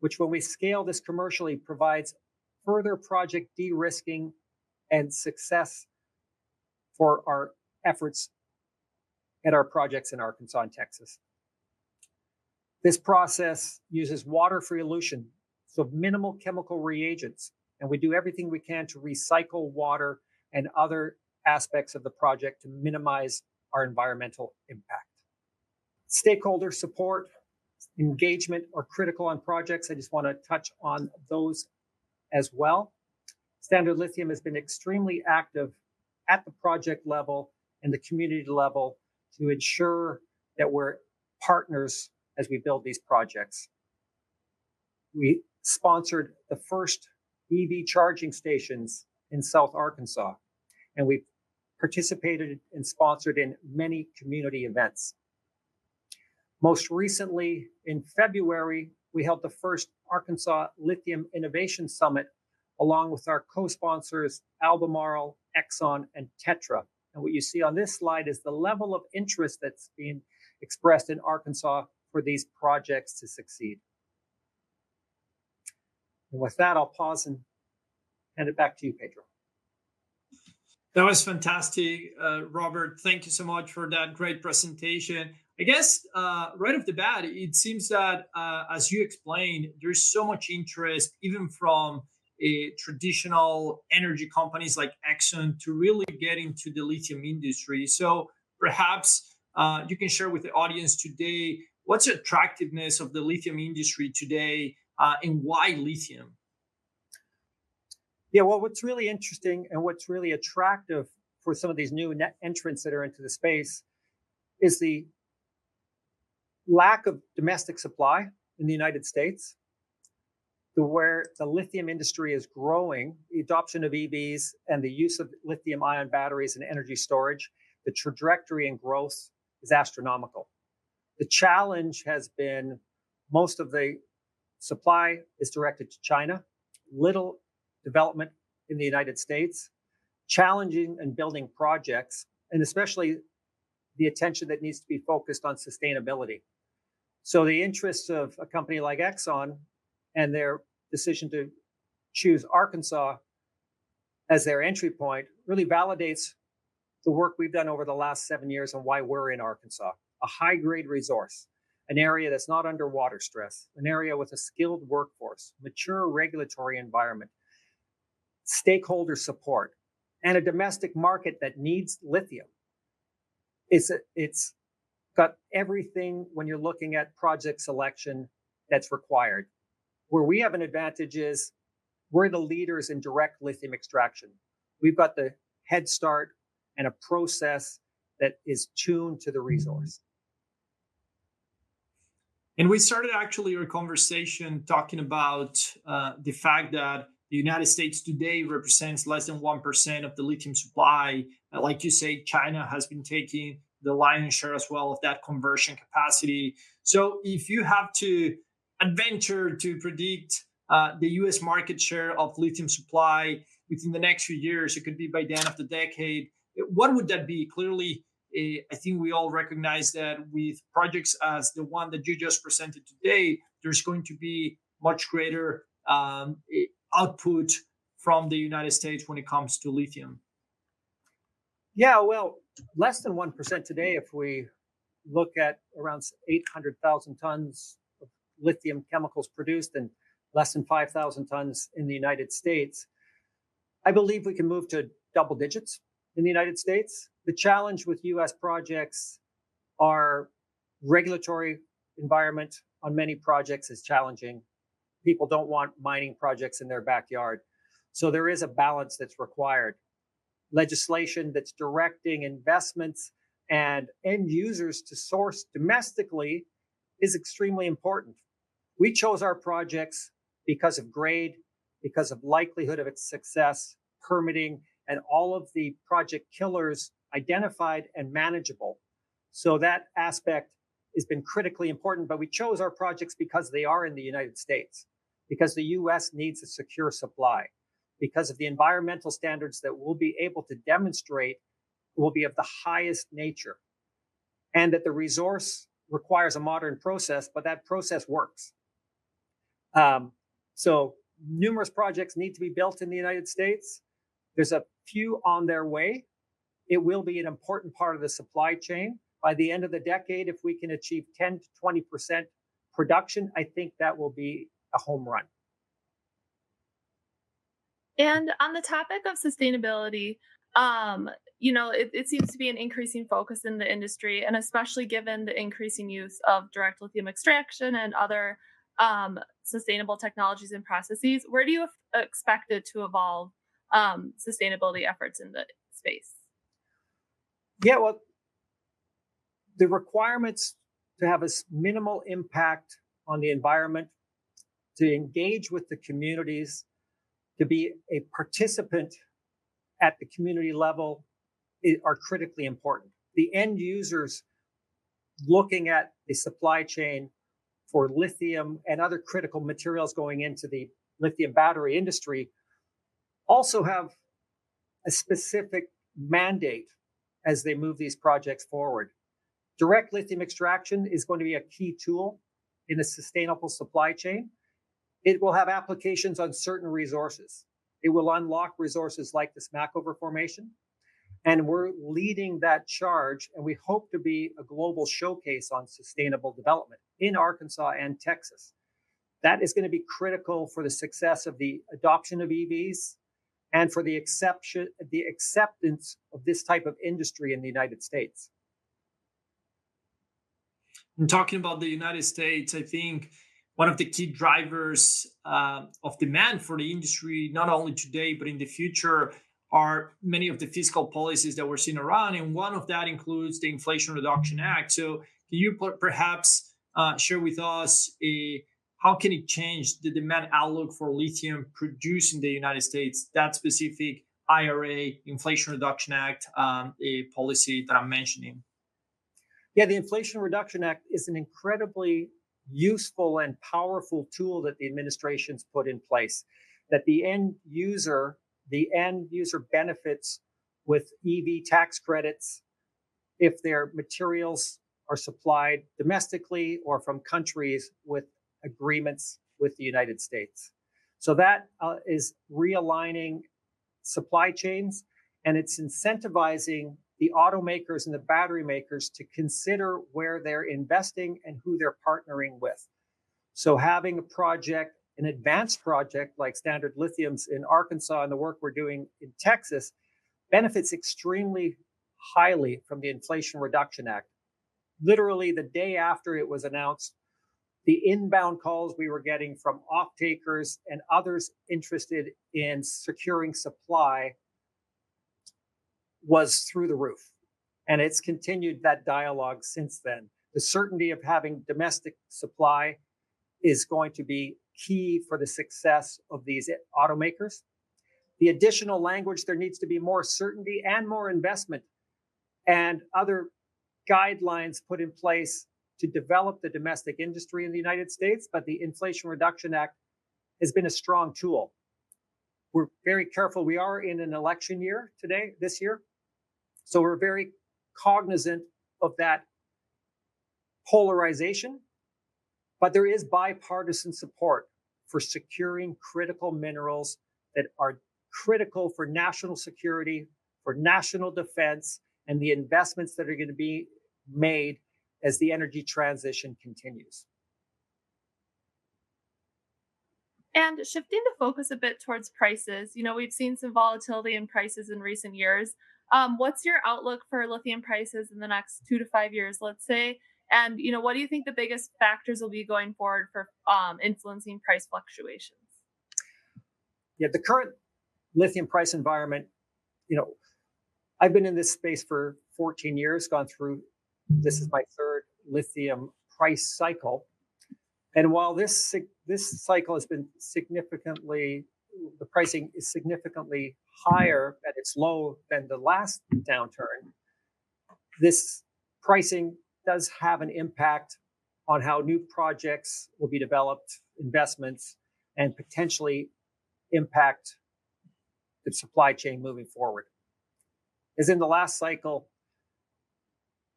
Speaker 7: which, when we scale this commercially, provides further project de-risking and success for our efforts at our projects in Arkansas, Texas. This process uses water-free elution, so minimal chemical reagents, and we do everything we can to recycle water and other aspects of the project to minimize our environmental impact. Stakeholder support, engagement, are critical on projects. I just want to touch on those as well. Standard Lithium has been extremely active at the project level and the community level to ensure that we're partners as we build these projects. We sponsored the first EV charging stations in South Arkansas, and we've participated and sponsored in many community events. Most recently, in February, we held the first Arkansas Lithium Innovation Summit along with our co-sponsors, Albemarle, Exxon, and Tetra. And what you see on this slide is the level of interest that's being expressed in Arkansas for these projects to succeed. And with that, I'll pause and hand it back to you, Pedro.
Speaker 2: That was fantastic, Robert. Thank you so much for that great presentation. I guess, right off the bat, it seems that, as you explained, there's so much interest, even from traditional energy companies like Exxon, to really get into the lithium industry. So perhaps you can share with the audience today what's the attractiveness of the lithium industry today and why lithium?
Speaker 7: Yeah, well, what's really interesting and what's really attractive for some of these new entrants that are into the space is the lack of domestic supply in the United States, where the lithium industry is growing, the adoption of EVs, and the use of lithium-ion batteries and energy storage. The trajectory and growth is astronomical. The challenge has been most of the supply is directed to China, little development in the United States, challenging and building projects, and especially the attention that needs to be focused on sustainability. So the interests of a company like Exxon and their decision to choose Arkansas as their entry point really validates the work we've done over the last seven years and why we're in Arkansas. A high-grade resource, an area that's not under water stress, an area with a skilled workforce, mature regulatory environment, stakeholder support, and a domestic market that needs lithium. It's got everything when you're looking at project selection that's required. Where we have an advantage is we're the leaders in direct lithium extraction. We've got the head start and a process that is tuned to the resource.
Speaker 2: We started actually our conversation talking about the fact that the United States today represents less than 1% of the lithium supply. Like you say, China has been taking the lion's share as well of that conversion capacity. So if you have to venture to predict, the U.S. market share of lithium supply within the next few years, it could be by the end of the decade, what would that be? Clearly, I think we all recognize that with projects as the one that you just presented today, there's going to be much greater output from the United States when it comes to lithium.
Speaker 7: Yeah, well, less than 1% today, if we look at around 800,000 tons of lithium chemicals produced and less than 5,000 tons in the United States, I believe we can move to double digits in the United States. The challenge with U.S. projects, our regulatory environment on many projects is challenging. People don't want mining projects in their backyard. So there is a balance that's required. Legislation that's directing investments and end users to source domestically is extremely important. We chose our projects because of grade, because of likelihood of its success, permitting, and all of the project killers identified and manageable. So that aspect has been critically important. We chose our projects because they are in the United States, because the U.S. needs a secure supply, because of the environmental standards that we'll be able to demonstrate will be of the highest nature, and that the resource requires a modern process, but that process works. Numerous projects need to be built in the United States. There's a few on their way. It will be an important part of the supply chain. By the end of the decade, if we can achieve 10%-20% production, I think that will be a home run.
Speaker 4: On the topic of sustainability, you know, it seems to be an increasing focus in the industry, and especially given the increasing use of direct lithium extraction and other sustainable technologies and processes. Where do you expect it to evolve, sustainability efforts in the space?
Speaker 7: Yeah, well, the requirements to have a minimal impact on the environment, to engage with the communities, to be a participant at the community level are critically important. The end users looking at the supply chain for lithium and other critical materials going into the lithium battery industry also have a specific mandate as they move these projects forward. Direct lithium extraction is going to be a key tool in a sustainable supply chain. It will have applications on certain resources. It will unlock resources like the Smackover Formation. And we're leading that charge, and we hope to be a global showcase on sustainable development in Arkansas and Texas. That is going to be critical for the success of the adoption of EVs and for the acceptance of this type of industry in the United States.
Speaker 2: Talking about the United States, I think one of the key drivers of demand for the industry, not only today but in the future, are many of the fiscal policies that we're seeing around. One of that includes the Inflation Reduction Act. So can you perhaps share with us how can it change the demand outlook for lithium produced in the United States, that specific IRA, Inflation Reduction Act, a policy that I'm mentioning?
Speaker 7: Yeah, the Inflation Reduction Act is an incredibly useful and powerful tool that the administration's put in place, that the end user, the end user benefits with EV tax credits if their materials are supplied domestically or from countries with agreements with the United States. So that is realigning supply chains, and it's incentivizing the automakers and the battery makers to consider where they're investing and who they're partnering with. So having a project, an advanced project like Standard Lithium's in Arkansas and the work we're doing in Texas, benefits extremely highly from the Inflation Reduction Act. Literally the day after it was announced, the inbound calls we were getting from opt-takers and others interested in securing supply was through the roof. And it's continued that dialogue since then. The certainty of having domestic supply is going to be key for the success of these automakers. The additional language, there needs to be more certainty and more investment and other guidelines put in place to develop the domestic industry in the United States. But the Inflation Reduction Act has been a strong tool. We're very careful. We are in an election year today, this year. So we're very cognizant of that polarization. But there is bipartisan support for securing critical minerals that are critical for national security, for national defense, and the investments that are going to be made as the energy transition continues.
Speaker 4: Shifting the focus a bit towards prices, you know, we've seen some volatility in prices in recent years. What's your outlook for lithium prices in the next 2-5 years, let's say? And you know, what do you think the biggest factors will be going forward for influencing price fluctuations?
Speaker 7: Yeah, the current lithium price environment, you know, I've been in this space for 14 years, gone through, this is my third lithium price cycle. And while this cycle has been significantly, the pricing is significantly higher at its low than the last downturn, this pricing does have an impact on how new projects will be developed, investments, and potentially impact the supply chain moving forward. As in the last cycle,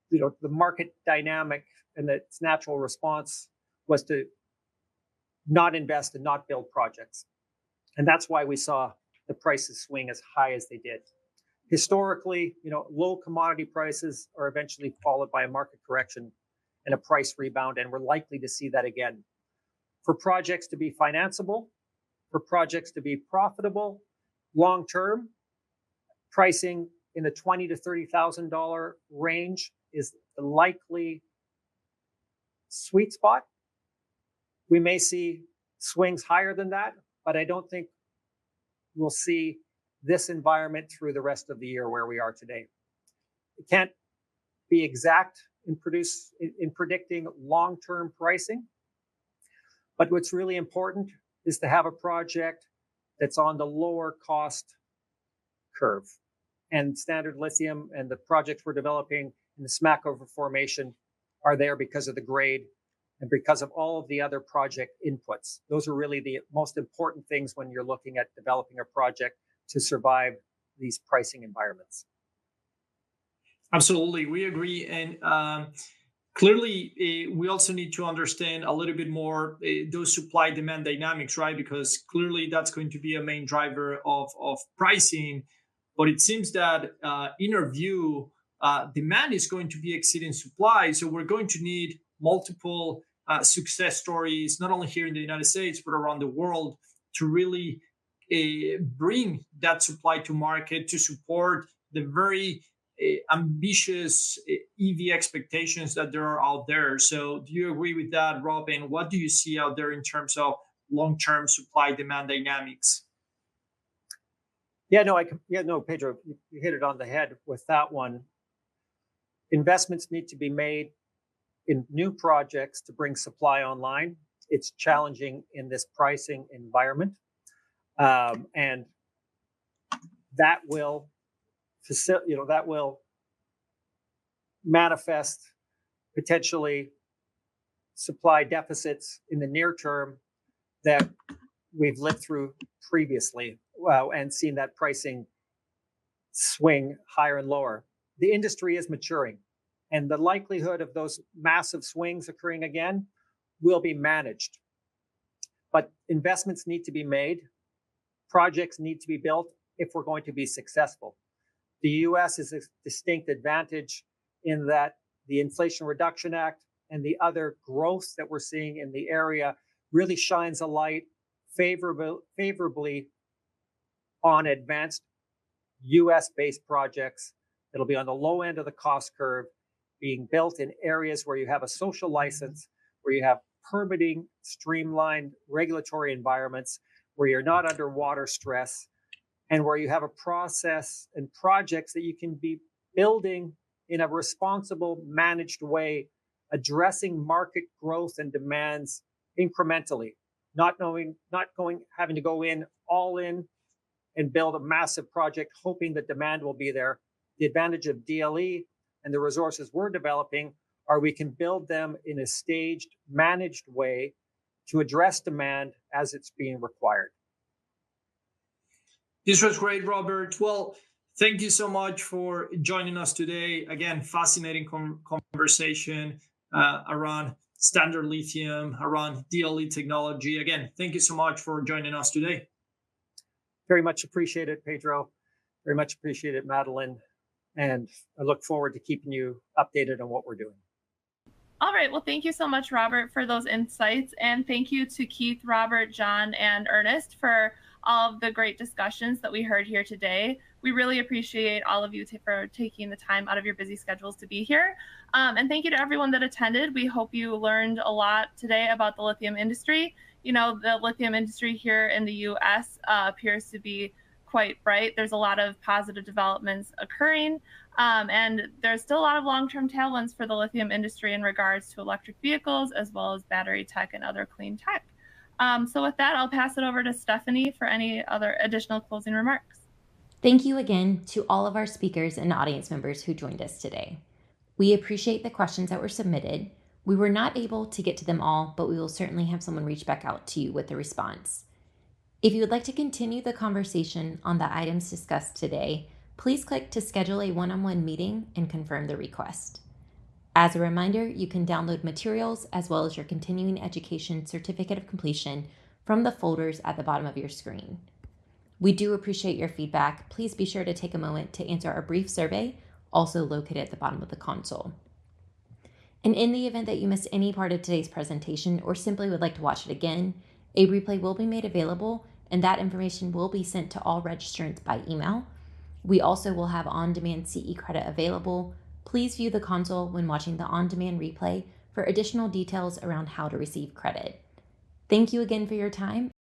Speaker 7: you know, the market dynamic and its natural response was to not invest and not build projects. And that's why we saw the prices swing as high as they did. Historically, you know, low commodity prices are eventually followed by a market correction and a price rebound, and we're likely to see that again. For projects to be financeable, for projects to be profitable long-term, pricing in the $20,000-$30,000 range is the likely sweet spot. We may see swings higher than that, but I don't think we'll see this environment through the rest of the year where we are today. It can't be exact in predicting long-term pricing. But what's really important is to have a project that's on the lower cost curve. And Standard Lithium and the projects we're developing in the Smackover Formation are there because of the grade and because of all of the other project inputs. Those are really the most important things when you're looking at developing a project to survive these pricing environments.
Speaker 2: Absolutely. We agree. And, clearly, we also need to understand a little bit more those supply-demand dynamics, right? Because clearly that's going to be a main driver of pricing. But it seems that, in our view, demand is going to be exceeding supply. So we're going to need multiple success stories, not only here in the United States, but around the world, to really bring that supply to market to support the very ambitious EV expectations that there are out there. So do you agree with that, Robin? What do you see out there in terms of long-term supply-demand dynamics?
Speaker 7: Yeah, Pedro, you hit it on the head with that one. Investments need to be made in new projects to bring supply online. It's challenging in this pricing environment. And that will, you know, that will manifest potentially supply deficits in the near term that we've lived through previously and seen that pricing swing higher and lower. The industry is maturing, and the likelihood of those massive swings occurring again will be managed. But investments need to be made. Projects need to be built if we're going to be successful. The U.S. has a distinct advantage in that the Inflation Reduction Act and the other growths that we're seeing in the area really shines a light favorably on advanced U.S.-based projects. It'll be on the low end of the cost curve, being built in areas where you have a social license, where you have permitting, streamlined regulatory environments, where you're not under water stress, and where you have a process and projects that you can be building in a responsible, managed way, addressing market growth and demands incrementally, not knowing, not going, having to go in all-in and build a massive project, hoping that demand will be there. The advantage of DLE and the resources we're developing are we can build them in a staged, managed way to address demand as it's being required.
Speaker 2: This was great, Robert. Well, thank you so much for joining us today. Again, fascinating conversation, around Standard Lithium, around DLE technology. Again, thank you so much for joining us today.
Speaker 7: Very much appreciate it, Pedro. Very much appreciate it, Madeline. And I look forward to keeping you updated on what we're doing.
Speaker 4: All right. Well, thank you so much, Robert, for those insights. And thank you to Keith, Robert, John, and Ernest for all of the great discussions that we heard here today. We really appreciate all of you for taking the time out of your busy schedules to be here. And thank you to everyone that attended. We hope you learned a lot today about the lithium industry. You know, the lithium industry here in the U.S. appears to be quite bright. There's a lot of positive developments occurring. There's still a lot of long-term tailwinds for the lithium industry in regards to electric vehicles, as well as battery tech and other clean tech. With that, I'll pass it over to Stephanie for any other additional closing remarks.
Speaker 1: Thank you again to all of our speakers and audience members who joined us today. We appreciate the questions that were submitted. We were not able to get to them all, but we will certainly have someone reach back out to you with a response. If you would like to continue the conversation on the items discussed today, please click to schedule a one-on-one meeting and confirm the request. As a reminder, you can download materials as well as your continuing education certificate of completion from the folders at the bottom of your screen. We do appreciate your feedback. Please be sure to take a moment to answer our brief survey, also located at the bottom of the console. In the event that you missed any part of today's presentation or simply would like to watch it again, a replay will be made available, and that information will be sent to all registrants by email. We also will have on-demand CE credit available. Please view the console when watching the on-demand replay for additional details around how to receive credit. Thank you again for your time.